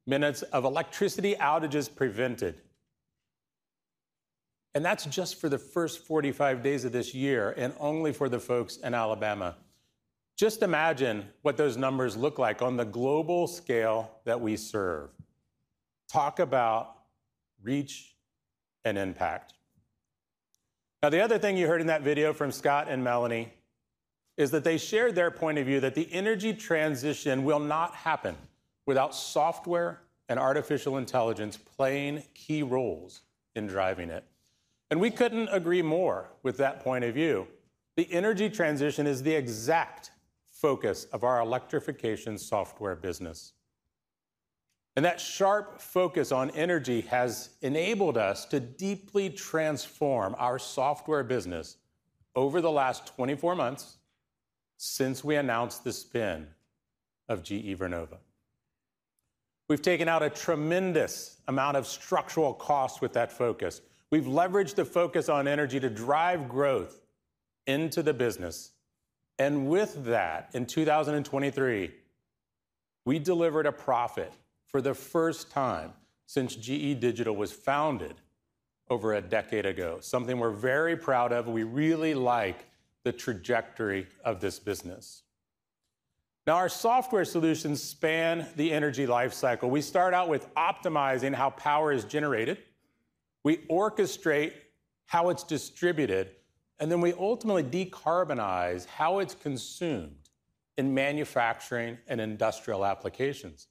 minutes of electricity outages prevented. That's just for the first 45 days of this year, and only for the folks in Alabama. Just imagine what those numbers look like on the global scale that we serve. Talk about reach and impact. Now, the other thing you heard in that video from Scott and Melanie is that they shared their point of view that the energy transition will not happen without software and artificial intelligence playing key roles in driving it. We couldn't agree more with that point of view. The energy transition is the exact focus of our Electrification software business. That sharp focus on energy has enabled us to deeply transform our software business over the last 24 months since we announced the spin of GE Vernova. We've taken out a tremendous amount of structural costs with that focus. We've leveraged the focus on energy to drive growth into the business. With that, in 2023, we delivered a profit for the first time since GE Digital was founded over a decade ago, something we're very proud of. We really like the trajectory of this business. Now, our software solutions span the energy lifecycle. We start out with optimizing how Power is generated. We orchestrate how it's distributed. Then we ultimately decarbonize how it's consumed in manufacturing and industrial applications.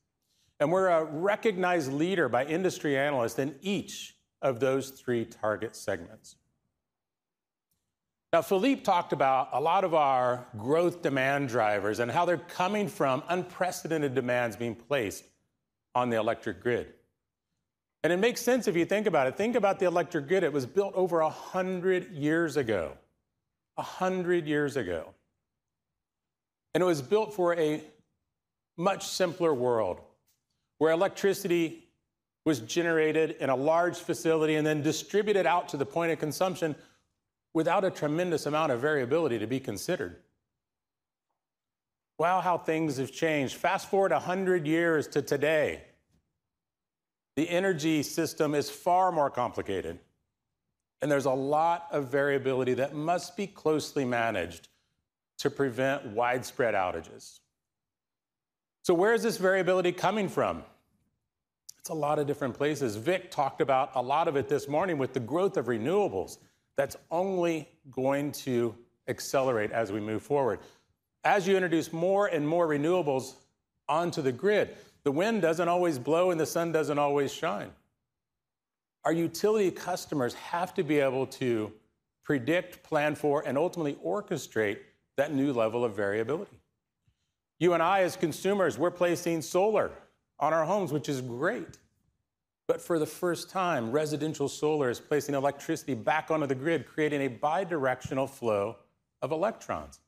We're a recognized leader by industry analysts in each of those three target segments. Now, Philippe talked about a lot of our growth demand drivers and how they're coming from unprecedented demands being placed on the electric Grid. It makes sense if you think about it. Think about the electric Grid. It was built over 100 years ago, 100 years ago. It was built for a much simpler world, where electricity was generated in a large facility and then distributed out to the point of consumption without a tremendous amount of variability to be considered. Wow, how things have changed. Fast forward 100 years to today. The energy system is far more complicated. There's a lot of variability that must be closely managed to prevent widespread outages. Where is this variability coming from? It's a lot of different places. Vic talked about a lot of it this morning with the growth of renewables. That's only going to accelerate as we move forward. As you introduce more and more renewables onto the Grid, the Wind doesn't always blow, and the sun doesn't always shine. Our utility customers have to be able to predict, plan for, and ultimately orchestrate that new level of variability. You and I, as consumers, we're placing solar on our homes, which is great. But for the first time, residential solar is placing electricity back onto the Grid, creating a bidirectional flow of electrons,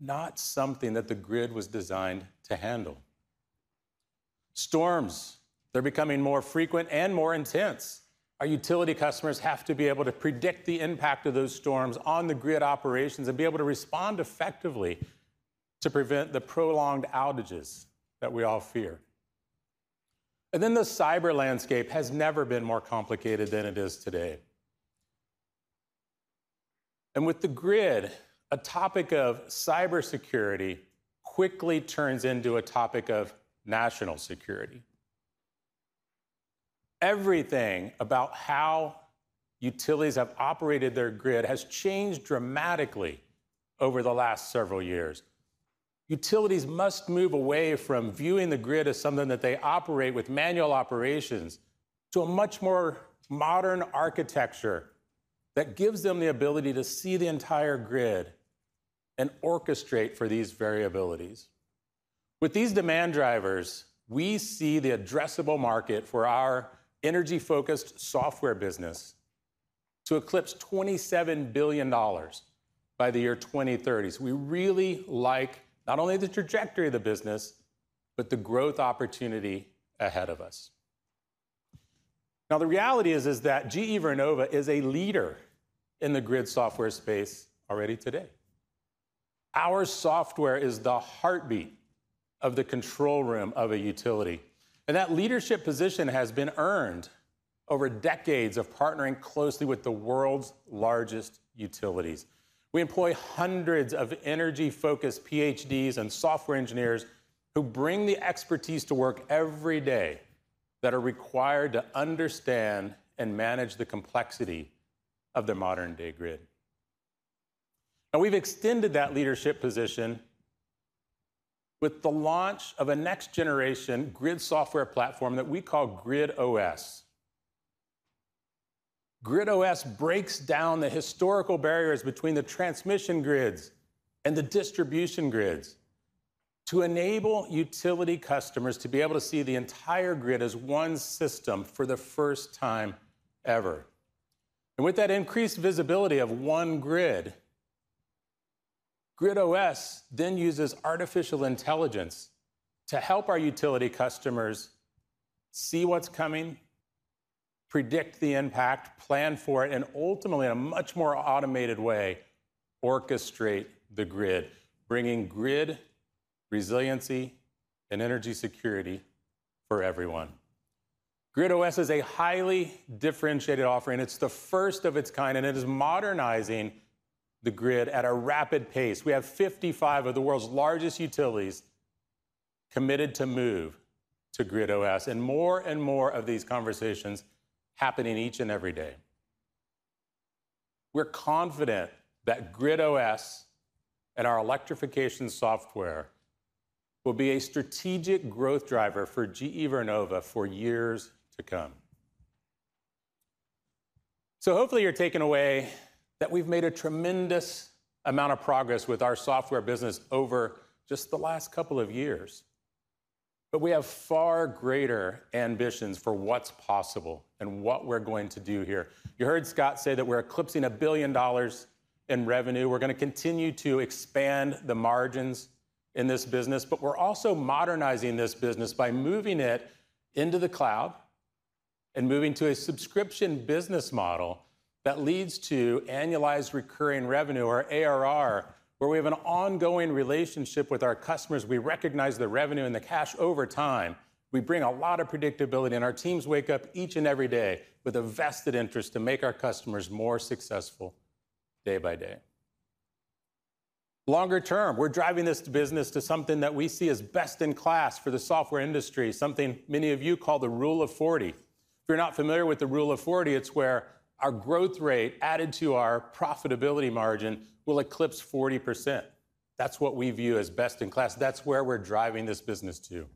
not something that the Grid was designed to handle. Storms, they're becoming more frequent and more intense. Our utility customers have to be able to predict the impact of those storms on the Grid operations and be able to respond effectively to prevent the prolonged outages that we all fear. Then the cyber landscape has never been more complicated than it is today. With the Grid, a topic of cybersecurity quickly turns into a topic of national security. Everything about how utilities have operated their Grid has changed dramatically over the last several years. Utilities must move away from viewing the Grid as something that they operate with manual operations to a much more modern architecture that gives them the ability to see the entire Grid and orchestrate for these variabilities. With these demand drivers, we see the addressable market for our energy-focused software business to eclipse $27 billion by the year 2030. We really like not only the trajectory of the business, but the growth opportunity ahead of us. Now, the reality is that GE Vernova is a leader in the Grid software space already today. Our software is the heartbeat of the control room of a utility. That leadership position has been earned over decades of partnering closely with the world's largest utilities. We employ hundreds of energy-focused PhDs and software engineers who bring the expertise to work every day that are required to understand and manage the complexity of the modern-day Grid. Now, we've extended that leadership position with the launch of a next-generation Grid software platform that we call GridOS. GridOS breaks down the historical barriers between the transmission Grids and the distribution Grids to enable utility customers to be able to see the entire Grid as one system for the first time ever. And with that increased visibility of one Grid, GridOS then uses artificial intelligence to help our utility customers see what's coming, predict the impact, plan for it, and ultimately, in a much more automated way, orchestrate the Grid, bringing Grid resiliency and energy security for everyone. GridOS is a highly differentiated offering. It's the first of its kind. And it is modernizing the Grid at a rapid pace. We have 55 of the world's largest utilities committed to move to GridOS. And more and more of these conversations happening each and every day. We're confident that GridOS and our Electrification software will be a strategic growth driver for GE Vernova for years to come. So hopefully, you're taking away that we've made a tremendous amount of progress with our software business over just the last couple of years. But we have far greater ambitions for what's possible and what we're going to do here. You heard Scott say that we're eclipsing $1 billion in revenue. We're going to continue to expand the margins in this business. But we're also modernizing this business by moving it into the cloud and moving to a subscription business model that leads to annualized recurring revenue, or ARR, where we have an ongoing relationship with our customers. We recognize the revenue and the cash over time. We bring a lot of predictability. And our teams wake up each and every day with a vested interest to make our customers more successful day by day. Longer term, we're driving this business to something that we see as best in class for the software industry, something many of you call the Rule of 40. If you're not familiar with the Rule of 40, it's where our growth rate added to our profitability margin will eclipse 40%. That's what we view as best in class. That's where we're driving this business to.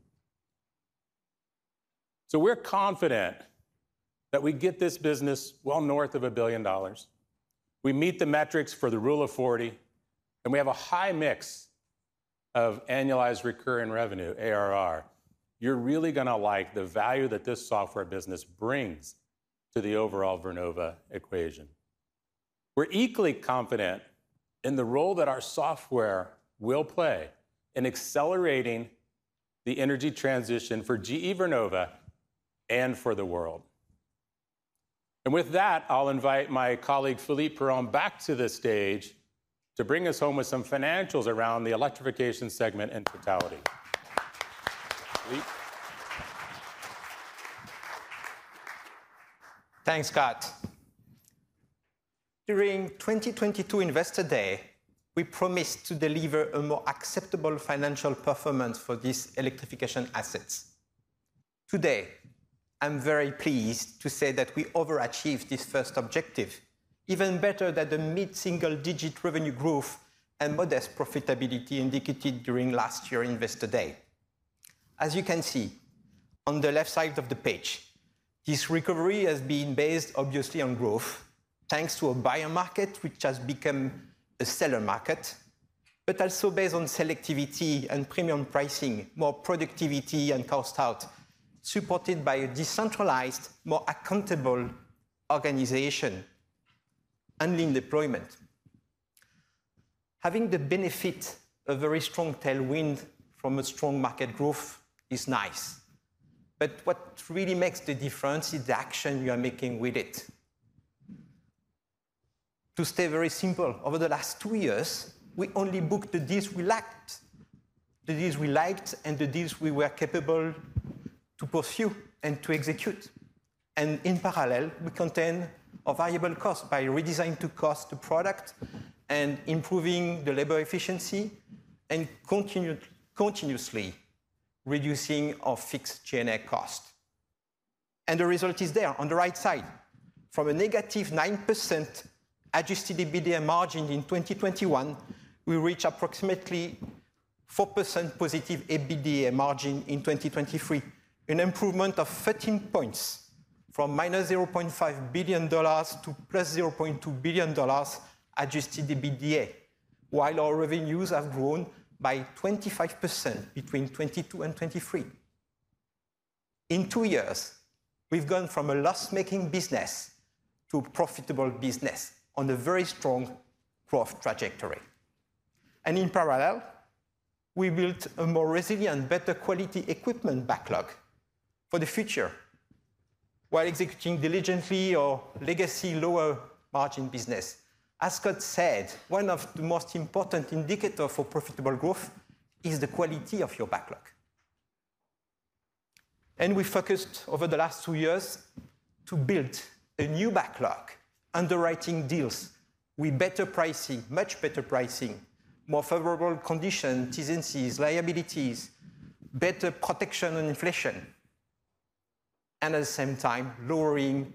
So we're confident that we get this business well north of $1 billion. We meet the metrics for the Rule of 40. And we have a high mix of annualized recurring revenue, ARR. You're really going to like the value that this software business brings to the overall Vernova equation. We're equally confident in the role that our software will play in accelerating the energy transition for GE Vernova and for the world. And with that, I'll invite my colleague Philippe Piron back to the stage to bring us home with some financials around the Electrification segment in totality. Thanks, Scott. During 2022 Investor Day, we promised to deliver a more acceptable financial performance for these Electrification assets. Today, I'm very pleased to say that we overachieved this first objective, even better than the mid-single-digit revenue growth and modest profitability indicated during last year Investor Day. As you can see on the left side of the page, this recovery has been based, obviously, on growth, thanks to a buyer market which has become a seller market, but also based on selectivity and premium pricing, more productivity and cost out, supported by a decentralized, more accountable organization, and lean deployment. Having the benefit of a very strong tailWind from a strong market growth is nice. But what really makes the difference is the action you are making with it. To stay very simple, over the last two years, we only booked the deals we liked, the deals we liked, and the deals we were capable to pursue and to execute. And in parallel, we contain a variable cost by redesigning to cost the product and improving the labor efficiency and continuously reducing our fixed G&A cost. And the result is there on the right side. From a negative 9% adjusted EBITDA margin in 2021, we reached approximately 4%+ EBITDA margin in 2023, an improvement of 13 points from -$0.5 billion to +$0.2 billion adjusted EBITDA, while our revenues have grown by 25% between 2022 and 2023. In two years, we've gone from a loss-making business to a profitable business on a very strong growth trajectory. In parallel, we built a more resilient, better quality equipment backlog for the future while executing diligently our legacy lower-margin business. As Scott said, one of the most important indicators for profitable growth is the quality of your backlog. We focused over the last two years to build a new backlog, underwriting deals with better pricing, much better pricing, more favorable conditions, Ts and Cs, liabilities, better protection on inflation, and at the same time, lowering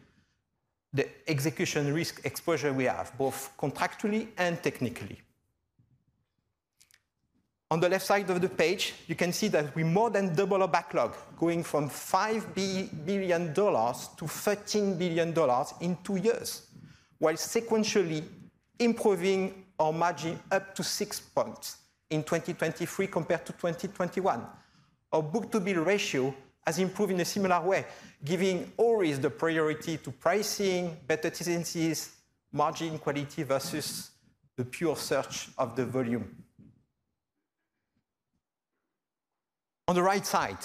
the execution risk exposure we have, both contractually and technically. On the left side of the page, you can see that we more than doubled our backlog, going from $5 billion-$13 billion in two years, while sequentially improving our margin up to six points in 2023 compared to 2021. Our book-to-bill ratio has improved in a similar way, giving always the priority to pricing, better Ts and Cs, margin quality versus the pure search of the volume. On the right side,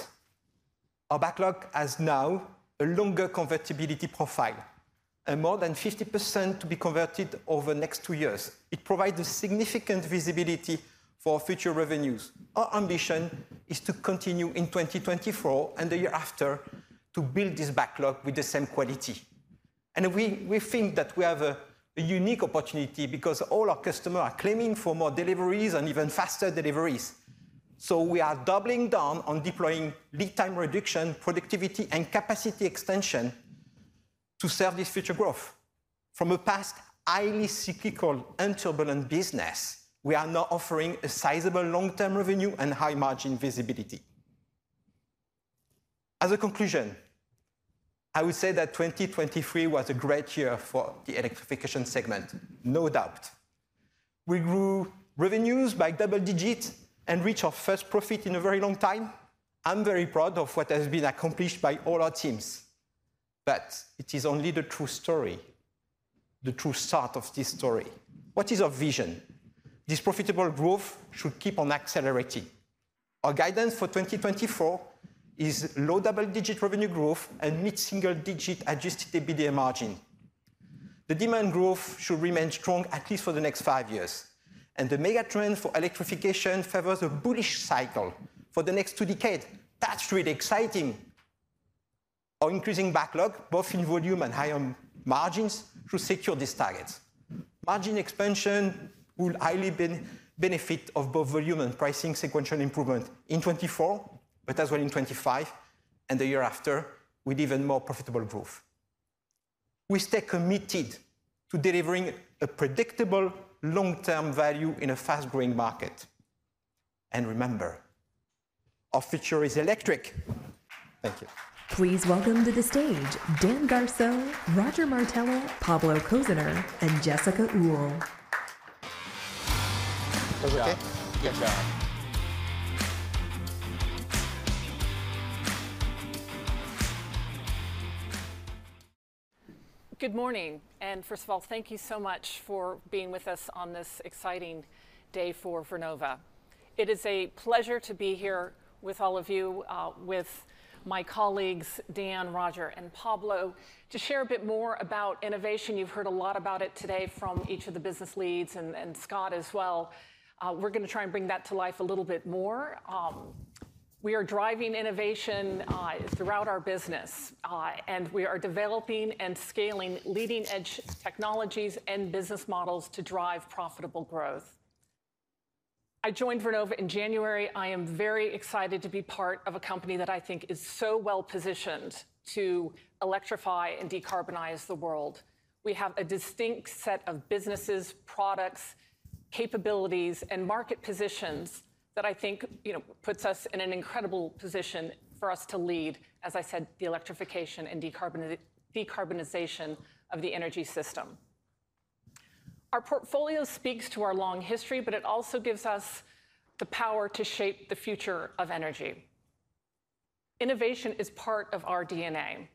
our backlog has now a longer convertibility profile and more than 50% to be converted over the next two years. It provides significant visibility for future revenues. Our ambition is to continue in 2024 and the year after to build this backlog with the same quality. And we think that we have a unique opportunity because all our customers are claiming for more deliveries and even faster deliveries. So we are doubling down on deploying lead time reduction, productivity, and capacity extension to serve this future growth. From a past highly cyclical and turbulent business, we are now offering a sizable long-term revenue and high-margin visibility. As a conclusion, I would say that 2023 was a great year for the Electrification segment, no doubt. We grew revenues by double digits and reached our first profit in a very long time. I'm very proud of what has been accomplished by all our teams. But it is only the true story, the true start of this story. What is our vision? This profitable growth should keep on accelerating. Our guidance for 2024 is low double-digit revenue growth and mid-single-digit adjusted EBITDA margin. The demand growth should remain strong, at least for the next five years. And the mega trend for Electrification favors a bullish cycle for the next two decades. That's really exciting. Our increasing backlog, both in volume and higher margins, should secure these targets. Margin expansion will highly benefit from both volume and pricing sequential improvement in 2024, but as well in 2025 and the year after with even more profitable growth. We stay committed to delivering a predictable long-term value in a fast-growing market. Remember, our future is electric. Thank you. Please welcome to the stage Dan Garceau, Roger Martella, Pablo Koziner, and Jessica Uhl. Is that OK? Yeah. Good job. Good morning. First of all, thank you so much for being with us on this exciting day for Vernova. It is a pleasure to be here with all of you, with my colleagues Dan, Roger, and Pablo, to share a bit more about innovation. You've heard a lot about it today from each of the business leads and Scott as well. We're going to try and bring that to life a little bit more. We are driving innovation throughout our business. We are developing and scaling leading-edge technologies and business models to drive profitable growth. I joined Vernova in January. I am very excited to be part of a company that I think is so well-positioned to electrify and decarbonize the world. We have a distinct set of businesses, products, capabilities, and market positions that I think puts us in an incredible position for us to lead, as I said, the Electrification and decarbonization of the energy system. Our portfolio speaks to our long history, but it also gives us the Power to shape the future of energy. Innovation is part of our DNA.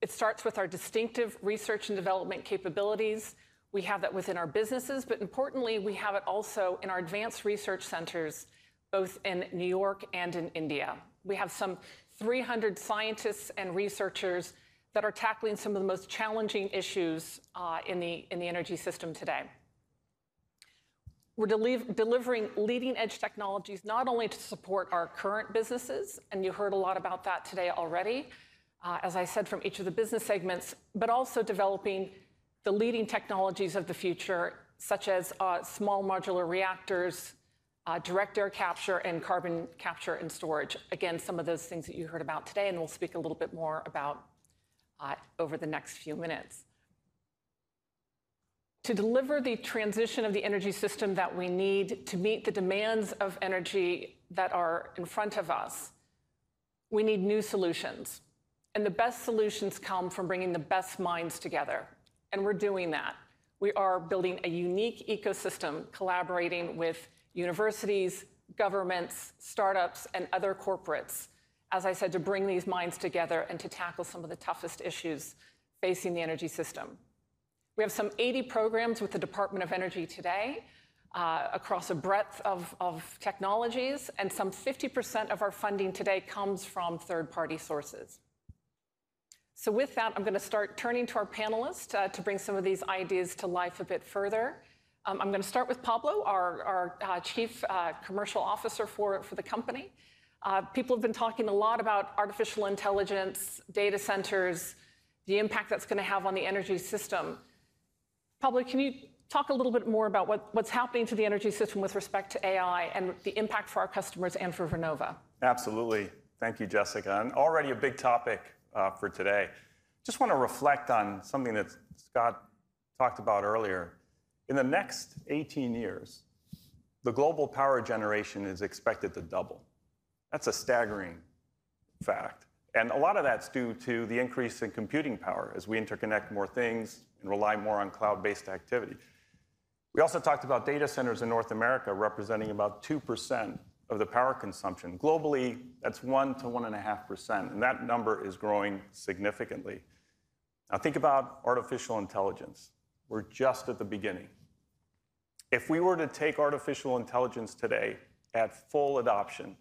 It starts with our distinctive research and development capabilities. We have that within our businesses. But importantly, we have it also in our advanced research centers, both in New York and in India. We have some 300 scientists and researchers that are tackling some of the most challenging issues in the energy system today. We're delivering leading-edge technologies not only to support our current businesses and you heard a lot about that today already, as I said, from each of the business segments but also developing the leading technologies of the future, small modular reactors, direct air capture, and carbon capture and storage, again, some of those things that you heard about today. We'll speak a little bit more about over the next few minutes. To deliver the transition of the energy system that we need to meet the demands of energy that are in front of us, we need new solutions. The best solutions come from bringing the best minds together. We're doing that. We are building a unique ecosystem, collaborating with universities, governments, startups, and other corporates, as I said, to bring these minds together and to tackle some of the toughest issues facing the energy system. We have some 80 programs with the Department of Energy today across a breadth of technologies. Some 50% of our funding today comes from third-party sources. So with that, I'm going to start turning to our panelists to bring some of these ideas to life a bit further. I'm going to start with Pablo, our Chief Commercial Officer for the company. People have been talking a lot about artificial intelligence, data centers, the impact that's going to have on the energy system. Pablo, can you talk a little bit more about what's happening to the energy system with respect to AI and the impact for our customers and for Vernova? Absolutely. Thank you, Jessica. And already a big topic for today. I just want to reflect on something that Scott talked about earlier. In the next 18 years, the global Power generation is expected to double. That's a staggering fact. And a lot of that's due to the increase in computing Power as we interconnect more things and rely more on cloud-based activity. We also talked about data centers in North America representing about 2% of the Power consumption. Globally, that's 1%-1.5%. And that number is growing significantly. Now, think about artificial intelligence. We're just at the beginning. If we were to take artificial intelligence today at full adoption,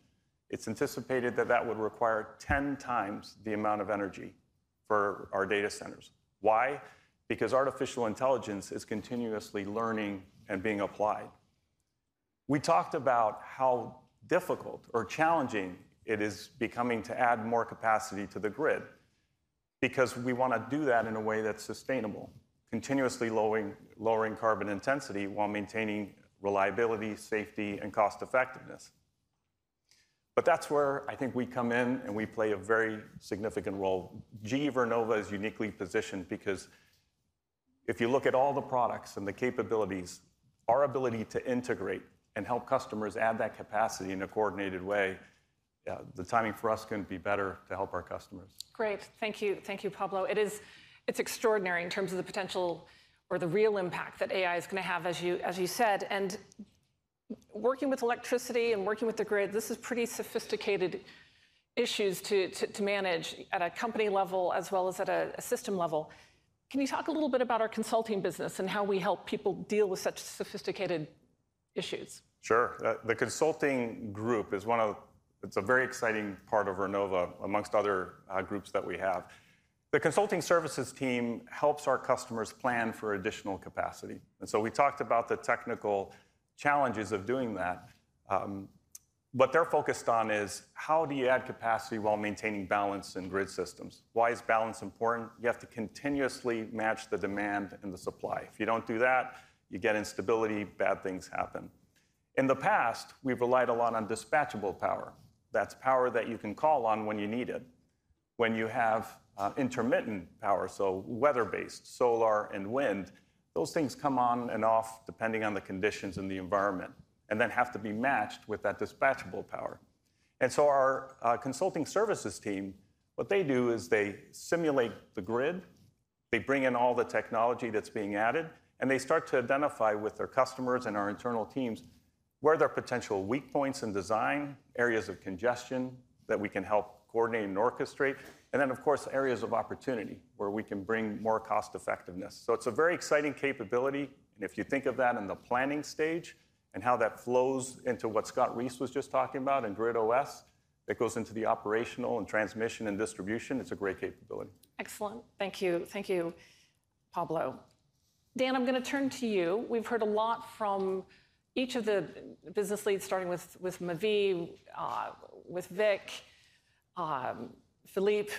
it's anticipated that that would require 10 times the amount of energy for our data centers. Why? Because artificial intelligence is continuously learning and being applied. We talked about how difficult or challenging it is becoming to add more capacity to the Grid because we want to do that in a way that's sustainable, continuously lowering carbon intensity while maintaining reliability, safety, and cost-effectiveness. But that's where I think we come in, and we play a very significant role. GE Vernova is uniquely positioned because if you look at all the products and the capabilities, our ability to integrate and help customers add that capacity in a coordinated way, the timing for us couldn't be better to help our customers. Great. Thank you, Pablo. It's extraordinary in terms of the potential or the real impact that AI is going to have, as you said. Working with electricity and working with the Grid, this is pretty sophisticated issues to manage at a company level as well as at a system level. Can you talk a little bit about our consulting business and how we help people deal with such sophisticated issues? Sure. The consulting group is one of its a very exciting part of Vernova, among other groups that we have. The consulting services team helps our customers plan for additional capacity. So we talked about the technical challenges of doing that. What they're focused on is, how do you add capacity while maintaining balance in Grid systems? Why is balance important? You have to continuously match the demand and the supply. If you don't do that, you get instability. Bad things happen. In the past, we've relied a lot on dispatchable Power. That's Power that you can call on when you need it. When you have intermittent Power, so weather-based, solar, and Wind, those things come on and off depending on the conditions in the environment and then have to be matched with that dispatchable Power. And so our consulting services team, what they do is they simulate the Grid. They bring in all the technology that's being added. And they start to identify with their customers and our internal teams where there are potential weak points in design, areas of congestion that we can help coordinate and orchestrate, and then, of course, areas of opportunity where we can bring more cost-effectiveness. So it's a very exciting capability. And if you think of that in the planning stage and how that flows into what Scott Reese was just talking about in GridOS, it goes into the operational and transmission and distribution. It's a great capability. Excellent. Thank you. Thank you, Pablo. Dan, I'm going to turn to you. We've heard a lot from each of the business leads, starting with Mavi, with Vic, Philippe.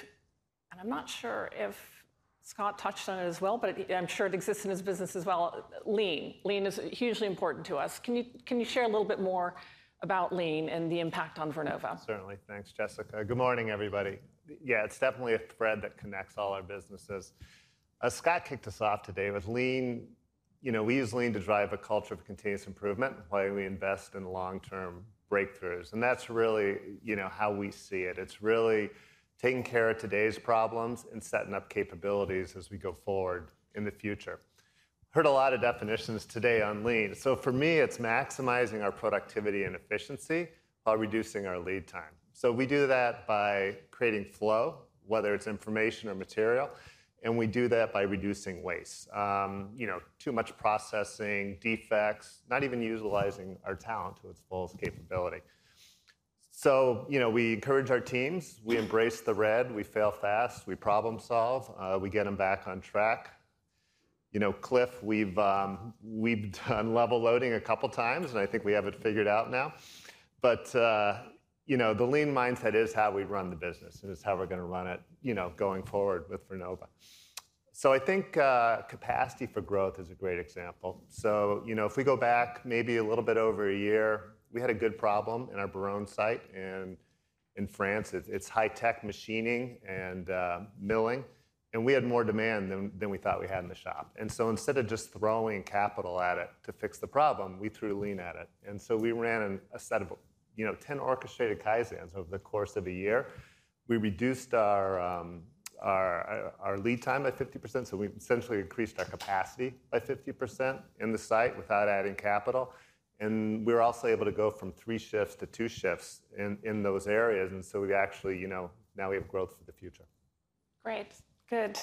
And I'm not sure if Scott touched on it as well, but I'm sure it exists in his business as well. Lean. Lean is hugely important to us. Can you share a little bit more about Lean and the impact on Vernova? Certainly. Thanks, Jessica. Good morning, everybody. Yeah, it's definitely a thread that connects all our businesses. Scott kicked us off today with Lean. We use Lean to drive a culture of continuous improvement while we invest in long-term breakthroughs. And that's really how we see it. It's really taking care of today's problems and setting up capabilities as we go forward in the future. Heard a lot of definitions today on Lean. So for me, it's maximizing our productivity and efficiency while reducing our lead time. So we do that by creating flow, whether it's information or material. And we do that by reducing waste, too much processing, defects, not even utilizing our talent to its fullest capability. So we encourage our teams. We embrace the red. We fail fast. We problem-solve. We get them back on track. Cliff, we've done level loading a couple of times. I think we have it figured out now. The Lean mindset is how we run the business. It's how we're going to run it going forward with Vernova. I think capacity for growth is a great example. If we go back maybe a little bit over a year, we had a good problem in our Belfort site in France. It's high-tech machining and milling. We had more demand than we thought we had in the shop. Instead of just throwing capital at it to fix the problem, we threw Lean at it. We ran a set of 10 orchestrated kaizens over the course of a year. We reduced our lead time by 50%. We essentially increased our capacity by 50% in the site without adding capital. We were also able to go from three shifts to two shifts in those areas. So we actually now we have growth for the future. Great. Good.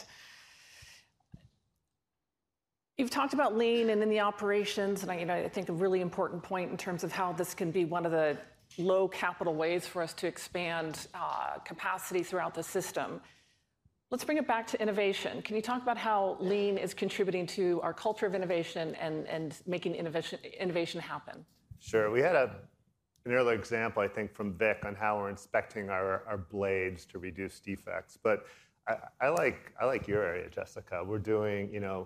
You've talked about Lean and then the operations. I think a really important point in terms of how this can be one of the low-capital ways for us to expand capacity throughout the system. Let's bring it back to innovation. Can you talk about how Lean is contributing to our culture of innovation and making innovation happen? Sure. We had an early example, I think, from Vic on how we're inspecting our blades to reduce defects. But I like your area, Jessica. We're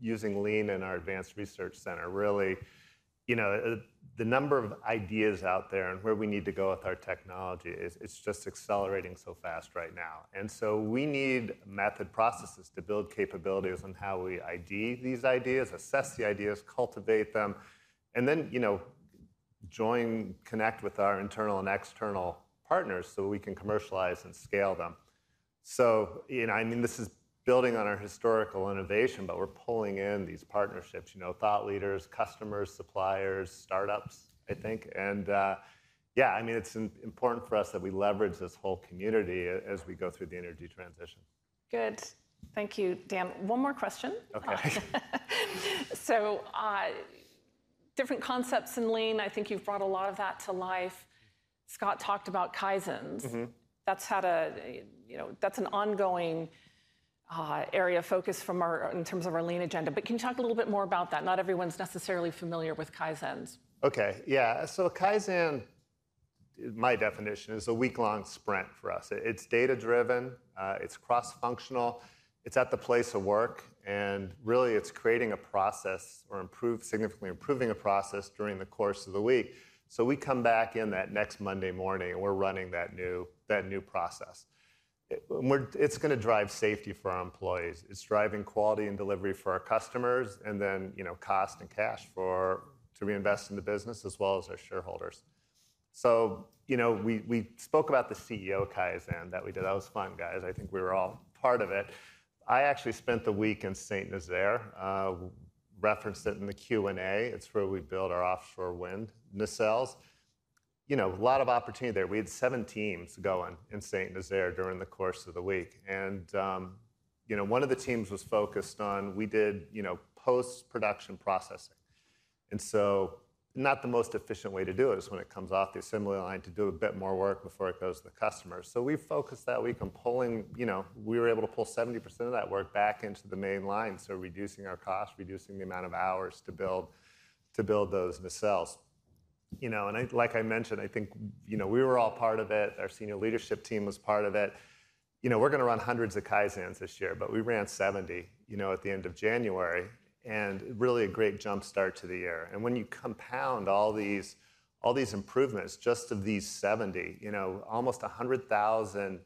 using Lean in our advanced research center, really. The number of ideas out there and where we need to go with our technology, it's just accelerating so fast right now. And so we need method processes to build capabilities on how we ID these ideas, assess the ideas, cultivate them, and then join, connect with our internal and external partners so we can commercialize and scale them. So I mean, this is building on our historical innovation. But we're pulling in these partnerships, thought leaders, customers, suppliers, startups, I think. And yeah, I mean, it's important for us that we leverage this whole community as we go through the energy transition. Good. Thank you, Dan. One more question. OK. So, different concepts in Lean. I think you've brought a lot of that to life. Scott talked about Kaizen. That's an ongoing area of focus in terms of our Lean agenda. But can you talk a little bit more about that? Not everyone's necessarily familiar with Kaizen. OK. Yeah. So Kaizen, my definition, is a week-long sprint for us. It's data-driven. It's cross-functional. It's at the place of work. And really, it's creating a process or significantly improving a process during the course of the week. So we come back in that next Monday morning, and we're running that new process. It's going to drive safety for our employees. It's driving quality and delivery for our customers and then cost and cash to reinvest in the business as well as our shareholders. So we spoke about the CEO Kaizen that we did. That was fun, guys. I think we were all part of it. I actually spent the week in Saint-Nazaire, referenced it in the Q&A. It's where we build our Offshore Wind nacelles. A lot of opportunity there. We had seven teams going in Saint-Nazaire during the course of the week. One of the teams was focused on we did post-production processing. So, not the most efficient way to do it is when it comes off the assembly line to do a bit more work before it goes to the customers. So we focused that week on pulling we were able to pull 70% of that work back into the main line, so reducing our cost, reducing the amount of hours to build those nacelles. And like I mentioned, I think we were all part of it. Our senior leadership team was part of it. We're going to run hundreds of kaizens this year. But we ran 70 at the end of January, and really a great jump start to the year. And when you compound all these improvements just of these 70, almost 100,000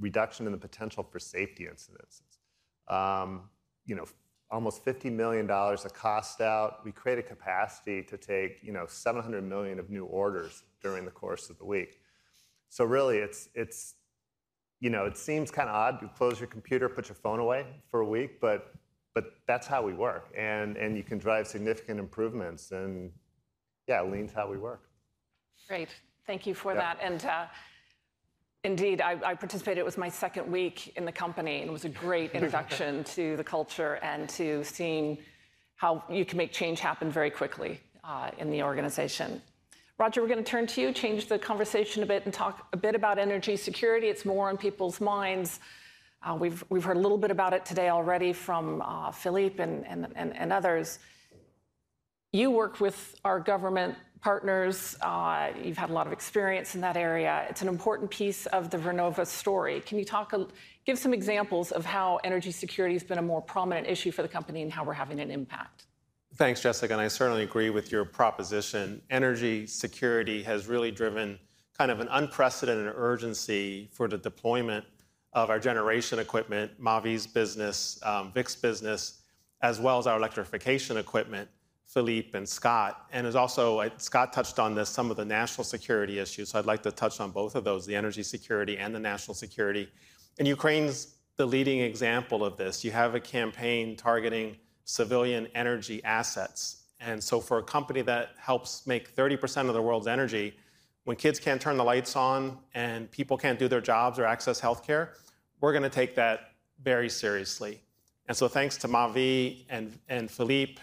reduction in the potential for safety incidents, almost $50 million of cost out. We create a capacity to take $700 million of new orders during the course of the week. So really, it seems kind of odd. You close your computer, put your phone away for a week. But that's how we work. And you can drive significant improvements. And yeah, Lean’s how we work. Great. Thank you for that. And indeed, I participated. It was my second week in the company. And it was a great introduction to the culture and to seeing how you can make change happen very quickly in the organization. Roger, we're going to turn to you, change the conversation a bit, and talk a bit about energy security. It's more on people's minds. We've heard a little bit about it today already from Philippe and others. You work with our government partners. You've had a lot of experience in that area. It's an important piece of the Vernova story. Can you give some examples of how energy security has been a more prominent issue for the company and how we're having an impact? Thanks, Jessica. I certainly agree with your proposition. Energy security has really driven kind of an unprecedented urgency for the deployment of our generation equipment, Mavi's business, Vic's business, as well as our Electrification equipment, Philippe and Scott. Scott touched on this, some of the national security issues. I'd like to touch on both of those, the energy security and the national security. Ukraine's the leading example of this. You have a campaign targeting civilian energy assets. For a company that helps make 30% of the world's energy, when kids can't turn the lights on and people can't do their jobs or access health care, we're going to take that very seriously. Thanks to Mavi and Philippe,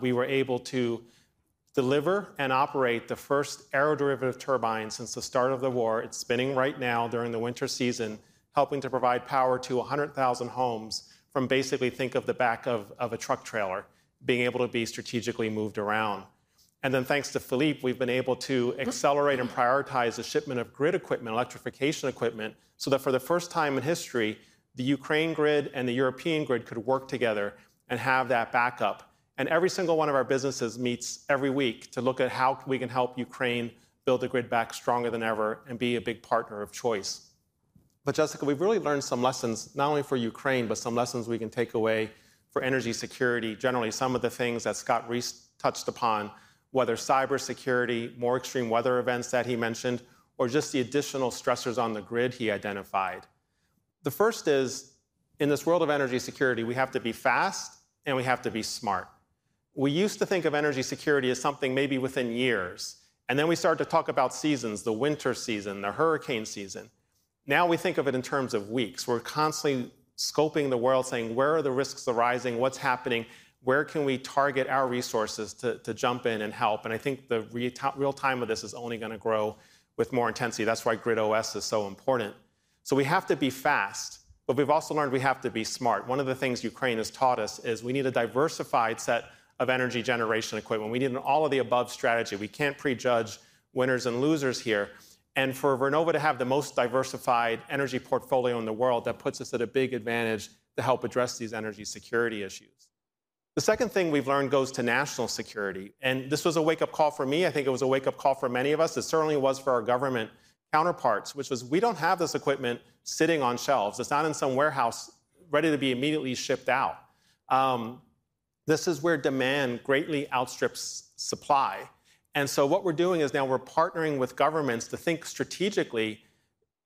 we were able to deliver and operate the first aeroderivative turbine since the start of the war. It's spinning right now during the winter season, helping to provide Power to 100,000 homes from, basically, think of the back of a truck trailer being able to be strategically moved around. And then thanks to Philippe, we've been able to accelerate and prioritize the shipment of Grid equipment, Electrification equipment, so that for the first time in history, the Ukraine Grid and the European Grid could work together and have that backup. And every single one of our businesses meets every week to look at how we can help Ukraine build the Grid back stronger than ever and be a big partner of choice. But Jessica, we've really learned some lessons, not only for Ukraine, but some lessons we can take away for energy security generally, some of the things that Scott Reese touched upon, whether cybersecurity, more extreme weather events that he mentioned, or just the additional stressors on the Grid he identified. The first is, in this world of energy security, we have to be fast. And we have to be smart. We used to think of energy security as something maybe within years. And then we started to talk about seasons, the winter season, the hurricane season. Now we think of it in terms of weeks. We're constantly scoping the world, saying, where are the risks arising? What's happening? Where can we target our resources to jump in and help? And I think the real time of this is only going to grow with more intensity. That's why GridOS is so important. We have to be fast. But we've also learned we have to be smart. One of the things Ukraine has taught us is we need a diversified set of energy generation equipment. We need all of the above strategy. We can't prejudge winners and losers here. And for Vernova to have the most diversified energy portfolio in the world, that puts us at a big advantage to help address these energy security issues. The second thing we've learned goes to national security. This was a wake-up call for me. I think it was a wake-up call for many of us. It certainly was for our government counterparts, which was, we don't have this equipment sitting on shelves. It's not in some warehouse ready to be immediately shipped out. This is where demand greatly outstrips supply. And so what we're doing is now we're partnering with governments to think strategically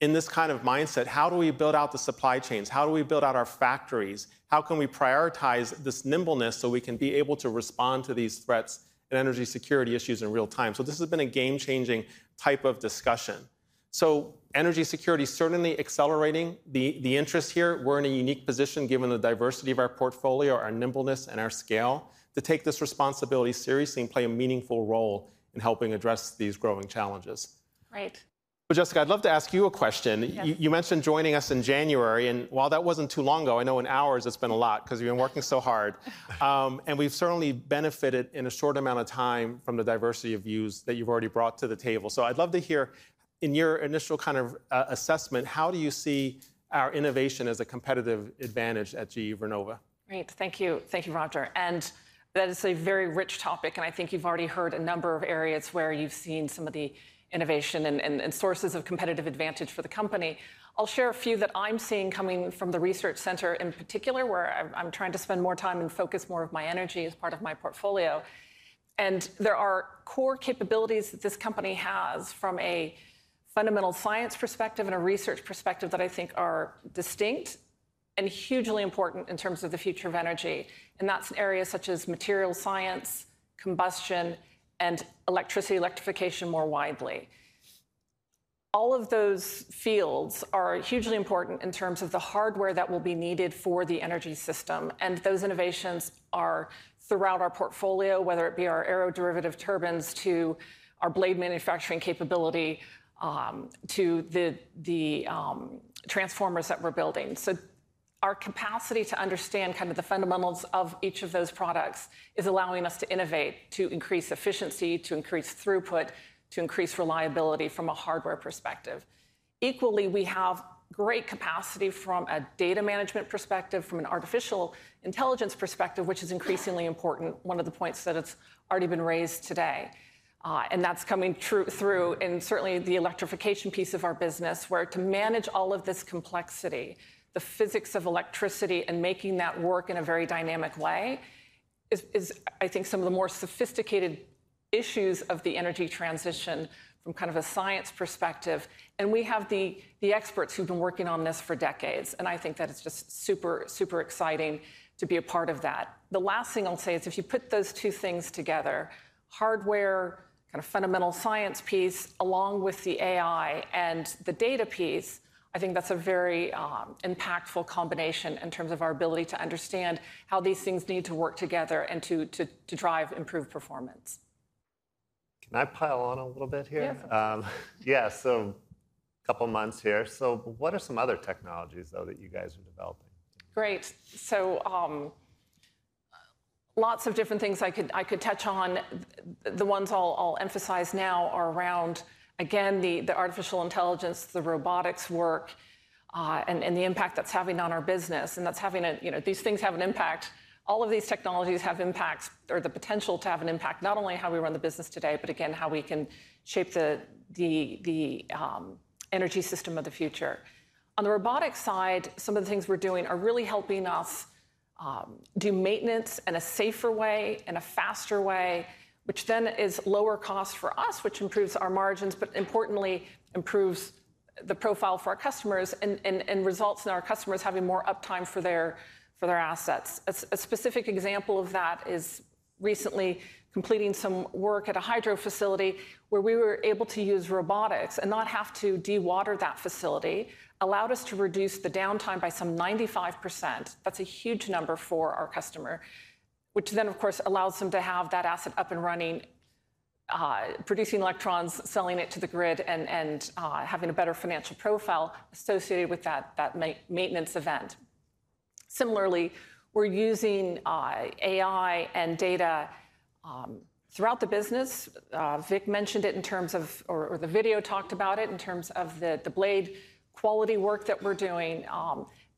in this kind of mindset. How do we build out the supply chains? How do we build out our factories? How can we prioritize this nimbleness so we can be able to respond to these threats and energy security issues in real time? So this has been a game-changing type of discussion. So energy security certainly accelerating the interest here. We're in a unique position given the diversity of our portfolio, our nimbleness, and our scale to take this responsibility seriously and play a meaningful role in helping address these growing challenges. Great. Jessica, I'd love to ask you a question. You mentioned joining us in January. And while that wasn't too long ago, I know in hours, it's been a lot because you've been working so hard. And we've certainly benefited in a short amount of time from the diversity of views that you've already brought to the table. So I'd love to hear, in your initial kind of assessment, how do you see our innovation as a competitive advantage at GE Vernova? Great. Thank you. Thank you, Roger. And that is a very rich topic. And I think you've already heard a number of areas where you've seen some of the innovation and sources of competitive advantage for the company. I'll share a few that I'm seeing coming from the research center in particular, where I'm trying to spend more time and focus more of my energy as part of my portfolio. And there are core capabilities that this company has from a fundamental science perspective and a research perspective that I think are distinct and hugely important in terms of the future of energy. And that's in areas such as material science, combustion, and electricity, Electrification more widely. All of those fields are hugely important in terms of the hardware that will be needed for the energy system. Those innovations are throughout our portfolio, whether it be our aeroderivative turbines to our blade manufacturing capability to the transformers that we're building. So our capacity to understand kind of the fundamentals of each of those products is allowing us to innovate, to increase efficiency, to increase throughput, to increase reliability from a hardware perspective. Equally, we have great capacity from a data management perspective, from an artificial intelligence perspective, which is increasingly important, one of the points that has already been raised today. That's coming through in certainly the Electrification piece of our business, where to manage all of this complexity, the physics of electricity, and making that work in a very dynamic way is, I think, some of the more sophisticated issues of the energy transition from kind of a science perspective. We have the experts who've been working on this for decades. I think that it's just super, super exciting to be a part of that. The last thing I'll say is, if you put those two things together, hardware, kind of fundamental science piece, along with the AI and the data piece, I think that's a very impactful combination in terms of our ability to understand how these things need to work together and to drive improved performance. Can I pile on a little bit here? Yes. Yeah. So a couple of months here. So what are some other technologies, though, that you guys are developing? Great. So lots of different things I could touch on. The ones I'll emphasize now are around, again, the artificial intelligence, the robotics work, and the impact that's having on our business. And these things have an impact. All of these technologies have impacts or the potential to have an impact, not only how we run the business today, but again, how we can shape the energy system of the future. On the robotics side, some of the things we're doing are really helping us do maintenance in a safer way and a faster way, which then is lower cost for us, which improves our margins, but importantly, improves the profile for our customers and results in our customers having more uptime for their assets. A specific example of that is recently completing some work at a hydro facility, where we were able to use robotics and not have to dewater that facility, allowed us to reduce the downtime by some 95%. That's a huge number for our customer, which then, of course, allows them to have that asset up and running, producing electrons, selling it to the Grid, and having a better financial profile associated with that maintenance event. Similarly, we're using AI and data throughout the business. Vic mentioned it in terms of or the video talked about it in terms of the blade quality work that we're doing.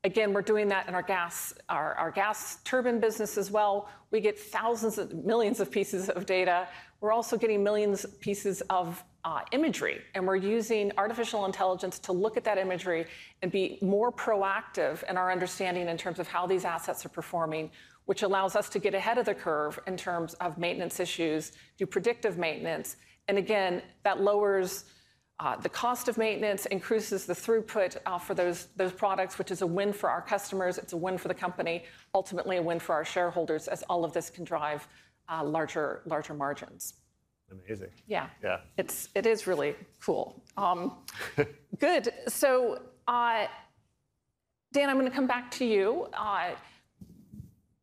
Again, we're doing that in our gas turbine business as well. We get thousands of millions of pieces of data. We're also getting millions of pieces of imagery. We're using artificial intelligence to look at that imagery and be more proactive in our understanding in terms of how these assets are performing, which allows us to get ahead of the curve in terms of maintenance issues, do predictive maintenance. And again, that lowers the cost of maintenance, increases the throughput for those products, which is a win for our customers. It's a win for the company, ultimately a win for our shareholders, as all of this can drive larger margins. Amazing. Yeah Yeah. It is really cool. Good. So Dan, I'm going to come back to you.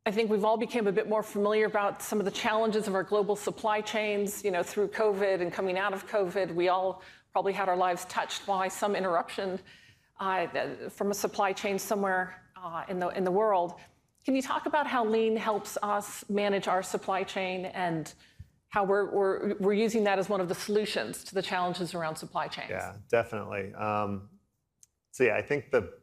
I think we've all become a bit more familiar about some of the challenges of our global supply chains through COVID and coming out of COVID. We all probably had our lives touched by some interruption from a supply chain somewhere in the world. Can you talk about how Lean helps us manage our supply chain and how we're using that as one of the solutions to the challenges around supply chains? Yeah, definitely. So yeah, I think the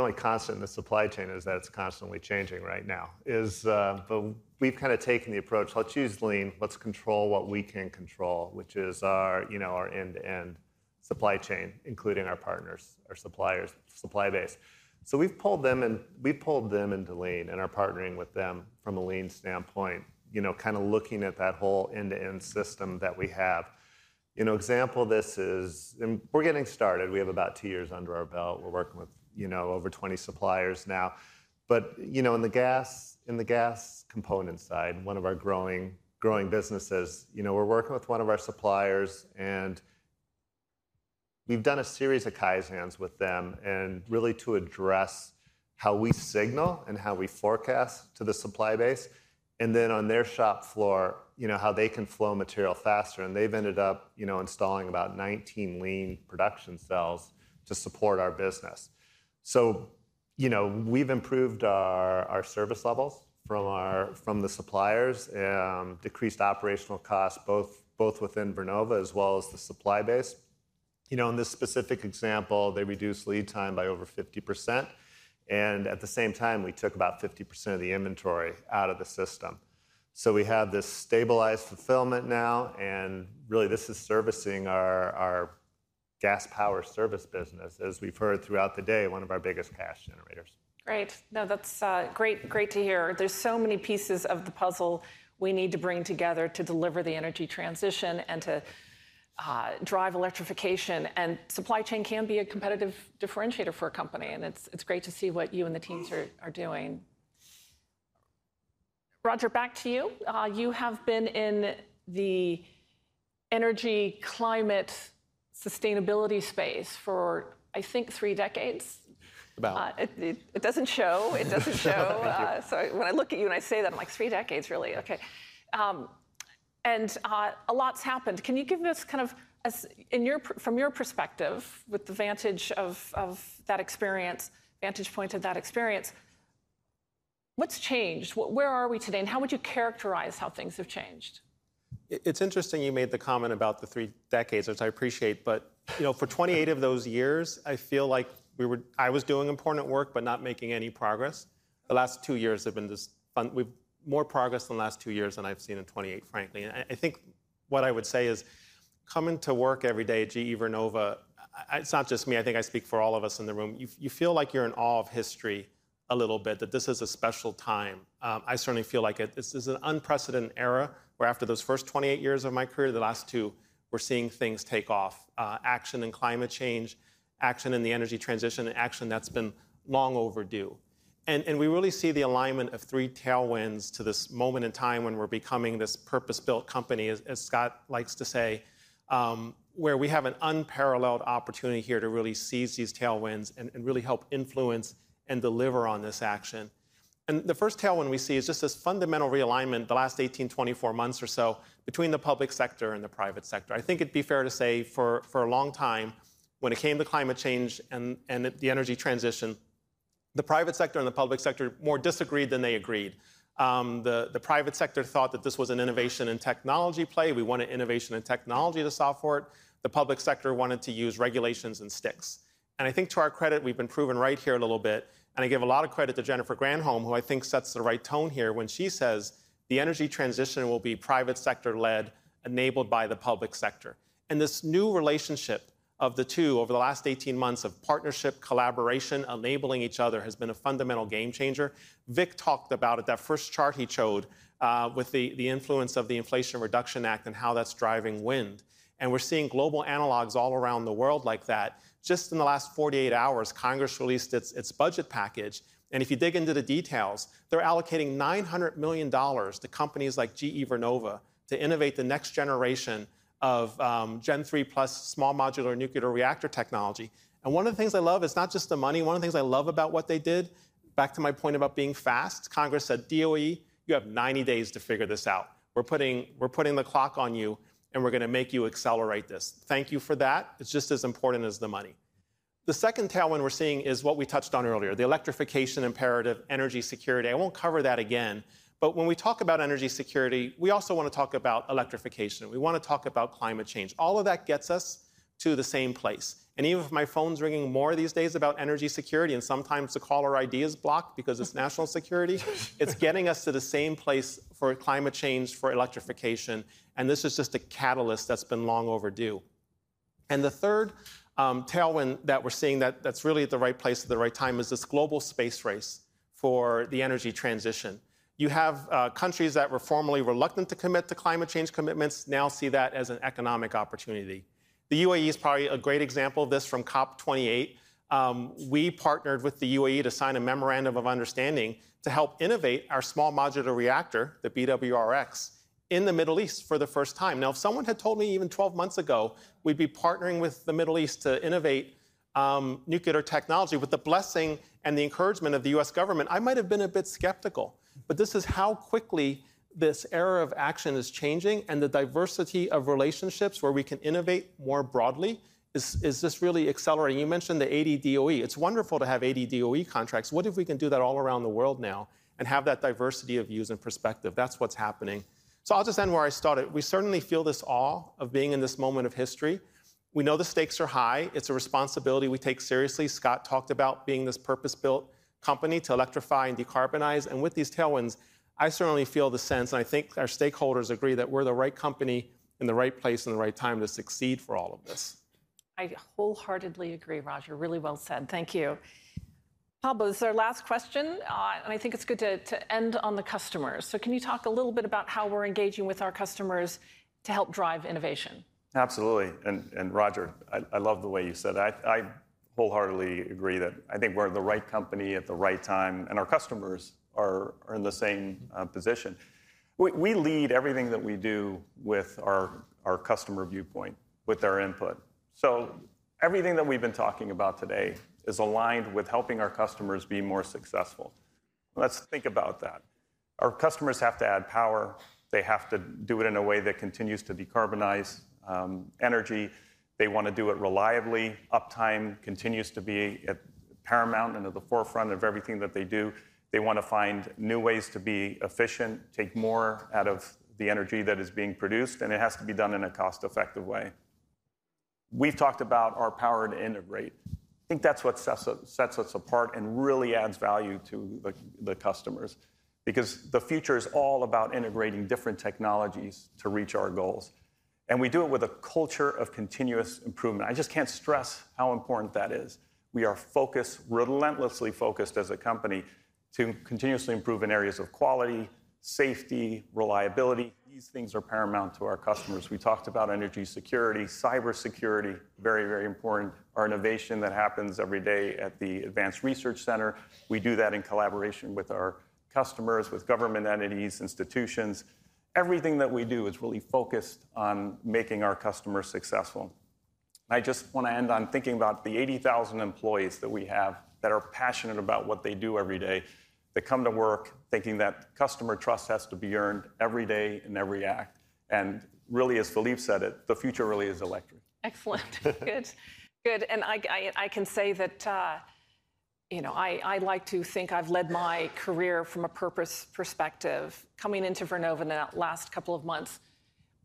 only constant in the supply chain is that it's constantly changing right now. But we've kind of taken the approach, let's use Lean. Let's control what we can control, which is our end-to-end supply chain, including our partners, our suppliers, supply base. So we've pulled them into Lean. And our partnering with them from a Lean standpoint, kind of looking at that whole end-to-end system that we have. Example of this is, and we're getting started. We have about two years under our belt. We're working with over 20 suppliers now. But in the gas component side, one of our growing businesses, we're working with one of our suppliers. We've done a series of kaizens with them and really to address how we signal and how we forecast to the supply base and then on their shop floor, how they can flow material faster. They've ended up installing about 19 Lean production cells to support our business. We've improved our service levels from the suppliers, decreased operational costs both within Vernova as well as the supply base. In this specific example, they reduced lead time by over 50%. At the same time, we took about 50% of the inventory out of the system. We have this stabilized fulfillment now. Really, this is servicing our Gas Power service business, as we've heard throughout the day, one of our biggest cash generators. Great. No, that's great to hear. There's so many pieces of the puzzle we need to bring together to deliver the energy transition and to drive Electrification. And supply chain can be a competitive differentiator for a company. And it's great to see what you and the teams are doing. Roger, back to you. You have been in the energy climate sustainability space for, I think, three decades. About. It doesn't show. It doesn't show. So when I look at you and I say that, I'm like, three decades, really? OK. And a lot's happened. Can you give us kind of, from your perspective, with the vantage of that experience, vantage point of that experience, what's changed? Where are we today? And how would you characterize how things have changed? It's interesting you made the comment about the three decades, which I appreciate. But for 28 of those years, I feel like I was doing important work but not making any progress. The last two years have been this fun. We've more progress in the last two years than I've seen in 28, frankly. I think what I would say is, coming to work every day at GE Vernova, it's not just me. I think I speak for all of us in the room. You feel like you're in awe of history a little bit, that this is a special time. I certainly feel like it. This is an unprecedented era where, after those first 28 years of my career, the last two, we're seeing things take off, action in climate change, action in the energy transition, and action that's been long overdue. And we really see the alignment of three tailwinds to this moment in time when we're becoming this purpose-built company, as Scott likes to say, where we have an unparalleled opportunity here to really seize these tailwinds and really help influence and deliver on this action. And the first tailWind we see is just this fundamental realignment, the last 18-24 months or so, between the public sector and the private sector. I think it'd be fair to say, for a long time, when it came to climate change and the energy transition, the private sector and the public sector more disagreed than they agreed. The private sector thought that this was an innovation and technology play. We wanted innovation and technology to solve for it. The public sector wanted to use regulations and sticks. And I think, to our credit, we've been proven right here a little bit. I give a lot of credit to Jennifer Granholm, who I think sets the right tone here when she says, "the energy transition will be private sector-led, enabled by the public sector." This new relationship of the two over the last 18 months of partnership, collaboration, enabling each other has been a fundamental game changer. Vic talked about it. That first chart he showed with the influence Inflation Reduction Act and how that's driving Wind. We're seeing global analogs all around the world like that. Just in the last 48 hours, Congress released its budget package. If you dig into the details, they're allocating $900 million to companies like GE Vernova to innovate the next generation of Gen 3+ small modular Nuclear reactor technology. One of the things I love is not just the money. One of the things I love about what they did, back to my point about being fast, Congress said, DOE, you have 90 days to figure this out. We're putting the clock on you. And we're going to make you accelerate this. Thank you for that. It's just as important as the money. The second tailWind we're seeing is what we touched on earlier, the Electrification imperative, energy security. I won't cover that again. But when we talk about energy security, we also want to talk about Electrification. We want to talk about climate change. All of that gets us to the same place. And even if my phone's ringing more these days about energy security and sometimes the caller ID is blocked because it's national security, it's getting us to the same place for climate change, for Electrification. And this is just a catalyst that's been long overdue. And the third tailWind that we're seeing that's really at the right place at the right time is this global space race for the energy transition. You have countries that were formerly reluctant to commit to climate change commitments now see that as an economic opportunity. The UAE is probably a great example of this from COP 28. We partnered with the UAE to sign a memorandum of understanding to help small modular reactor, the BWRX, in the Middle East for the first time. Now, if someone had told me even 12 months ago we'd be partnering with the Middle East to innovate Nuclear technology, with the blessing and the encouragement of the U.S. government, I might have been a bit skeptical. But this is how quickly this era of action is changing. And the diversity of relationships where we can innovate more broadly is just really accelerating. You mentioned the 80 DOE. It's wonderful to have 80 DOE contracts. What if we can do that all around the world now and have that diversity of views and perspective? That's what's happening. I'll just end where I started. We certainly feel this awe of being in this moment of history. We know the stakes are high. It's a responsibility we take seriously. Scott talked about being this purpose-built company to electrify and decarbonize. With these tailwinds, I certainly feel the sense. I think our stakeholders agree that we're the right company in the right place in the right time to succeed for all of this. I wholeheartedly agree, Roger. Really well said. Thank you. Pablo, this is our last question. I think it's good to end on the customers. Can you talk a little bit about how we're engaging with our customers to help drive innovation? Absolutely. And Roger, I love the way you said it. I wholeheartedly agree that I think we're the right company at the right time. And our customers are in the same position. We lead everything that we do with our customer viewpoint, with our input. So everything that we've been talking about today is aligned with helping our customers be more successful. Let's think about that. Our customers have to add Power. They have to do it in a way that continues to decarbonize energy. They want to do it reliably. Uptime continues to be at paramount and at the forefront of everything that they do. They want to find new ways to be efficient, take more out of the energy that is being produced. And it has to be done in a cost-effective way. We've talked about our Power to integrate. I think that's what sets us apart and really adds value to the customers because the future is all about integrating different technologies to reach our goals. We do it with a culture of continuous improvement. I just can't stress how important that is. We are relentlessly focused as a company to continuously improve in areas of quality, safety, reliability. These things are paramount to our customers. We talked about energy security, cybersecurity, very, very important, our innovation that happens every day at the Advanced Research Center. We do that in collaboration with our customers, with government entities, institutions. Everything that we do is really focused on making our customers successful. I just want to end on thinking about the 80,000 employees that we have that are passionate about what they do every day, that come to work thinking that customer trust has to be earned every day in every act. Really, as Philippe said it, the future really is electric. Excellent. Good. Good. I can say that I like to think I've led my career from a purpose perspective. Coming into Vernova in the last couple of months,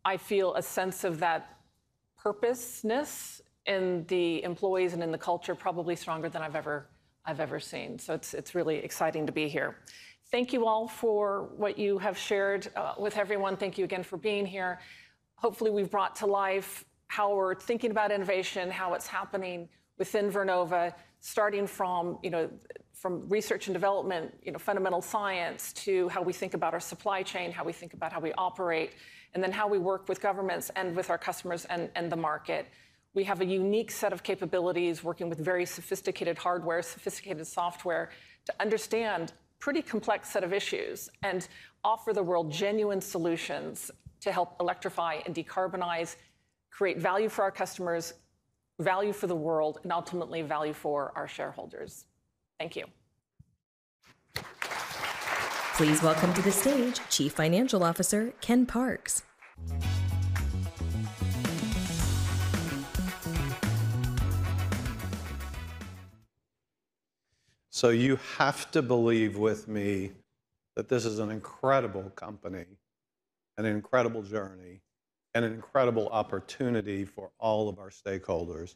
I feel a sense of that purposeness in the employees and in the culture probably stronger than I've ever seen. So it's really exciting to be here. Thank you all for what you have shared with everyone. Thank you again for being here. Hopefully, we've brought to life how we're thinking about innovation, how it's happening within Vernova, starting from research and development, fundamental science, to how we think about our supply chain, how we think about how we operate, and then how we work with governments and with our customers and the market. We have a unique set of capabilities working with very sophisticated hardware, sophisticated software to understand a pretty complex set of issues and offer the world genuine solutions to help electrify and decarbonize, create value for our customers, value for the world, and ultimately value for our shareholders. Thank you. Please welcome to the stage Chief Financial Officer Ken Parks. So you have to believe with me that this is an incredible company, an incredible journey, and an incredible opportunity for all of our stakeholders.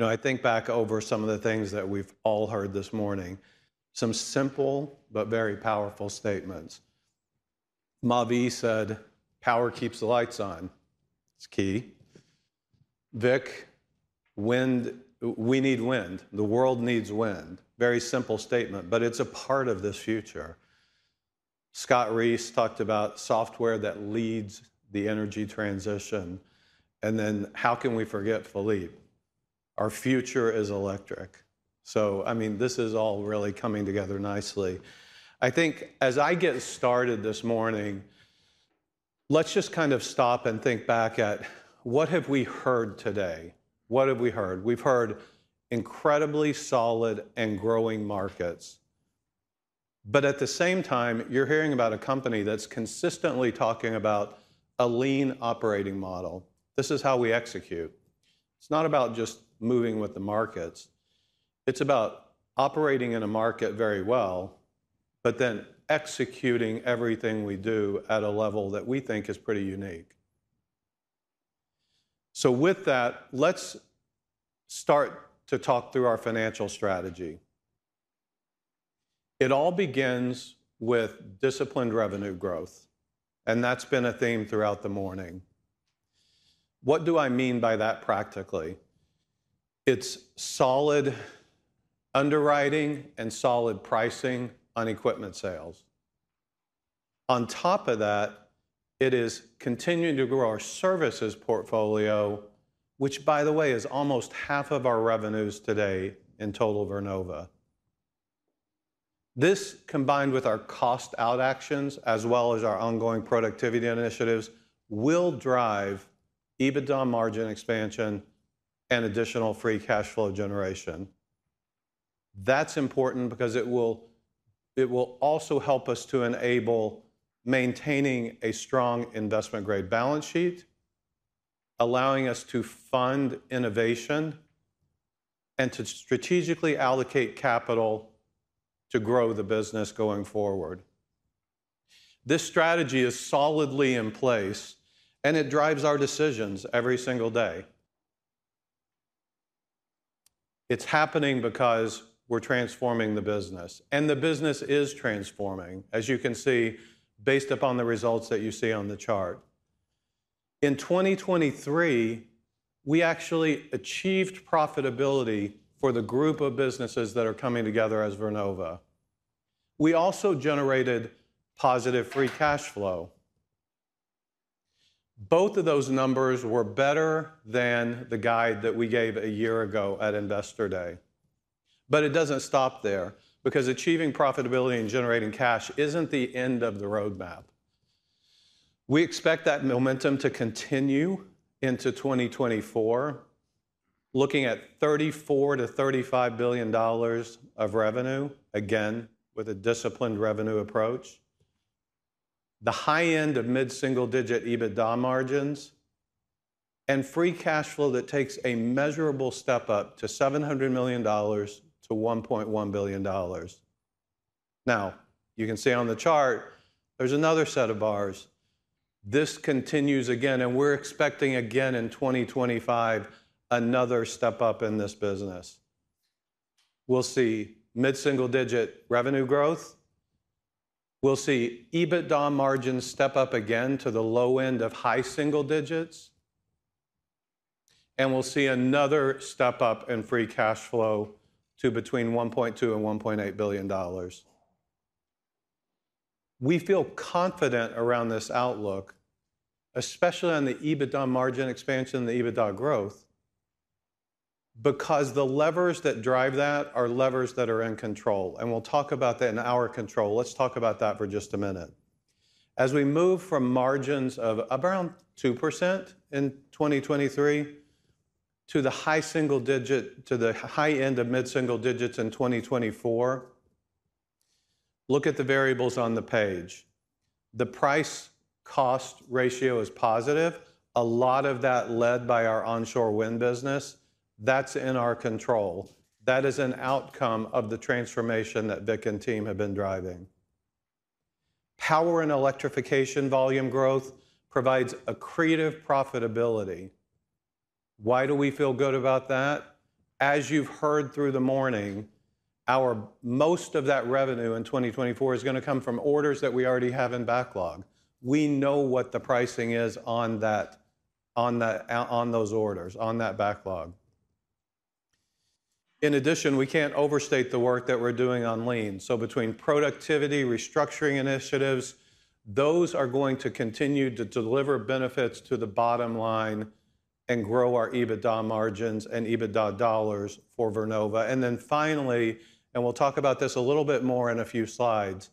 I think back over some of the things that we've all heard this morning, some simple but very Powerful statements. Mavi said, Power keeps the lights on. It's key. Vic, Wind we need Wind. The world needs Wind. Very simple statement. But it's a part of this future. Scott Reese talked about software that leads the energy transition. And then how can we forget, Philippe? Our future is electric. So I mean, this is all really coming together nicely. I think, as I get started this morning, let's just kind of stop and think back at what have we heard today? What have we heard? We've heard incredibly solid and growing markets. But at the same time, you're hearing about a company that's consistently talking about a lean operating model. This is how we execute. It's not about just moving with the markets. It's about operating in a market very well but then executing everything we do at a level that we think is pretty unique. So with that, let's start to talk through our financial strategy. It all begins with disciplined revenue growth. And that's been a theme throughout the morning. What do I mean by that practically? It's solid underwriting and solid pricing on equipment sales. On top of that, it is continuing to grow our services portfolio, which, by the way, is almost half of our revenues today in total Vernova. This, combined with our cost-out actions as well as our ongoing productivity initiatives, will drive EBITDA margin expansion and additional free cash flow generation. That's important because it will also help us to enable maintaining a strong investment-grade balance sheet, allowing us to fund innovation, and to strategically allocate capital to grow the business going forward. This strategy is solidly in place. It drives our decisions every single day. It's happening because we're transforming the business. The business is transforming, as you can see, based upon the results that you see on the chart. In 2023, we actually achieved profitability for the group of businesses that are coming together as Vernova. We also generated positive free cash flow. Both of those numbers were better than the guide that we gave a year ago at Investor Day. It doesn't stop there because achieving profitability and generating cash isn't the end of the roadmap. We expect that momentum to continue into 2024, looking at $34 billion-$35 billion of revenue, again, with a disciplined revenue approach, the high end of mid-single-digit EBITDA margins, and free cash flow that takes a measurable step up to $700 million-$1.1 billion. Now, you can see on the chart, there's another set of bars. This continues again. We're expecting, again, in 2025, another step up in this business. We'll see mid-single-digit revenue growth. We'll see EBITDA margins step up again to the low end of high single digits. And we'll see another step up in free cash flow to between $1.2 billion-$1.8 billion. We feel confident around this outlook, especially on the EBITDA margin expansion and the EBITDA growth, because the levers that drive that are levers that are in control. And we'll talk about that in our control. Let's talk about that for just a minute. As we move from margins of around 2% in 2023 to the high single digit to the high end of mid-single digits in 2024, look at the variables on the page. The price-cost ratio is positive. A lot of that led by our Onshore Wind business. That's in our control. That is an outcome of the transformation that Vic and team have been driving. Power and Electrification volume growth provides accretive profitability. Why do we feel good about that? As you've heard through the morning, most of that revenue in 2024 is going to come from orders that we already have in backlog. We know what the pricing is on those orders, on that backlog. In addition, we can't overstate the work that we're doing on lean. So between productivity, restructuring initiatives, those are going to continue to deliver benefits to the bottom line and grow our EBITDA margins and EBITDA dollars for Vernova. And then finally, and we'll talk about this a little bit more in a few slides,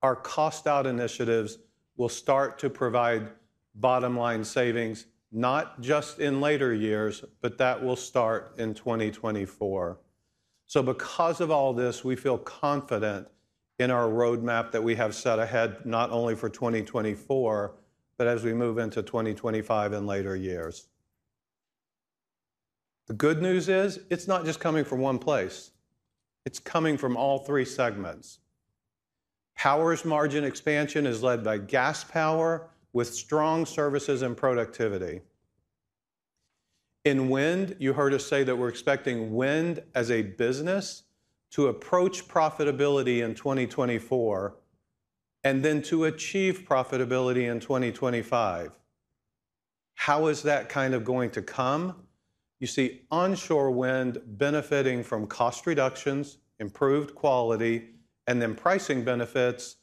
our cost-out initiatives will start to provide bottom-line savings, not just in later years, but that will start in 2024. So because of all this, we feel confident in our roadmap that we have set ahead not only for 2024 but as we move into 2025 and later years. The good news is it's not just coming from one place. It's coming from all three segments. Power's margin expansion is led by Gas Power with strong services and productivity. In Wind, you heard us say that we're expecting Wind as a business to approach profitability in 2024 and then to achieve profitability in 2025. How is that kind of going to come? You see Onshore Wind benefiting from cost reductions, improved quality, and then pricing benefits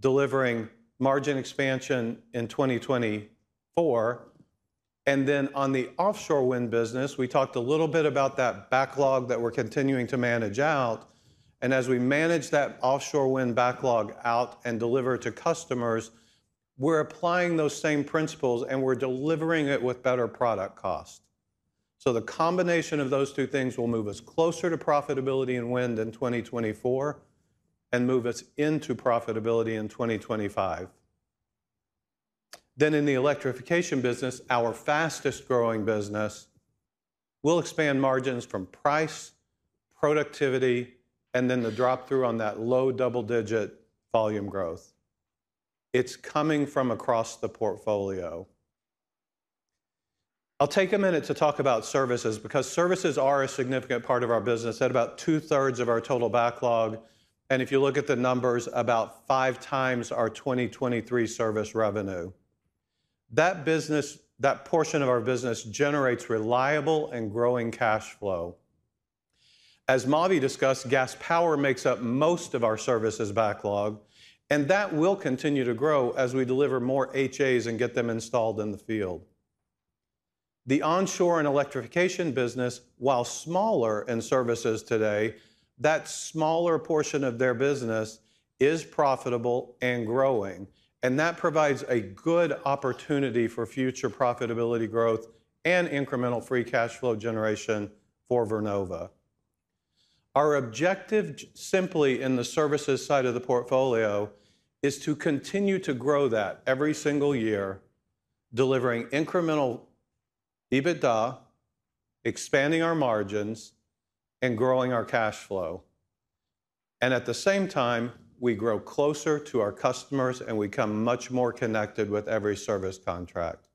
delivering margin expansion in 2024. And then on the Offshore Wind business, we talked a little bit about that backlog that we're continuing to manage out. And as we manage that Offshore Wind backlog out and deliver to customers, we're applying those same principles. And we're delivering it with better product cost. So the combination of those two things will move us closer to profitability in Wind in 2024 and move us into profitability in 2025. Then in the Electrification business, our fastest-growing business, we'll expand margins from price, productivity, and then the drop-through on that low double-digit volume growth. It's coming from across the portfolio. I'll take a minute to talk about services because services are a significant part of our business. At about two-thirds of our total backlog, and if you look at the numbers, about 5 times our 2023 service revenue. That portion of our business generates reliable and growing cash flow. As Mavi discussed, Gas Power makes up most of our services backlog. That will continue to grow as we deliver more HAs and get them installed in the field. The onshore and Electrification business, while smaller in services today, that smaller portion of their business is profitable and growing. That provides a good opportunity for future profitability growth and incremental free cash flow generation for Vernova. Our objective, simply in the services side of the portfolio, is to continue to grow that every single year, delivering incremental EBITDA, expanding our margins, and growing our cash flow. At the same time, we grow closer to our customers. And we come much more connected with every service contract.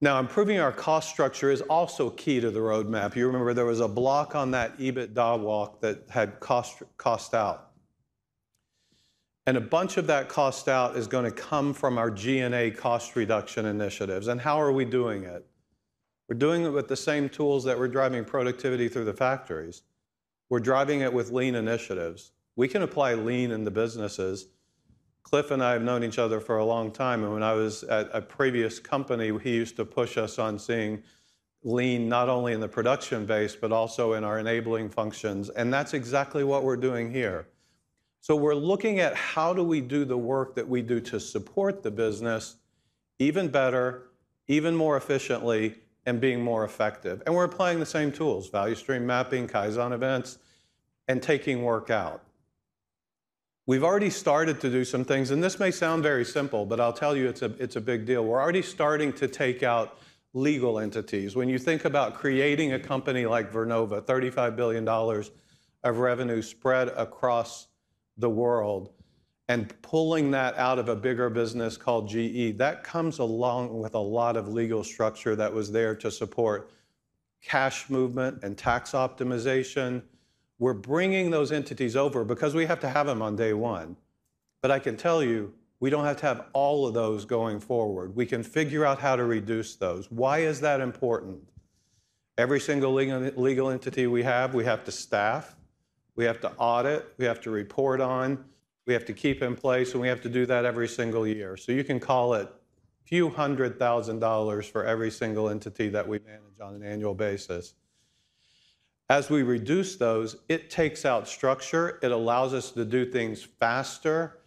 Now, improving our cost structure is also key to the roadmap. You remember there was a block on that EBITDA walk that had cost out. And a bunch of that cost out is going to come from our G&A cost reduction initiatives. And how are we doing it? We're doing it with the same tools that we're driving productivity through the factories. We're driving it with lean initiatives. We can apply lean in the businesses. Cliff and I have known each other for a long time. And when I was at a previous company, he used to push us on seeing lean not only in the production base but also in our enabling functions. And that's exactly what we're doing here. So we're looking at how do we do the work that we do to support the business even better, even more efficiently, and being more effective. And we're applying the same tools: value stream mapping, Kaizen events, and taking work out. We've already started to do some things. And this may sound very simple. But I'll tell you, it's a big deal. We're already starting to take out legal entities. When you think about creating a company like Vernova, $35 billion of revenue spread across the world, and pulling that out of a bigger business called GE, that comes along with a lot of legal structure that was there to support cash movement and tax optimization. We're bringing those entities over because we have to have them on day one. But I can tell you, we don't have to have all of those going forward. We can figure out how to reduce those. Why is that important? Every single legal entity we have, we have to staff. We have to audit. We have to report on. We have to keep in place. And we have to do that every single year. So you can call it a few $100,000 for every single entity that we manage on an annual basis. As we reduce those, it takes out structure. It allows us to do things faster.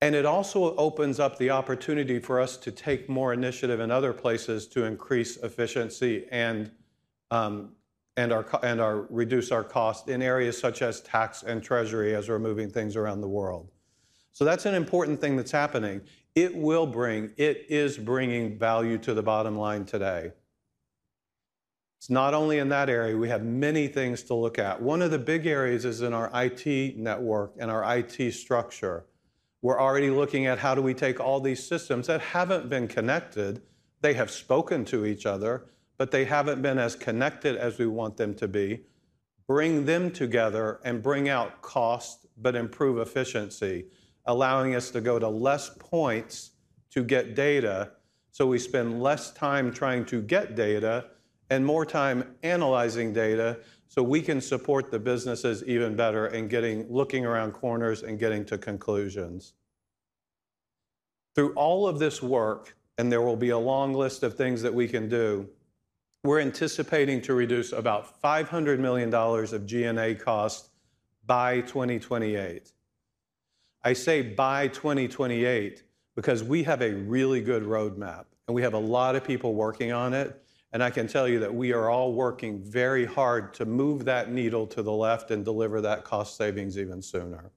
And it also opens up the opportunity for us to take more initiative in other places to increase efficiency and reduce our cost in areas such as tax and treasury as we're moving things around the world. So that's an important thing that's happening. It will bring it is bringing value to the bottom line today. It's not only in that area. We have many things to look at. One of the big areas is in our IT network and our IT structure. We're already looking at how do we take all these systems that haven't been connected. They have spoken to each other. But they haven't been as connected as we want them to be, bring them together, and bring out cost but improve efficiency, allowing us to go to less points to get data. So we spend less time trying to get data and more time analyzing data so we can support the businesses even better in looking around corners and getting to conclusions. Through all of this work, and there will be a long list of things that we can do, we're anticipating to reduce about $500 million of G&A cost by 2028. I say by 2028 because we have a really good roadmap. We have a lot of people working on it. I can tell you that we are all working very hard to move that needle to the left and deliver that cost savings even sooner.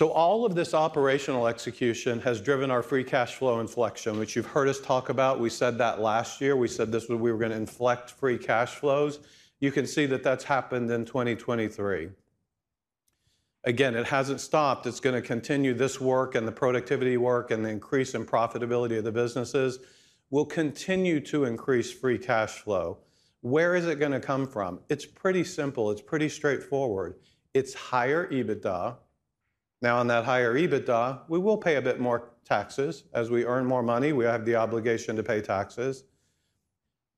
All of this operational execution has driven our free cash flow inflection, which you've heard us talk about. We said that last year. We said we were going to inflect free cash flows. You can see that that's happened in 2023. Again, it hasn't stopped. It's going to continue. This work and the productivity work and the increase in profitability of the businesses will continue to increase free cash flow. Where is it going to come from? It's pretty simple. It's pretty straightforward. It's higher EBITDA. Now, on that higher EBITDA, we will pay a bit more taxes as we earn more money. We have the obligation to pay taxes.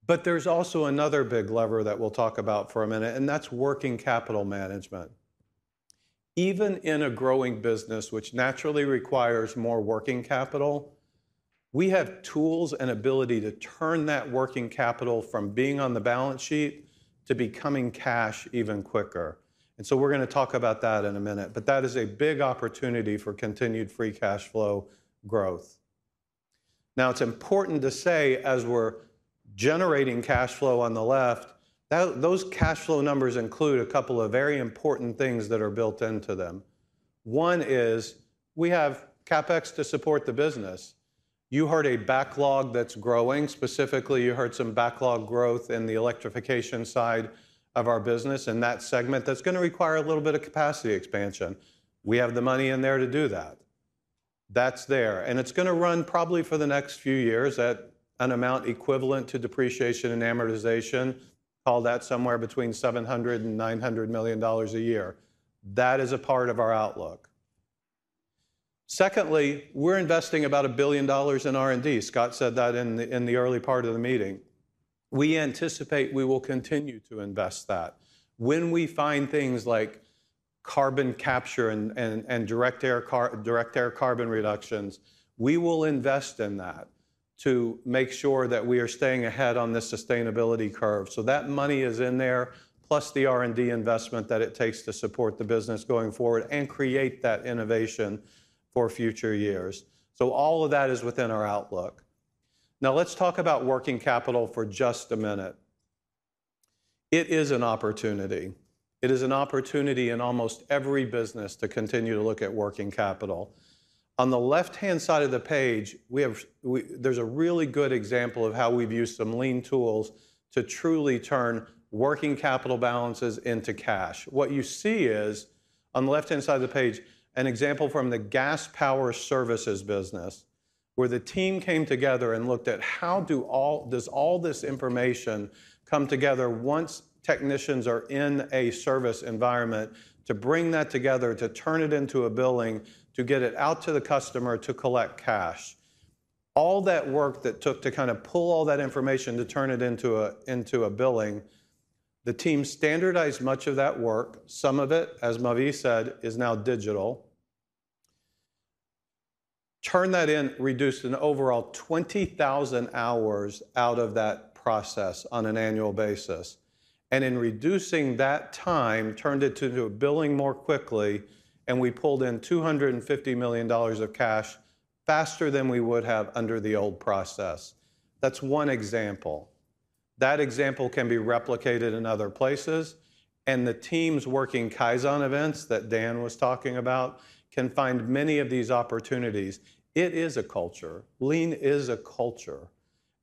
But there's also another big lever that we'll talk about for a minute. And that's working capital management. Even in a growing business, which naturally requires more working capital, we have tools and ability to turn that working capital from being on the balance sheet to becoming cash even quicker. And so we're going to talk about that in a minute. But that is a big opportunity for continued free cash flow growth. Now, it's important to say, as we're generating cash flow on the left, those cash flow numbers include a couple of very important things that are built into them. One is we have CapEx to support the business. You heard a backlog that's growing. Specifically, you heard some backlog growth in the Electrification side of our business in that segment that's going to require a little bit of capacity expansion. We have the money in there to do that. That's there. And it's going to run probably for the next few years at an amount equivalent to depreciation and amortization, call that somewhere between $700 million-$900 million a year. That is a part of our outlook. Secondly, we're investing about $1 billion in R&D. Scott said that in the early part of the meeting. We anticipate we will continue to invest that. When we find things like carbon capture and direct air carbon reductions, we will invest in that to make sure that we are staying ahead on this sustainability curve. So that money is in there plus the R&D investment that it takes to support the business going forward and create that innovation for future years. So all of that is within our outlook. Now, let's talk about working capital for just a minute. It is an opportunity. It is an opportunity in almost every business to continue to look at working capital. On the left-hand side of the page, there's a really good example of how we've used some Lean tools to truly turn working capital balances into cash. What you see is, on the left-hand side of the page, an example from the Gas Power services business where the team came together and looked at how does all this information come together once technicians are in a service environment to bring that together, to turn it into a billing, to get it out to the customer to collect cash. All that work that took to kind of pull all that information to turn it into a billing, the team standardized much of that work. Some of it, as Mavi said, is now digital. That in turn reduced an overall 20,000 hours out of that process on an annual basis. And in reducing that time, turned it into billing more quickly. And we pulled in $250 million of cash faster than we would have under the old process. That's one example. That example can be replicated in other places. And the team's working Kaizen events that Dan was talking about can find many of these opportunities. It is a culture. Lean is a culture.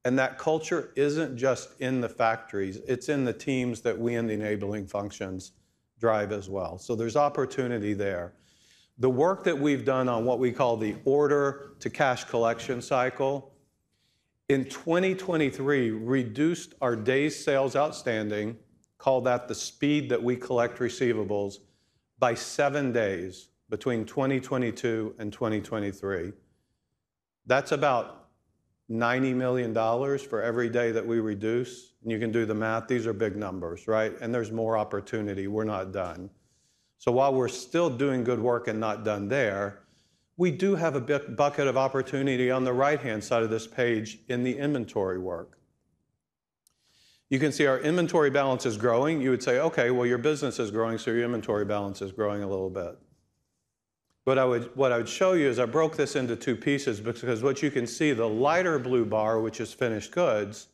And that culture isn't just in the factories. It's in the teams that we in the enabling functions drive as well. So there's opportunity there. The work that we've done on what we call the order-to-cash collection cycle in 2023 reduced our days sales outstanding, call that the speed that we collect receivables, by seven days between 2022 and 2023. That's about $90 million for every day that we reduce. You can do the math. These are big numbers, right? And there's more opportunity. We're not done. So while we're still doing good work and not done there, we do have a bucket of opportunity on the right-hand side of this page in the inventory work. You can see our inventory balance is growing. You would say, "Okay. Well, your business is growing. So your inventory balance is growing a little bit." But what I would show you is I broke this into two pieces because what you can see, the lighter blue bar, which is finished goods,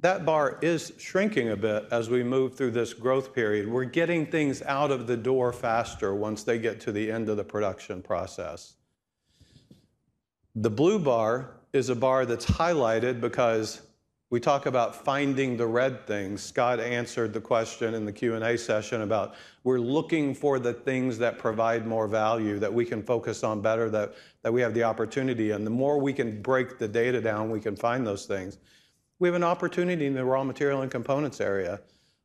that bar is shrinking a bit as we move through this growth period. We're getting things out of the door faster once they get to the end of the production process. The blue bar is a bar that's highlighted because we talk about finding the red things. Scott answered the question in the Q&A session about, we're looking for the things that provide more value, that we can focus on better, that we have the opportunity. The more we can break the data down, we can find those things. We have an opportunity in the raw material and components area.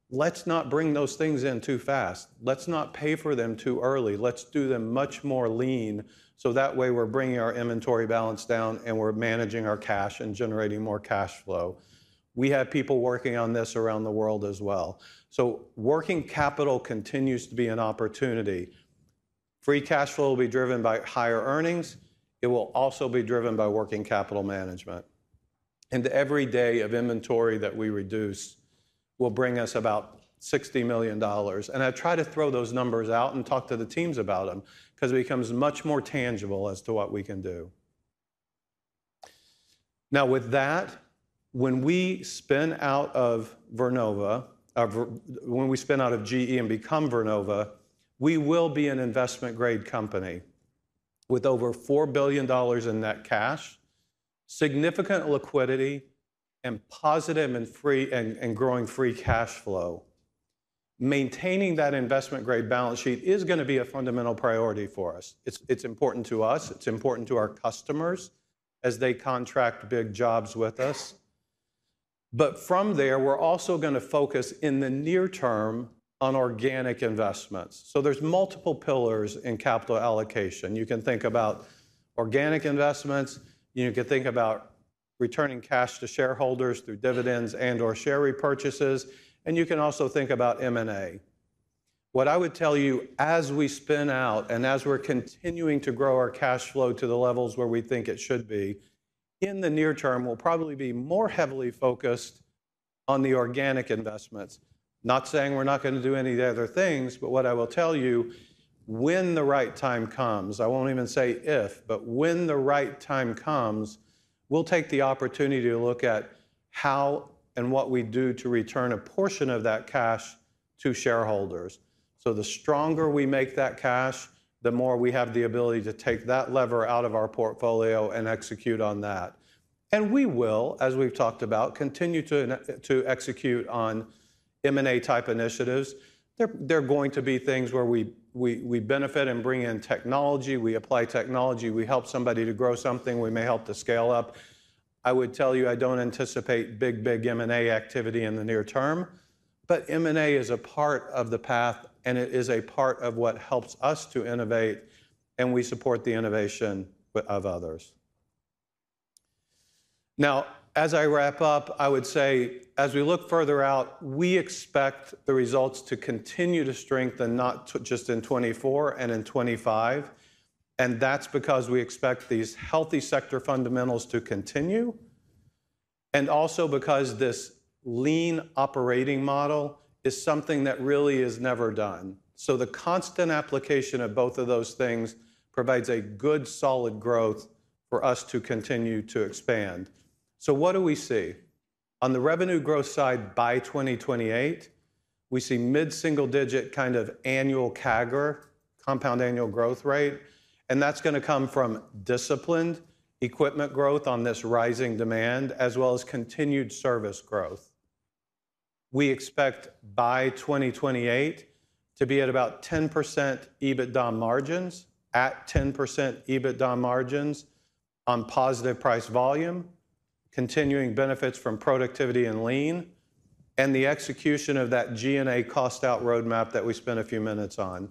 Let's not bring those things in too fast. Let's not pay for them too early. Let's do them much more lean. So that way, we're bringing our inventory balance down. And we're managing our cash and generating more cash flow. We have people working on this around the world as well. Working capital continues to be an opportunity. Free cash flow will be driven by higher earnings. It will also be driven by working capital management. Every day of inventory that we reduce will bring us about $60 million. I try to throw those numbers out and talk to the teams about them because it becomes much more tangible as to what we can do. Now, with that, when we spin out of Vernova when we spin out of GE and become Vernova, we will be an investment-grade company with over $4 billion in net cash, significant liquidity, and positive and growing free cash flow. Maintaining that investment-grade balance sheet is going to be a fundamental priority for us. It's important to us. It's important to our customers as they contract big jobs with us. But from there, we're also going to focus in the near term on organic investments. So there's multiple pillars in capital allocation. You can think about organic investments. You can think about returning cash to shareholders through dividends and/or share repurchases. And you can also think about M&A. What I would tell you, as we spin out and as we're continuing to grow our cash flow to the levels where we think it should be, in the near term, we'll probably be more heavily focused on the organic investments. Not saying we're not going to do any of the other things. But what I will tell you, when the right time comes I won't even say if. But when the right time comes, we'll take the opportunity to look at how and what we do to return a portion of that cash to shareholders. So the stronger we make that cash, the more we have the ability to take that lever out of our portfolio and execute on that. And we will, as we've talked about, continue to execute on M&A-type initiatives. There are going to be things where we benefit and bring in technology. We apply technology. We help somebody to grow something. We may help to scale up. I would tell you, I don't anticipate big, big M&A activity in the near term. But M&A is a part of the path. And it is a part of what helps us to innovate. And we support the innovation of others. Now, as I wrap up, I would say, as we look further out, we expect the results to continue to strengthen, not just in 2024 and in 2025. And that's because we expect these healthy sector fundamentals to continue and also because this lean operating model is something that really is never done. So the constant application of both of those things provides a good, solid growth for us to continue to expand. So what do we see? On the revenue growth side by 2028, we see mid-single-digit kind of annual CAGR, compound annual growth rate. That's going to come from disciplined equipment growth on this rising demand as well as continued service growth. We expect by 2028 to be at about 10% EBITDA margins, at 10% EBITDA margins on positive price volume, continuing benefits from productivity and lean, and the execution of that G&A cost-out roadmap that we spent a few minutes on.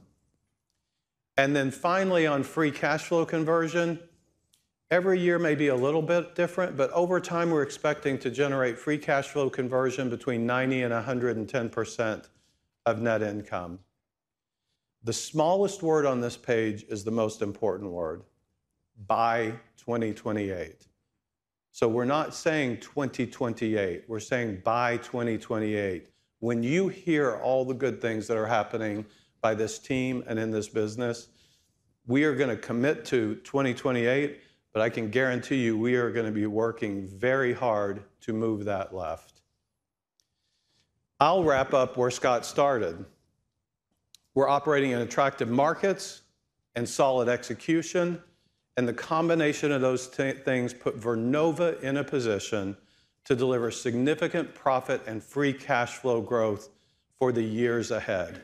Then finally, on free cash flow conversion, every year may be a little bit different. But over time, we're expecting to generate free cash flow conversion between 90%-110% of net income. The smallest word on this page is the most important word: by 2028. So we're not saying 2028. We're saying by 2028. When you hear all the good things that are happening by this team and in this business, we are going to commit to 2028. But I can guarantee you, we are going to be working very hard to move that left. I'll wrap up where Scott started. We're operating in attractive markets and solid execution. The combination of those things put Vernova in a position to deliver significant profit and free cash flow growth for the years ahead.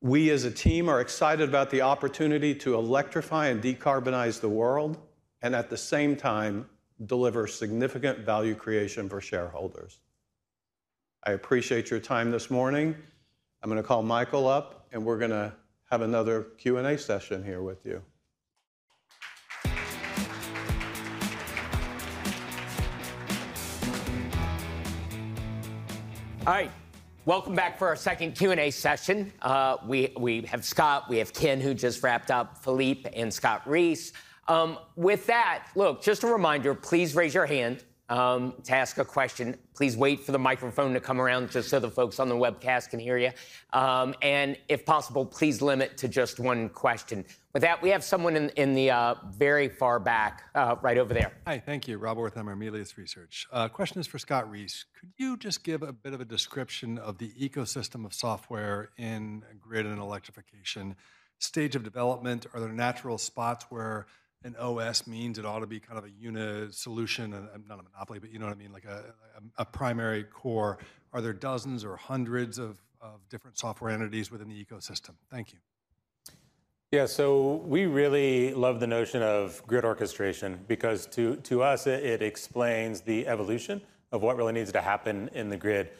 We, as a team, are excited about the opportunity to electrify and decarbonize the world and at the same time deliver significant value creation for shareholders. I appreciate your time this morning. I'm going to call Michael up. We're going to have another Q&A session here with you. All right. Welcome back for our second Q&A session. We have Scott. We have Ken, who just wrapped up, Philippe and Scott Reese. With that, look, just a reminder, please raise your hand to ask a question. Please wait for the microphone to come around just so the folks on the webcast can hear you. And if possible, please limit to just one question. With that, we have someone in the very far back right over there. Hi. Thank you. Rob Wertheimer, Melius Research. Question is for Scott Reese. Could you just give a bit of a description of the ecosystem of software in Grid and Electrification, stage of development? Are there natural spots where an OS means it ought to be kind of a unit solution? And I'm not a monopoly, but you know what I mean? Like a primary core. Are there dozens or hundreds of different software entities within the ecosystem? Thank you. Yeah. So we really love the notion of Grid orchestration because to us, it explains the evolution of what really needs to happen in the Grid.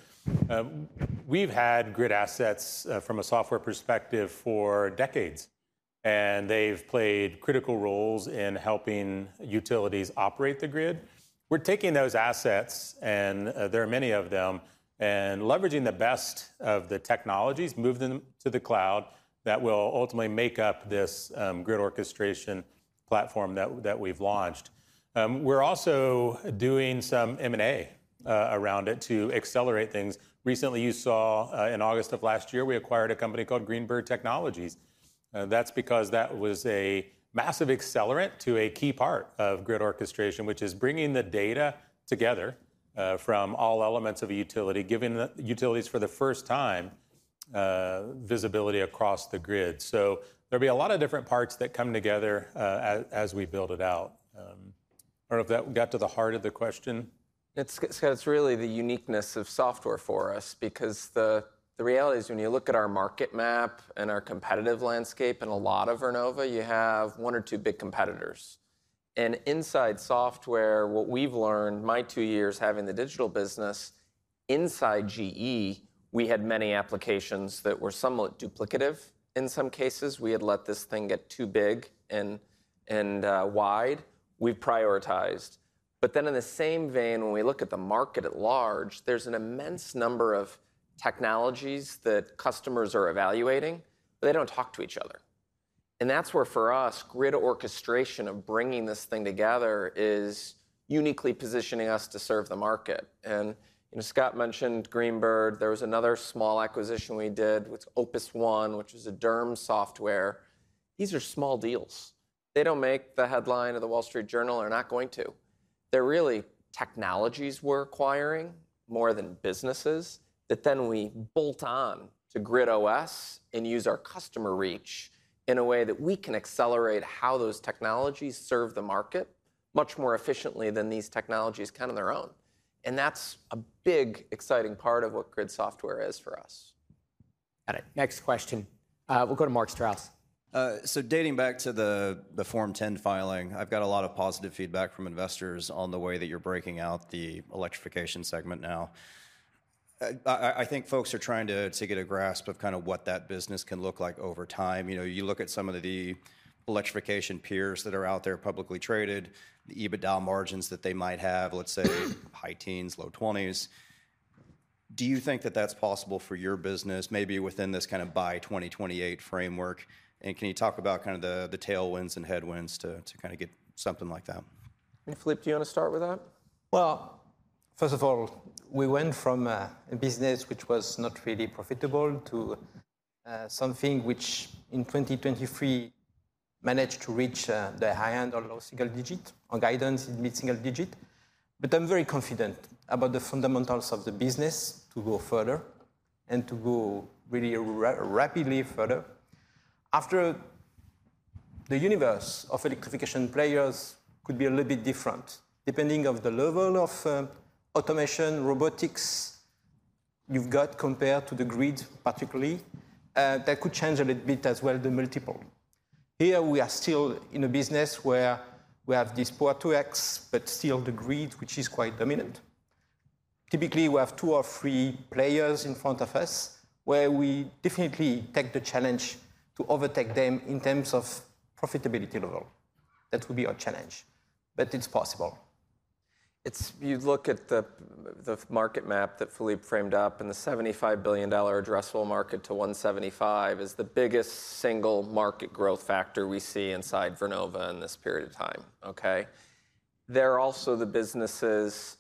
We've had Grid assets from a software perspective for decades. And they've played critical roles in helping utilities operate the Grid. We're taking those assets - and there are many of them - and leveraging the best of the technologies, moving them to the cloud that will ultimately make up this Grid orchestration platform that we've launched. We're also doing some M&A around it to accelerate things. Recently, you saw in August of last year, we acquired a company called Greenbird Integration Technology. That's because that was a massive accelerant to a key part of Grid orchestration, which is bringing the data together from all elements of a utility, giving utilities for the first time visibility across the Grid. So there'll be a lot of different parts that come together as we build it out. I don't know if that got to the heart of the question. Scott, it's really the uniqueness of software for us because the reality is when you look at our market map and our competitive landscape in a lot of Vernova, you have one or two big competitors. And inside software, what we've learned in my two years having the digital business inside GE, we had many applications that were somewhat duplicative in some cases. We had let this thing get too big and wide. We've prioritized. But then in the same vein, when we look at the market at large, there's an immense number of technologies that customers are evaluating. But they don't talk to each other. And that's where, for us, Grid orchestration of bringing this thing together is uniquely positioning us to serve the market. And Scott mentioned Greenbird. There was another small acquisition we did. It's Opus One, which is a DERM software. These are small deals. They don't make the headline of The Wall Street Journal. They're not going to. They're really technologies we're acquiring more than businesses that then we bolt on to GridOS and use our customer reach in a way that we can accelerate how those technologies serve the market much more efficiently than these technologies kind of their own. And that's a big, exciting part of what Grid software is for us. Got it. Next question. We'll go to Mark Strouse. Dating back to the Form 10 filing, I've got a lot of positive feedback from investors on the way that you're breaking out the Electrification segment now. I think folks are trying to get a grasp of kind of what that business can look like over time. You look at some of the Electrification peers that are out there publicly traded, the EBITDA margins that they might have, let's say high teens, low 20s. Do you think that that's possible for your business, maybe within this kind of by 2028 framework? And can you talk about kind of the tailwinds and headwinds to kind of get something like that? Philippe, do you want to start with that? Well, first of all, we went from a business which was not really profitable to something which in 2023 managed to reach the high end, although single-digit on guidance, mid-single-digit. But I'm very confident about the fundamentals of the business to go further and to go really rapidly further. After, the universe of Electrification players could be a little bit different. Depending on the level of automation, robotics you've got compared to the Grid particularly, that could change a little bit as well, the multiple. Here, we are still in a business where we have this Power-to-X but still the Grid, which is quite dominant. Typically, we have two or three players in front of us where we definitely take the challenge to overtake them in terms of profitability level. That will be our challenge. But it's possible. You look at the market map that Philippe framed up, and the $75 billion-$175 billion addressable market is the biggest single market growth factor we see inside Vernova in this period of time. There are also the businesses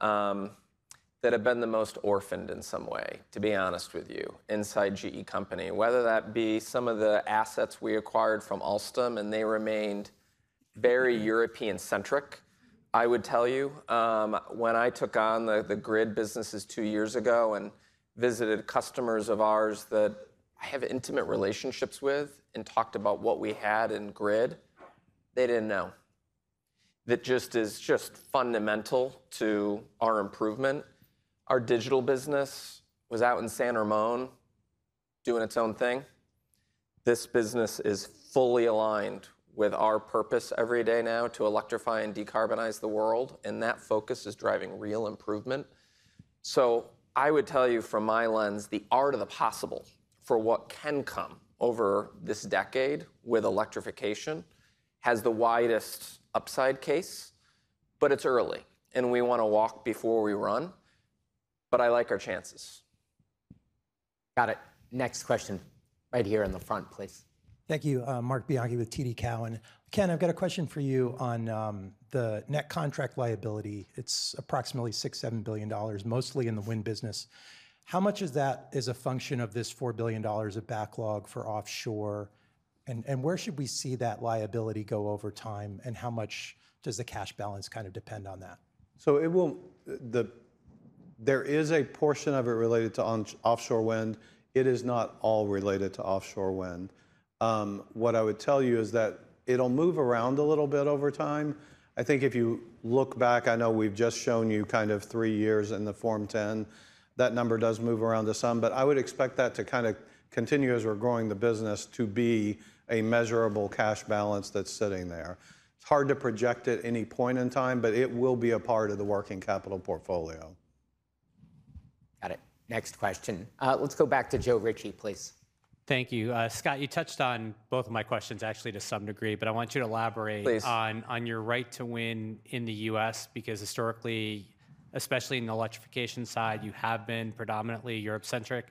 that have been the most orphaned in some way, to be honest with you, inside GE Company, whether that be some of the assets we acquired from Alstom. They remained very European-centric, I would tell you. When I took on the Grid businesses two years ago and visited customers of ours that I have intimate relationships with and talked about what we had in Grid, they didn't know. That just is just fundamental to our improvement. Our digital business was out in San Ramon doing its own thing. This business is fully aligned with our purpose every day now to electrify and decarbonize the world. That focus is driving real improvement. So I would tell you, from my lens, the art of the possible for what can come over this decade with Electrification has the widest upside case. But it's early. And we want to walk before we run. But I like our chances. Got it. Next question right here in the front, please. Thank you. Mark Bianchi with TD Cowen. Ken, I've got a question for you on the net contract liability. It's approximately $6 billion-$7 billion, mostly in the Wind business. How much of that is a function of this $4 billion of backlog for offshore? And where should we see that liability go over time? And how much does the cash balance kind of depend on that? So there is a portion of it related to Offshore Wind. It is not all related to Offshore Wind. What I would tell you is that it'll move around a little bit over time. I think if you look back I know we've just shown you kind of three years in the Form 10. That number does move around a some. But I would expect that to kind of continue, as we're growing the business, to be a measurable cash balance that's sitting there. It's hard to project at any point in time. But it will be a part of the working capital portfolio. Got it. Next question. Let's go back to Joe Ritchie, please. Thank you. Scott, you touched on both of my questions, actually, to some degree. But I want you to elaborate on your right to win in the US because historically, especially in the Electrification side, you have been predominantly Europe-centric.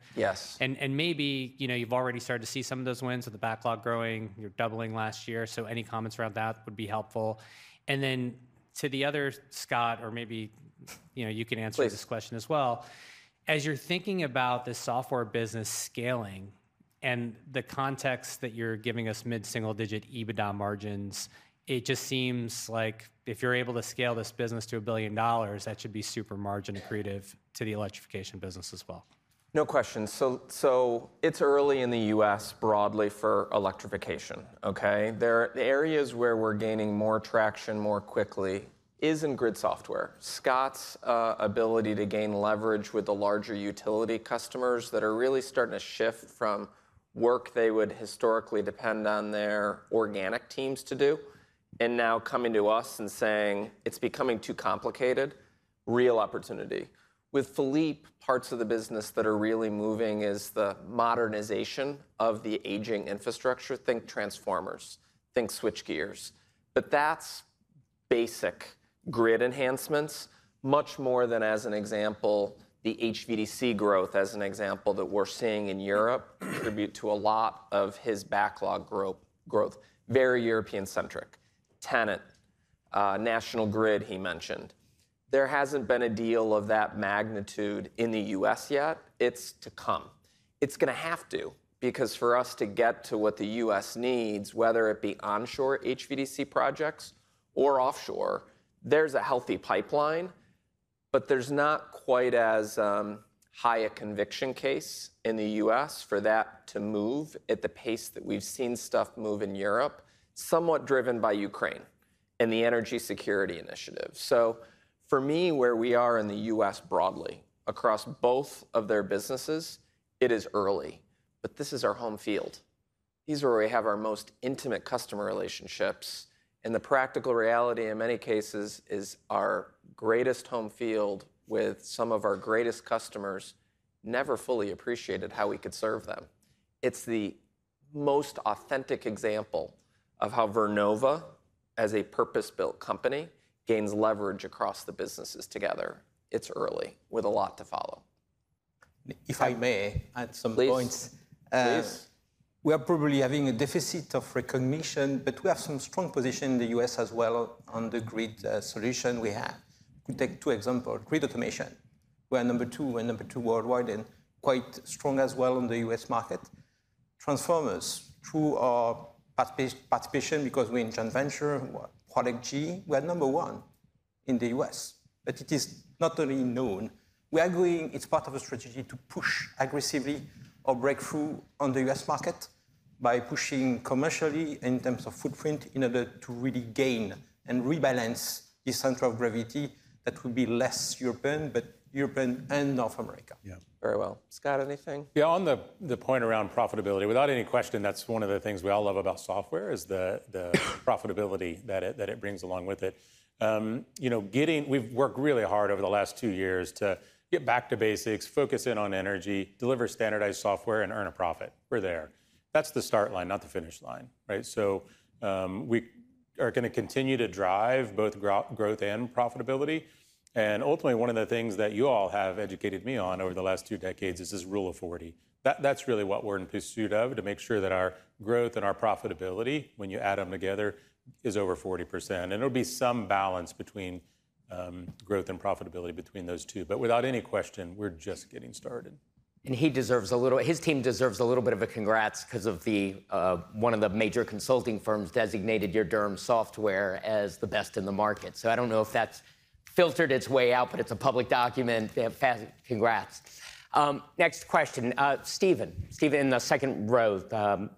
And maybe you've already started to see some of those wins with the backlog growing. You're doubling last year. So any comments around that would be helpful. And then to the other, Scott or maybe you can answer this question as well. As you're thinking about this software business scaling and the context that you're giving us, mid-single-digit EBITDA margins, it just seems like if you're able to scale this business to $1 billion, that should be super accretive to the margins of the Electrification business as well. No question. So it's early in the U.S. broadly for Electrification. The areas where we're gaining more traction more quickly is in Grid software, Scott's ability to gain leverage with the larger utility customers that are really starting to shift from work they would historically depend on their organic teams to do and now coming to us and saying, "It's becoming too complicated," real opportunity. With Philippe, parts of the business that are really moving is the modernization of the aging infrastructure. Think transformers. Think switchgear. But that's basic Grid enhancements, much more than, as an example, the HVDC growth, as an example, that we're seeing in Europe contribute to a lot of his backlog growth, very European-centric, TenneT, National Grid he mentioned. There hasn't been a deal of that magnitude in the U.S. yet. It's to come. It's going to have to because for us to get to what the U.S. needs, whether it be onshore HVDC projects or offshore, there's a healthy pipeline. But there's not quite as high a conviction case in the U.S. for that to move at the pace that we've seen stuff move in Europe, somewhat driven by Ukraine and the energy security initiative. So for me, where we are in the U.S. broadly across both of their businesses, it is early. But this is our home field. These are where we have our most intimate customer relationships. And the practical reality, in many cases, is our greatest home field with some of our greatest customers never fully appreciated how we could serve them. It's the most authentic example of how Vernova, as a purpose-built company, gains leverage across the businesses together. It's early with a lot to follow. If I may add some points. Please. We are probably having a deficit of recognition. But we have some strong position in the U.S. as well on the Grid solution we have. I could take two examples. Grid automation. We are number two worldwide and quite strong as well on the U.S. market. Transformers, through our participation because we're in joint venture, Prolec GE, we are number one in the U.S. But it is not only known. We are agreeing it's part of a strategy to push aggressively our breakthrough on the U.S. market by pushing commercially and in terms of footprint in order to really gain and rebalance the center of gravity that will be less European but European and North America. Yeah. Very well. Scott, anything? Yeah. On the point around profitability, without any question, that's one of the things we all love about software, is the profitability that it brings along with it. We've worked really hard over the last two years to get back to basics, focus in on energy, deliver standardized software, and earn a profit. We're there. That's the start line, not the finish line. So we are going to continue to drive both growth and profitability. And ultimately, one of the things that you all have educated me on over the last two decades is this rule of 40. That's really what we're in pursuit of, to make sure that our growth and our profitability, when you add them together, is over 40%. And there'll be some balance between growth and profitability between those two. But without any question, we're just getting started. He deserves a little; his team deserves a little bit of a congrats because one of the major consulting firms designated your DERMS software as the best in the market. So I don't know if that's filtered its way out. But it's a public document. Congrats. Next question, Stephen, Stephen in the second row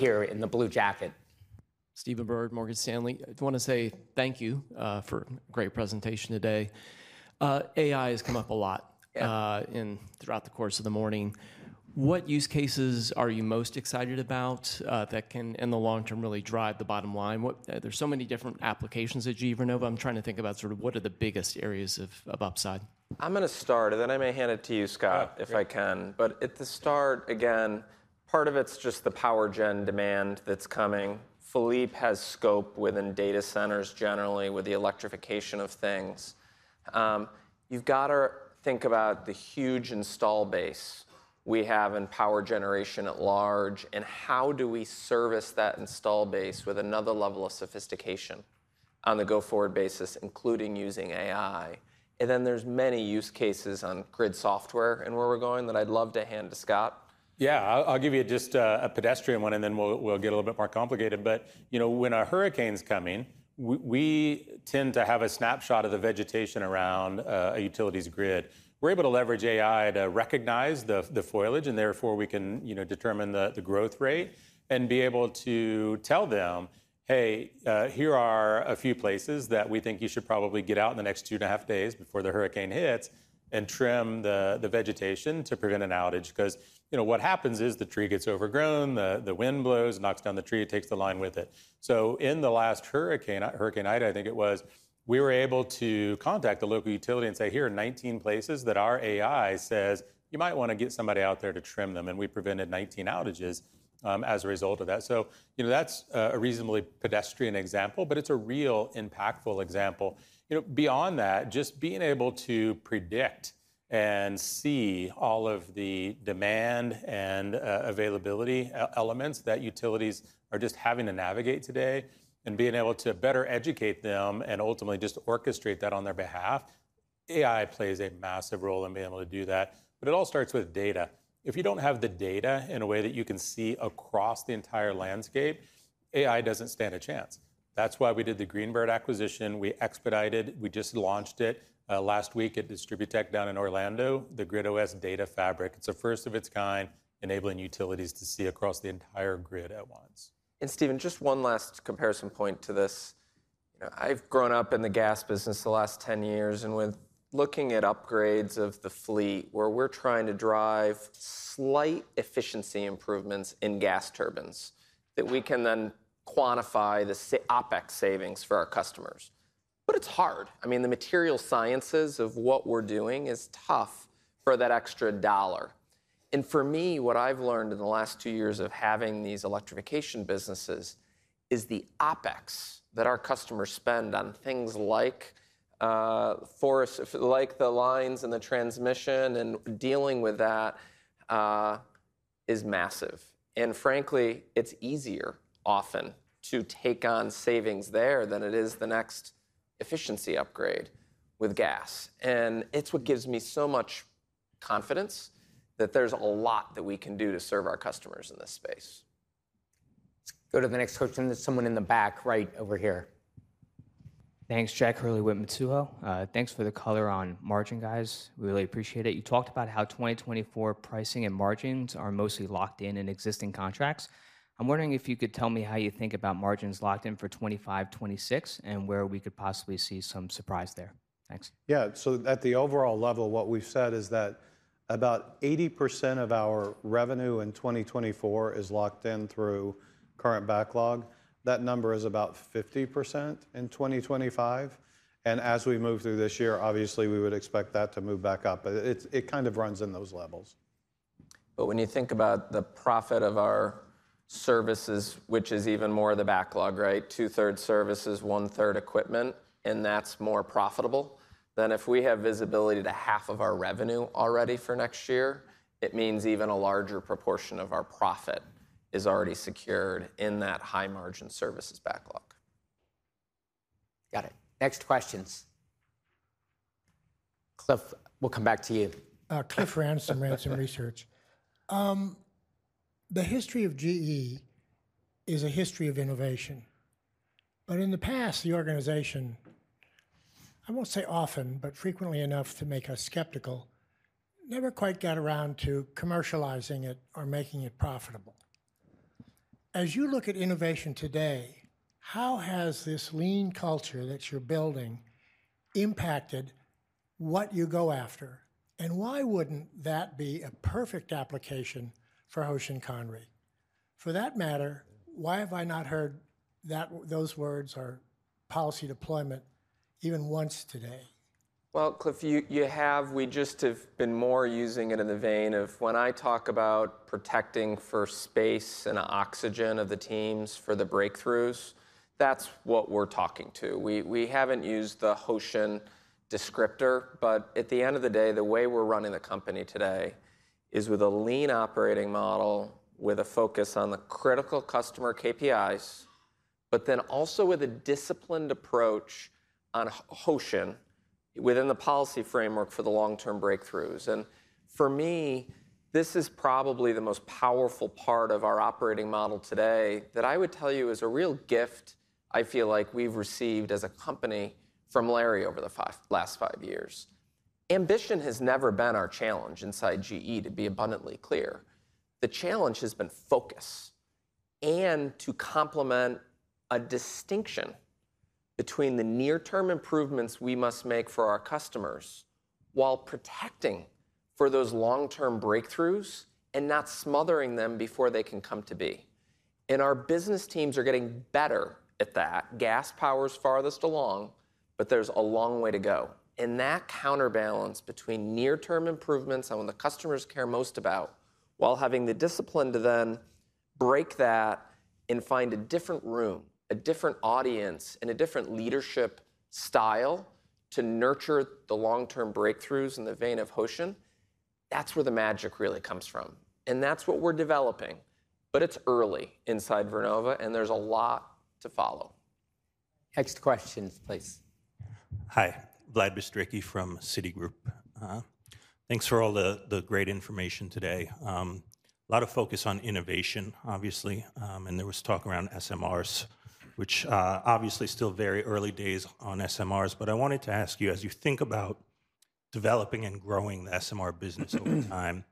here in the blue jacket. Stephen Byrd, Morgan Stanley. I want to say thank you for a great presentation today. AI has come up a lot throughout the course of the morning. What use cases are you most excited about that can, in the long term, really drive the bottom line? There's so many different applications that GE Vernova. I'm trying to think about sort of what are the biggest areas of upside. I'm going to start. And then I may hand it to you, Scott, if I can. But at the start, again, part of it's just the Power gen demand that's coming. Philippe has scope within data centers generally with the Electrification of things. You've got to think about the huge install base we have in Power generation at large. And how do we service that install base with another level of sophistication on the go-forward basis, including using AI? And then there's many use cases on Grid software and where we're going that I'd love to hand to Scott. Yeah. I'll give you just a pedestrian one. And then we'll get a little bit more complicated. But when a hurricane's coming, we tend to have a snapshot of the vegetation around a utilities Grid. We're able to leverage AI to recognize the foliage. And therefore, we can determine the growth rate and be able to tell them, "Hey, here are a few places that we think you should probably get out in the next 2.5 days before the hurricane hits and trim the vegetation to prevent an outage." Because what happens is the tree gets overgrown. The Wind blows, knocks down the tree. It takes the line with it. So in the last hurricane, Hurricane Ida, I think it was, we were able to contact the local utility and say, "Here are 19 places that our AI says, 'You might want to get somebody out there to trim them.'" And we prevented 19 outages as a result of that. So that's a reasonably pedestrian example. But it's a real impactful example. Beyond that, just being able to predict and see all of the demand and availability elements that utilities are just having to navigate today and being able to better educate them and ultimately just orchestrate that on their behalf, AI plays a massive role in being able to do that. But it all starts with data. If you don't have the data in a way that you can see across the entire landscape, AI doesn't stand a chance. That's why we did the Greenbird acquisition. We expedited. We just launched it last week at DistribuTECH down in Orlando, the GridOS Data Fabric. It's a first of its kind, enabling utilities to see across the entire Grid at once. And Stephen, just one last comparison point to this. I've grown up in the gas business the last 10 years. And with looking at upgrades of the fleet, where we're trying to drive slight efficiency improvements in gas turbines that we can then quantify the OPEX savings for our customers. But it's hard. I mean, the material sciences of what we're doing is tough for that extra dollar. And for me, what I've learned in the last two years of having these Electrification businesses is the OPEX that our customers spend on things like the lines and the transmission. And dealing with that is massive. And frankly, it's easier often to take on savings there than it is the next efficiency upgrade with gas. And it's what gives me so much confidence that there's a lot that we can do to serve our customers in this space. Let's go to the next question. There's someone in the back right over here. Thanks, Jack Hurley, with Mizuho. Thanks for the color on margins, guys. We really appreciate it. You talked about how 2024 pricing and margins are mostly locked in existing contracts. I'm wondering if you could tell me how you think about margins locked in for 2025, 2026 and where we could possibly see some surprise there. Thanks. Yeah. So at the overall level, what we've said is that about 80% of our revenue in 2024 is locked in through current backlog. That number is about 50% in 2025. As we move through this year, obviously, we would expect that to move back up. But it kind of runs in those levels. But when you think about the profit of our services, which is even more of the backlog, two-thirds services, one-third equipment, and that's more profitable than if we have visibility to half of our revenue already for next year, it means even a larger proportion of our profit is already secured in that high-margin services backlog. Got it. Next questions. Cliff, we'll come back to you. Cliff Ransom, Ransom Research. The history of GE is a history of innovation. But in the past, the organization, I won't say often, but frequently enough to make us skeptical, never quite got around to commercializing it or making it profitable. As you look at innovation today, how has this lean culture that you're building impacted what you go after? And why wouldn't that be a perfect application for Hoshin Kanri? For that matter, why have I not heard those words or policy deployment even once today? Well, Cliff, we just have been more using it in the vein of when I talk about protecting for space and oxygen of the teams for the breakthroughs, that's what we're talking to. We haven't used the Hoshin descriptor. But at the end of the day, the way we're running the company today is with a lean operating model with a focus on the critical customer KPIs but then also with a disciplined approach on Hoshin within the policy framework for the long-term breakthroughs. And for me, this is probably the most Powerful part of our operating model today that I would tell you is a real gift I feel like we've received as a company from Larry over the last five years. Ambition has never been our challenge inside GE, to be abundantly clear. The challenge has been focus and to complement a distinction between the near-term improvements we must make for our customers while protecting for those long-term breakthroughs and not smothering them before they can come to be. Our business teams are getting better at that. Gas Power's farthest along. There's a long way to go. That counterbalance between near-term improvements on what the customers care most about while having the discipline to then break that and find a different room, a different audience, and a different leadership style to nurture the long-term breakthroughs in the vein of Hoshin, that's where the magic really comes from. That's what we're developing. It's early inside Vernova. There's a lot to follow. Next questions, please. Hi. Vlad Bystricky from Citigroup. Thanks for all the great information today. A lot of focus on innovation, obviously. There was talk around SMRs, which obviously, still very early days on SMRs. I wanted to ask you, as you think about developing and growing the SMR business over time,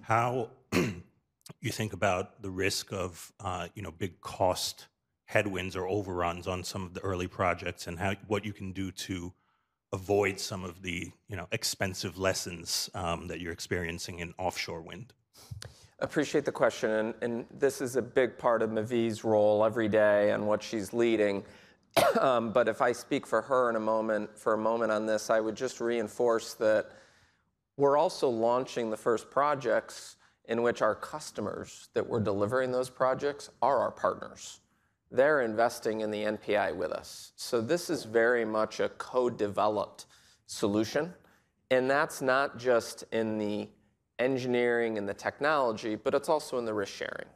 how you think about the risk of big cost headWinds or overruns on some of the early projects and what you can do to avoid some of the expensive lessons that you're experiencing in Offshore Wind. I appreciate the question. This is a big part of Mavi's role every day and what she's leading. But if I speak for her in a moment for a moment on this, I would just reinforce that we're also launching the first projects in which our customers that we're delivering those projects are our partners. They're investing in the NPI with us. So this is very much a co-developed solution. And that's not just in the engineering and the technology. But it's also in the risk sharing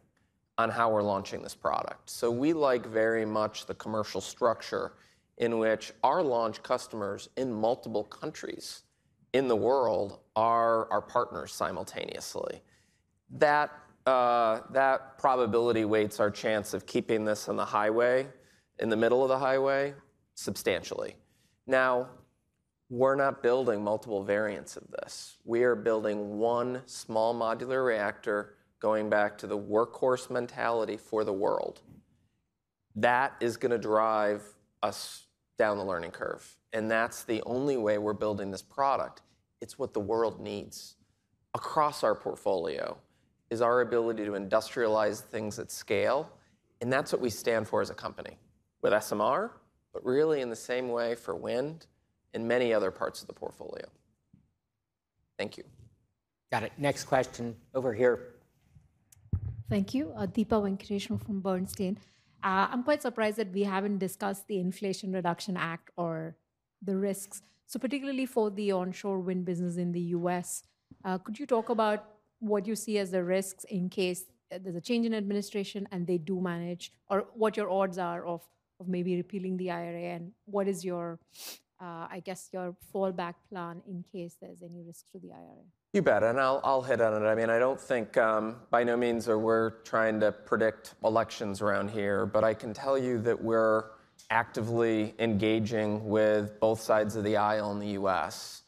on how we're launching this product. So we like very much the commercial structure in which our launch customers in multiple countries in the world are our partners simultaneously. That probability weights our chance of keeping this in the highway, in the middle of the highway, substantially. Now, we're not building multiple variants of this. We are small modular reactor going back to the workhorse mentality for the world. That is going to drive us down the learning curve. And that's the only way we're building this product. It's what the world needs across our portfolio is our ability to industrialize things at scale. And that's what we stand for as a company with SMR but really in the same way for Wind in many other parts of the portfolio. Thank you. Got it. Next question over here. Thank you. Deepa Venkateswaran from Bernstein. I'm quite surprised that we haven't Inflation Reduction Act or the risks, so particularly for the Onshore Wind business in the U.S. Could you talk about what you see as the risks in case there's a change in administration and they do manage or what your odds are of maybe repealing the IRA? And what is, I guess, your fallback plan in case there's any risks to the IRA? You bet. And I'll hit on it. I mean, I don't think by no means are we're trying to predict elections around here. But I can tell you that we're actively engaging with both sides of the aisle in the U.S.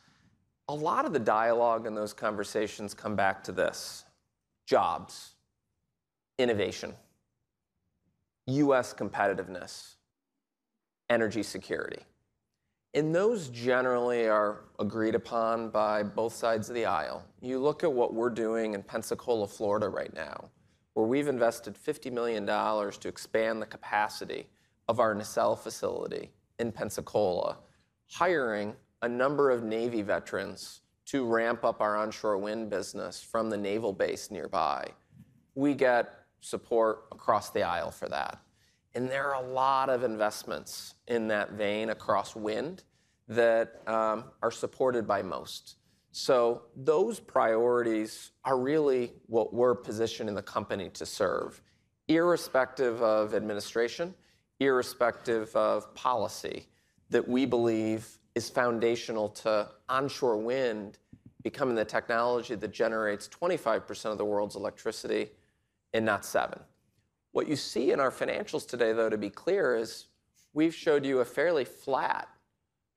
A lot of the dialogue in those conversations come back to this: jobs, innovation, U.S. competitiveness, energy security. And those generally are agreed upon by both sides of the aisle. You look at what we're doing in Pensacola, Florida, right now, where we've invested $50 million to expand the capacity of our nacelle facility in Pensacola, hiring a number of Navy veterans to ramp up our Onshore Wind business from the naval base nearby. We get support across the aisle for that. And there are a lot of investments in that vein across Wind that are supported by most. So those priorities are really what we're positioned in the company to serve, irrespective of administration, irrespective of policy, that we believe is foundational to Onshore Wind becoming the technology that generates 25% of the world's electricity and not 7%. What you see in our financials today, though, to be clear, is we've showed you a fairly flat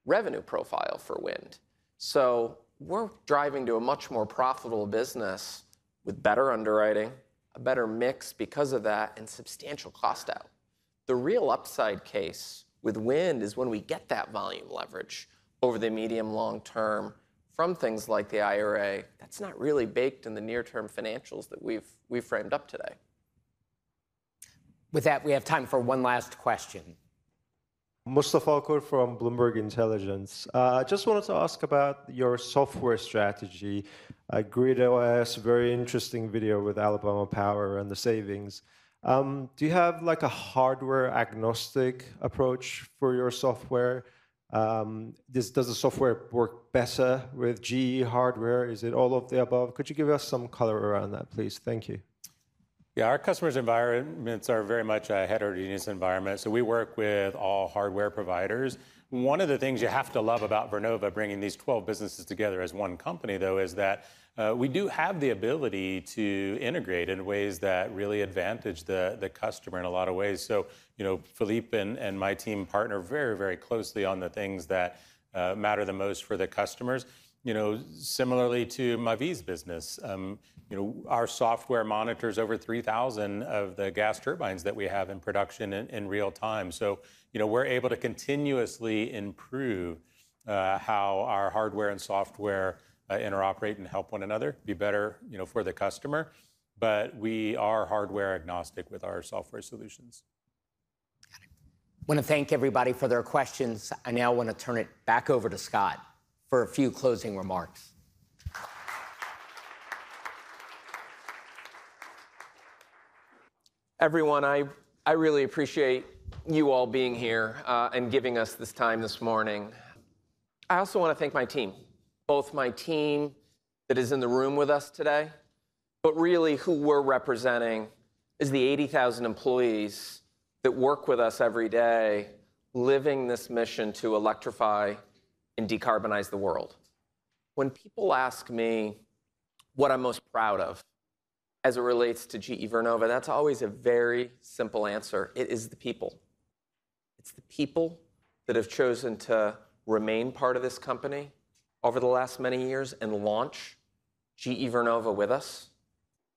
revenue profile for Wind. So we're driving to a much more profitable business with better underwriting, a better mix because of that, and substantial cost out. The real upside case with Wind is when we get that volume leverage over the medium-long term from things like the IRA. That's not really baked in the near-term financials that we've framed up today. With that, we have time for one last question. Mustafa Okur from Bloomberg Intelligence. I just wanted to ask about your software strategy. GridOS, very interesting video with Alabama Power and the savings. Do you have a hardware agnostic approach for your software? Does the software work better with GE hardware? Is it all of the above? Could you give us some color around that, please? Thank you. Yeah. Our customers' environments are very much a heterogeneous environment. So we work with all hardware providers. One of the things you have to love about Vernova bringing these 12 businesses together as one company, though, is that we do have the ability to integrate in ways that really advantage the customer in a lot of ways. So Philippe and my team partner very, very closely on the things that matter the most for the customers. Similarly to Mavi's business, our software monitors over 3,000 of the gas turbines that we have in production in real time. So we're able to continuously improve how our hardware and software interoperate and help one another, be better for the customer. But we are hardware agnostic with our software solutions. Got it. I want to thank everybody for their questions. I now want to turn it back over to Scott for a few closing remarks. Everyone, I really appreciate you all being here and giving us this time this morning. I also want to thank my team, both my team that is in the room with us today but really who we're representing is the 80,000 employees that work with us every day living this mission to electrify and decarbonize the world. When people ask me what I'm most proud of as it relates to GE Vernova, that's always a very simple answer. It is the people. It's the people that have chosen to remain part of this company over the last many years and launch GE Vernova with us.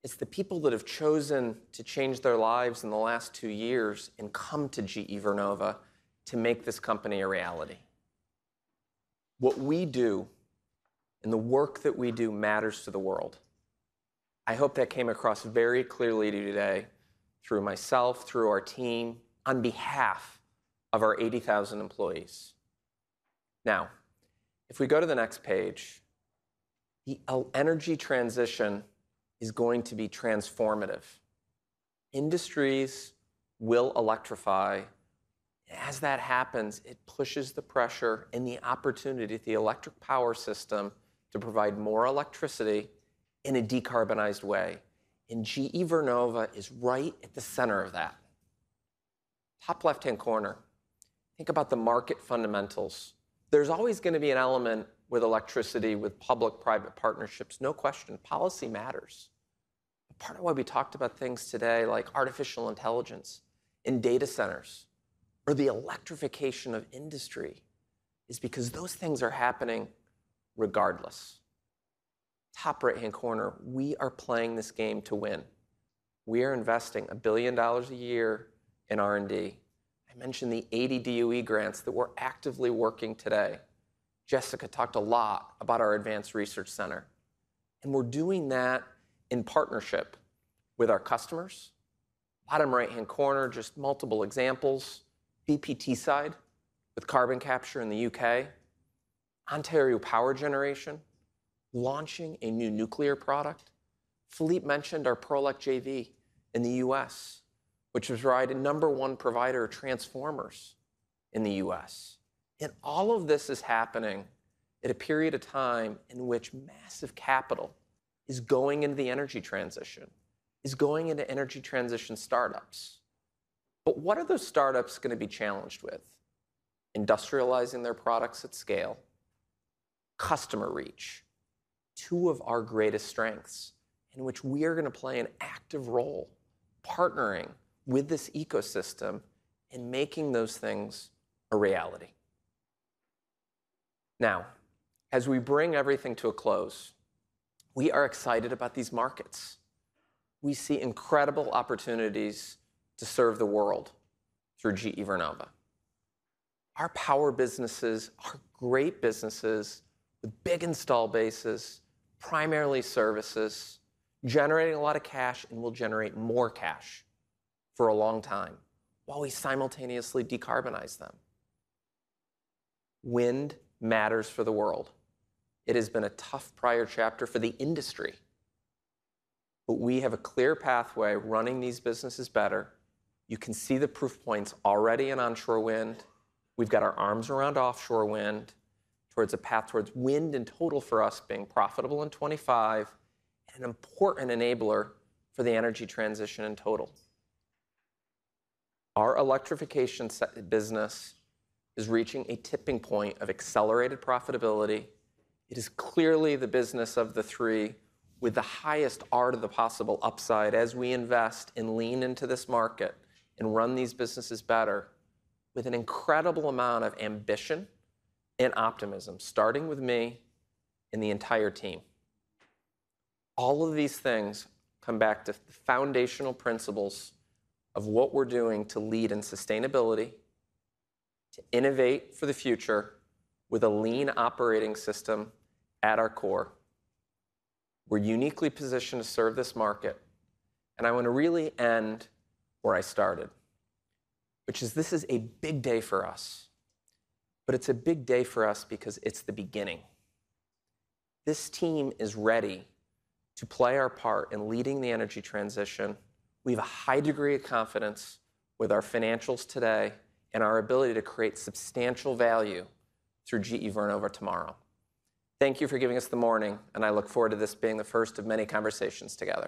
It's the people that have chosen to change their lives in the last two years and come to GE Vernova to make this company a reality. What we do and the work that we do matters to the world. I hope that came across very clearly to you today through myself, through our team, on behalf of our 80,000 employees. Now, if we go to the next page, the energy transition is going to be transformative. Industries will electrify. As that happens, it pushes the pressure and the opportunity at the electric Power system to provide more electricity in a decarbonized way. GE Vernova is right at the center of that. Top left-hand corner, think about the market fundamentals. There's always going to be an element with electricity, with public-private partnerships, no question. Policy matters. Part of why we talked about things today like artificial intelligence and data centers or the Electrification of industry is because those things are happening regardless. Top right-hand corner, we are playing this game to win. We are investing $1 billion a year in R&D. I mentioned the 80 DOE grants that we're actively working today. Jessica talked a lot about our advanced research center. We're doing that in partnership with our customers. Bottom right-hand corner, just multiple examples: BP Teesside with carbon capture in the U.K., Ontario Power Generation launching a new Nuclear product. Philippe mentioned our Prolec JV in the U.S., which was right, a number one provider of transformers in the US. All of this is happening at a period of time in which massive capital is going into the energy transition, is going into energy transition startups. But what are those startups going to be challenged with? Industrializing their products at scale, customer reach, two of our greatest strengths in which we are going to play an active role partnering with this ecosystem and making those things a reality. Now, as we bring everything to a close, we are excited about these markets. We see incredible opportunities to serve the world through GE Vernova. Our Power businesses, our great businesses, the big installed bases, primarily services, generating a lot of cash and will generate more cash for a long time while we simultaneously decarbonize them. Wind matters for the world. It has been a tough prior chapter for the industry. But we have a clear pathway running these businesses better. You can see the proof points already in Onshore Wind. We've got our arms around Offshore Wind towards a path towards Wind in total for us being profitable in 2025 and an important enabler for the energy transition in total. Our Electrification business is reaching a tipping point of accelerated profitability. It is clearly the business of the three with the highest R to the possible upside as we invest and lean into this market and run these businesses better with an incredible amount of ambition and optimism, starting with me and the entire team. All of these things come back to the foundational principles of what we're doing to lead in sustainability, to innovate for the future with a Lean operating system at our core. We're uniquely positioned to serve this market. And I want to really end where I started, which is this is a big day for us. But it's a big day for us because it's the beginning. This team is ready to play our part in leading the energy transition. We have a high degree of confidence with our financials today and our ability to create substantial value through GE Vernova tomorrow. Thank you for giving us the morning. I look forward to this being the first of many conversations together.